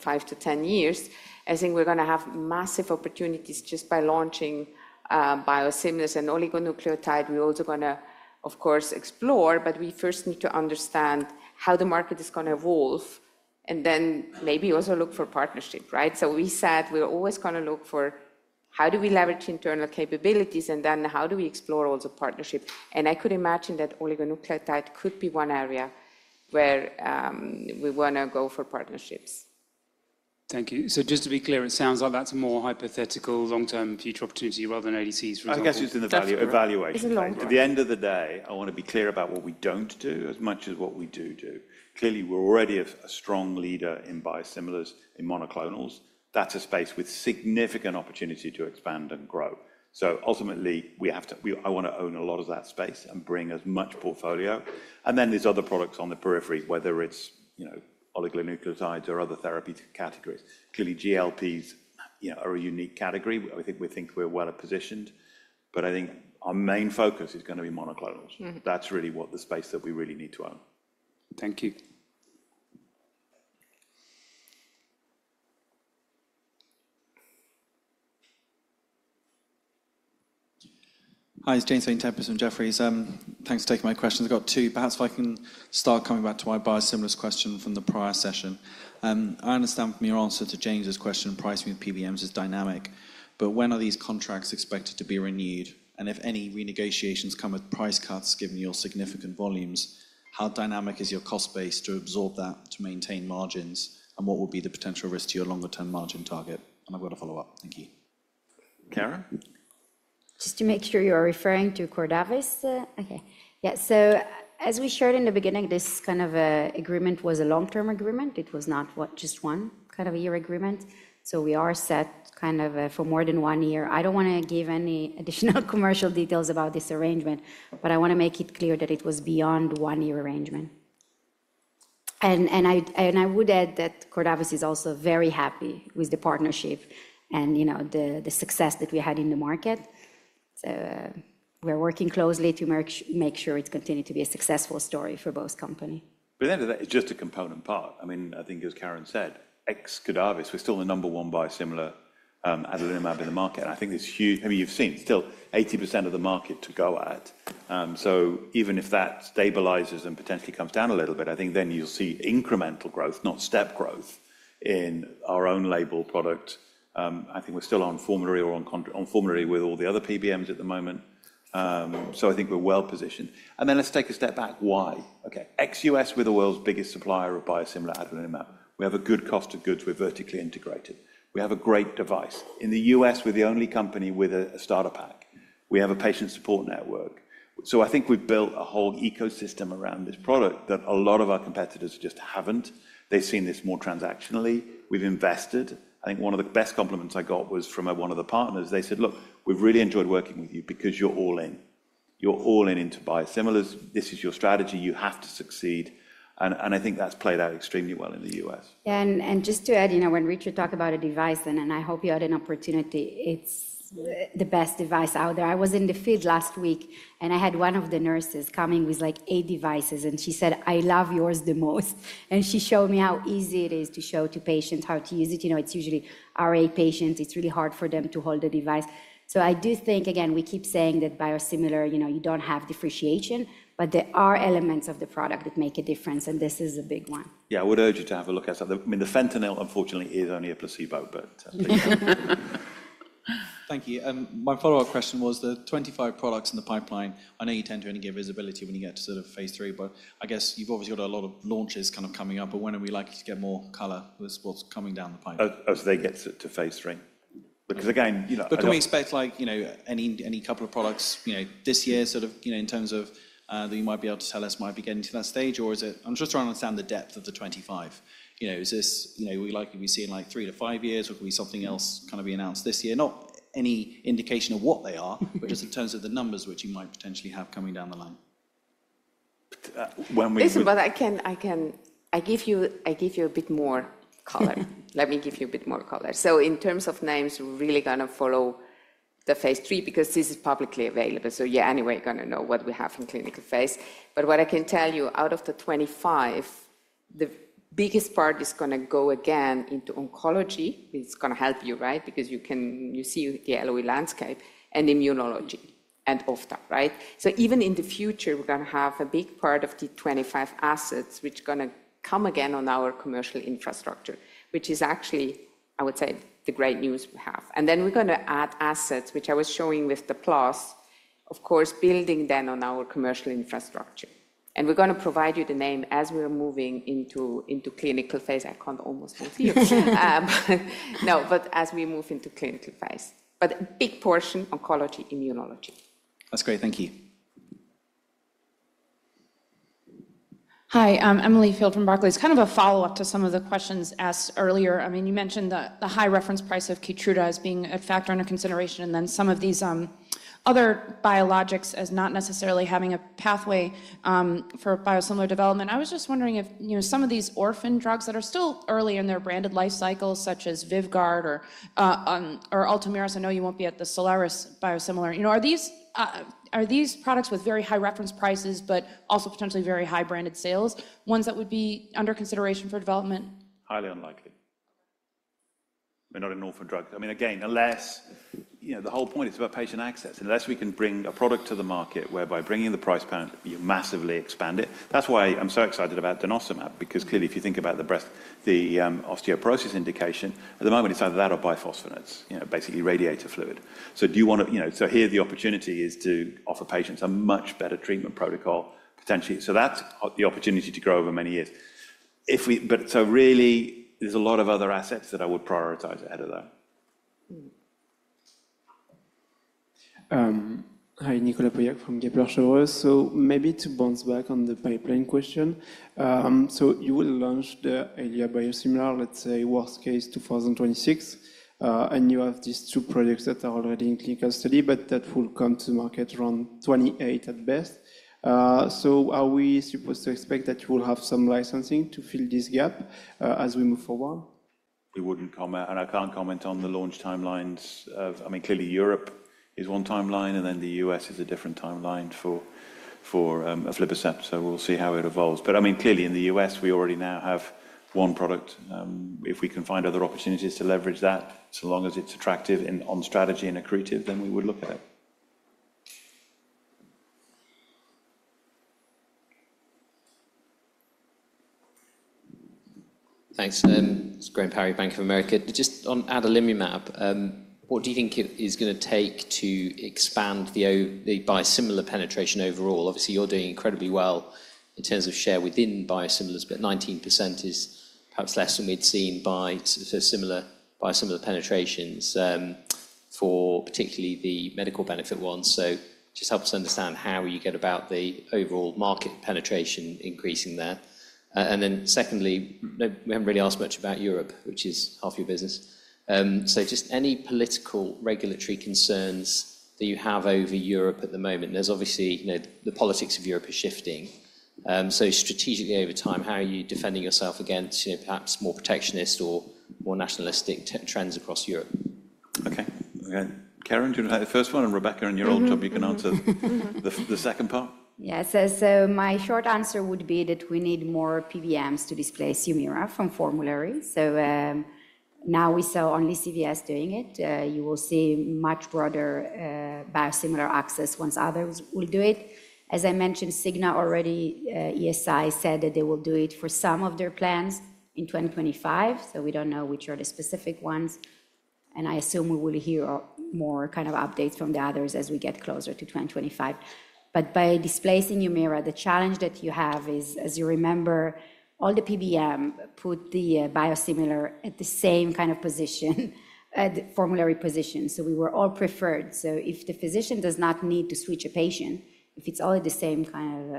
five to ten years. I think we're going to have massive opportunities just by launching biosimilars and oligonucleotide. We're also going to, of course, explore, but we first need to understand how the market is going to evolve and then maybe also look for partnership, right? So we said we're always going to look for how do we leverage internal capabilities, and then how do we explore also partnership. I could imagine that oligonucleotide could be one area where we want to go for partnerships. Thank you. So just to be clear, it sounds like that's a more hypothetical long-term future opportunity rather than ADCs, for example. I guess it's in the value evaluation- It's a long run. At the end of the day, I want to be clear about what we don't do as much as what we do do. Clearly, we're already a strong leader in biosimilars, in monoclonals. That's a space with significant opportunity to expand and grow. So ultimately, we have to I want to own a lot of that space and bring as much portfolio. And then there's other products on the periphery, whether it's, you know, oligonucleotides or other therapeutic categories. Clearly, GLPs, you know, are a unique category. We think we're well positioned, but I think our main focus is going to be monoclonals. Mm-hmm. That's really what the space that we really need to own. Thank you. Hi, it's James Vane-Tempest from Jefferies. Thanks for taking my questions. I've got two. Perhaps if I can start coming back to my biosimilars question from the prior session. I understand from your answer to James's question, pricing with PBMs is dynamic, but when are these contracts expected to be renewed? And if any renegotiations come with price cuts, given your significant volumes, how dynamic is your cost base to absorb that, to maintain margins, and what will be the potential risk to your longer-term margin target? And I've got a follow-up. Thank you. Keren? Just to make sure, you are referring to Cordavis? Okay. Yeah, so as we shared in the beginning, this kind of a agreement was a long-term agreement. It was not what, just one kind of a year agreement. So we are set kind of for more than one year. I don't want to give any additional commercial details about this arrangement, but I want to make it clear that it was beyond one-year arrangement. And I would add that Cordavis is also very happy with the partnership and, you know, the success that we had in the market. So, we're working closely to make sure it's continued to be a successful story for both company. But at the end of the day, it's just a component part. I mean, I think as Keren said, ex-Cordavis, we're still the number one biosimilar adalimumab in the market, and I think it's huge. I mean, you've seen still 80% of the market to go at. So even if that stabilizes and potentially comes down a little bit, I think then you'll see incremental growth, not step growth, in our own label product. I think we're still on formulary with all the other PBMs at the moment. So I think we're well positioned. And then let's take a step back. Why? Okay, ex-US, we're the world's biggest supplier of biosimilar adalimumab. We have a good cost of goods. We're vertically integrated. We have a great device. In the US, we're the only company with a starter pack. We have a patient support network. So I think we've built a whole ecosystem around this product that a lot of our competitors just haven't. They've seen this more transactionally. We've invested. I think one of the best compliments I got was from one of the partners. They said, "Look, we've really enjoyed working with you because you're all in. You're all in into biosimilars. This is your strategy. You have to succeed." And, and I think that's played out extremely well in the U.S. And just to add, you know, when Richard talked about a device, and I hope you had an opportunity. It's the best device out there. I was in the field last week, and I had one of the nurses coming with, like, eight devices, and she said, "I love yours the most." And she showed me how easy it is to show to patients how to use it. You know, it's usually RA patients. It's really hard for them to hold the device. So I do think, again, we keep saying that biosimilar, you know, you don't have differentiation, but there are elements of the product that make a difference, and this is a big one. Yeah, I would urge you to have a look at that. I mean, the fentanyl, unfortunately, is only a placebo, but... Thank you. My follow-up question was the 25 products in the pipeline. I know you tend to only give visibility when you get to sort of phase III, but I guess you've obviously got a lot of launches kind of coming up, but when are we likely to get more color with what's coming down the pipe? As they get to phase III. Because again, you know- But can we expect, like, you know, any, any couple of products, you know, this year, sort of, you know, in terms of, that you might be able to tell us might be getting to that stage? Or is it... I'm just trying to understand the depth of the twenty-five. You know, is this, you know, are we likely be seeing, like, three to five years, or could be something else kind of be announced this year? Not any indication of what they are, but just in terms of the numbers which you might potentially have coming down the line.... when we- Listen, but I can give you a bit more color. Let me give you a bit more color. So in terms of names, we're really gonna follow the phase three, because this is publicly available. So yeah, anyway, gonna know what we have in clinical phase. But what I can tell you, out of the twenty-five, the biggest part is gonna go again into oncology. It's gonna help you, right? Because you can see the LOE landscape and immunology and of that, right? So even in the future, we're gonna have a big part of the twenty-five assets, which gonna come again on our commercial infrastructure, which is actually, I would say, the great news we have. And then we're gonna add assets, which I was showing with the plus, of course, building then on our commercial infrastructure. We're gonna provide you the name as we are moving into clinical phase, but a big portion, oncology, immunology. That's great. Thank you. Hi, I'm Emily Field from Barclays. Kind of a follow-up to some of the questions asked earlier. I mean, you mentioned the high reference price of Keytruda as being a factor under consideration, and then some of these other biologics as not necessarily having a pathway for biosimilar development. I was just wondering if, you know, some of these orphan drugs that are still early in their branded life cycles, such as Vyvgart or Ultomiris, I know you won't be at the Soliris biosimilar. You know, are these products with very high reference prices, but also potentially very high branded sales, ones that would be under consideration for development? Highly unlikely. They're not an orphan drug. I mean, again, unless. You know, the whole point is about patient access. Unless we can bring a product to the market, whereby bringing the price down, you massively expand it. That's why I'm so excited about denosumab, because clearly, if you think about the breast, the, osteoporosis indication, at the moment, it's either that or bisphosphonates, you know, basically radiator fluid. So here the opportunity is to offer patients a much better treatment protocol, potentially. So that's the opportunity to grow over many years. But so really, there's a lot of other assets that I would prioritize ahead of that. Mm-hmm. Hi, Nicolas Poyade from Kepler Cheuvreux. So maybe to bounce back on the pipeline question. So you will launch the Eylea biosimilar, let's say, worst case, 2026, and you have these two products that are already in clinical study, but that will come to market around 2028 at best. So are we supposed to expect that you will have some licensing to fill this gap, as we move forward? We wouldn't comment, and I can't comment on the launch timelines of... I mean, clearly, Europe is one timeline, and then the US is a different timeline for aflibercept, so we'll see how it evolves. But I mean, clearly, in the US, we already now have one product. If we can find other opportunities to leverage that, so long as it's attractive in, on strategy and accretive, then we would look at it. Thanks. Graham Parry, Bank of America. Just on adalimumab, what do you think it is gonna take to expand the the biosimilar penetration overall? Obviously, you're doing incredibly well in terms of share within biosimilars, but 19% is perhaps less than we'd seen by similar biosimilar penetrations, for particularly the medical benefit ones. So just help us understand how you get about the overall market penetration increasing there. And then secondly, we haven't really asked much about Europe, which is half your business. So just any political regulatory concerns that you have over Europe at the moment? There's obviously, you know, the politics of Europe is shifting. So strategically over time, how are you defending yourself against, you know, perhaps more protectionist or more nationalistic trends across Europe? Okay. Okay. Keren, do you want the first one, and Rebecca, in your own job, you can answer the second part. Yes. So my short answer would be that we need more PBMs to displace Humira from formulary. Now we saw only CVS doing it. You will see much broader biosimilar access once others will do it. As I mentioned, Cigna already ESI said that they will do it for some of their plans in 2025, so we don't know which are the specific ones, and I assume we will hear more kind of updates from the others as we get closer to 2025. But by displacing Humira, the challenge that you have is, as you remember, all the PBM put the biosimilar at the same kind of position, at formulary position, so we were all preferred. So if the physician does not need to switch a patient, if it's all at the same kind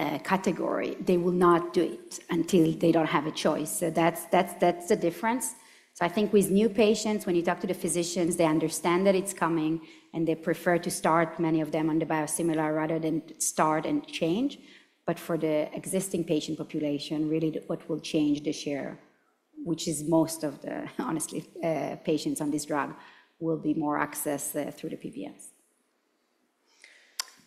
of category, they will not do it until they don't have a choice. So that's the difference. So I think with new patients, when you talk to the physicians, they understand that it's coming, and they prefer to start many of them on the biosimilar rather than start and change. But for the existing patient population, really, what will change the share, which is most of the, honestly, patients on this drug, will be more access through the PBMs.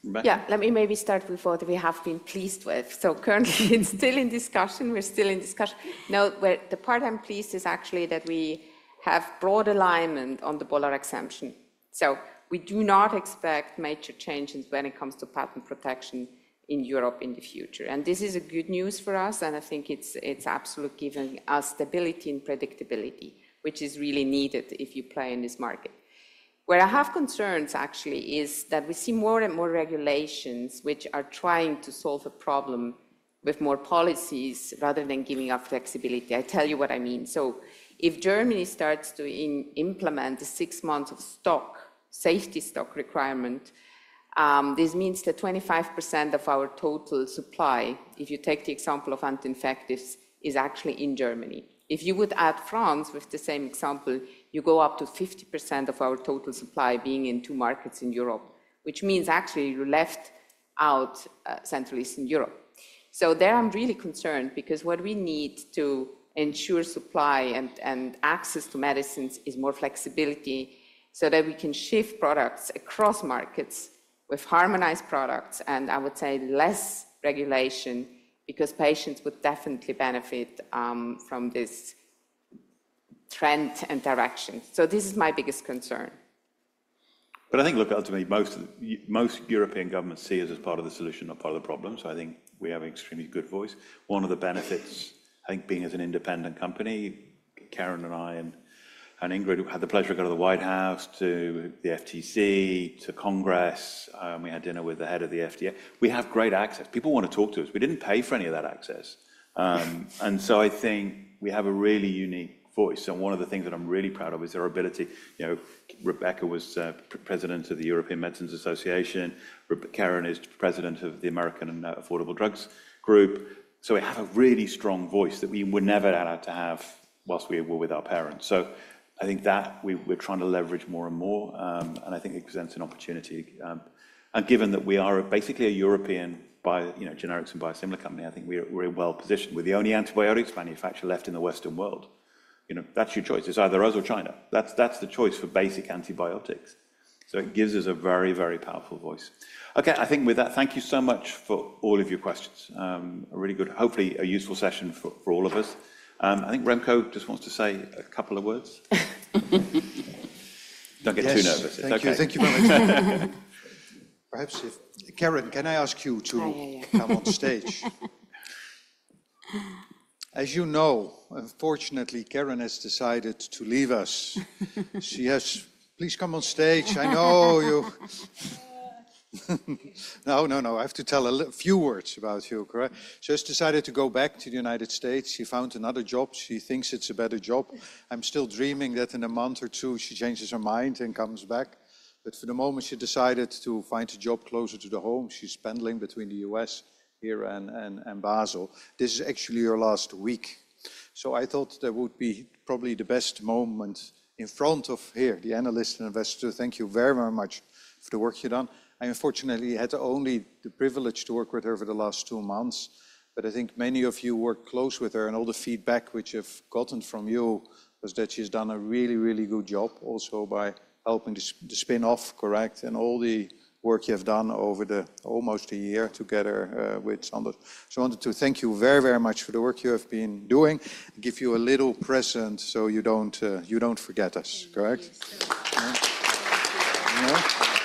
Rebe- Yeah, let me maybe start with what we have been pleased with. So currently, it's still in discussion. We're still in discussion. No, but the part I'm pleased is actually that we have broad alignment on the Bolar exemption. So we do not expect major changes when it comes to patent protection in Europe in the future. And this is a good news for us, and I think it's absolute giving us stability and predictability, which is really needed if you play in this market. Where I have concerns, actually, is that we see more and more regulations which are trying to solve a problem with more policies rather than giving up flexibility. I tell you what I mean. So if Germany starts to implement the six months of stock, safety stock requirement, this means that 25% of our total supply, if you take the example of anti-infectives, is actually in Germany. If you would add France with the same example, you go up to 50% of our total supply being in two markets in Europe, which means actually you're left-... out, Central Eastern Europe. So there I'm really concerned, because what we need to ensure supply and access to medicines is more flexibility so that we can shift products across markets with harmonized products, and I would say less regulation, because patients would definitely benefit from this trend and direction. So this is my biggest concern. But I think, look, ultimately, most of most European governments see us as part of the solution, not part of the problem, so I think we have an extremely good voice. One of the benefits, I think, being as an independent company, Keren and I, and Ingrid had the pleasure to go to the White House, to the FTC, to Congress, we had dinner with the head of the FDA. We have great access. People want to talk to us. We didn't pay for any of that access. And so I think we have a really unique voice, and one of the things that I'm really proud of is our ability. You know, Rebecca was president of Medicines for Europe. Keren is president of the Association for Accessible Medicines. So we have a really strong voice that we would never allowed to have while we were with our parents. So I think that we, we're trying to leverage more and more, and I think it presents an opportunity. And given that we are basically a European bi- you know, generics and biosimilar company, I think we're well positioned. We're the only antibiotics manufacturer left in the Western world. You know, that's your choice. It's either us or China. That's the choice for basic antibiotics. So it gives us a very, very powerful voice. Okay, I think with that, thank you so much for all of your questions. A really good... Hopefully, a useful session for all of us. I think Remco just wants to say a couple of words. Don't get too nervous. Yes. It's okay. Thank you. Thank you very much. Perhaps if... Keren, can I ask you to- Yeah, yeah, yeah. Come on stage? As you know, unfortunately, Keren has decided to leave us. Please come on stage. No, no, no. I have to tell a few words about you, correct? She has decided to go back to the United States. She found another job. She thinks it's a better job. I'm still dreaming that in a month or two, she changes her mind and comes back. But for the moment, she decided to find a job closer to home. She's commuting between the US, here, and Basel. This is actually her last week. So I thought that would be probably the best moment in front of you, the analysts and investors. Thank you very, very much for the work you've done. I, unfortunately, had only the privilege to work with her over the last two months, but I think many of you worked close with her, and all the feedback which I've gotten from you is that she's done a really, really good job also by helping the spin-off, correct, and all the work you have done over the almost a year together with. So I wanted to thank you very, very much for the work you have been doing, give you a little present so you don't, you don't forget us, correct? Thank you. Yeah. Thank you so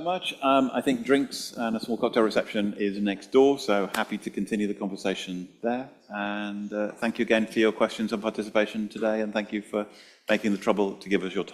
much. I think drinks and a small cocktail reception is next door, so happy to continue the conversation there, and thank you again for your questions and participation today, and thank you for taking the trouble to give us your time.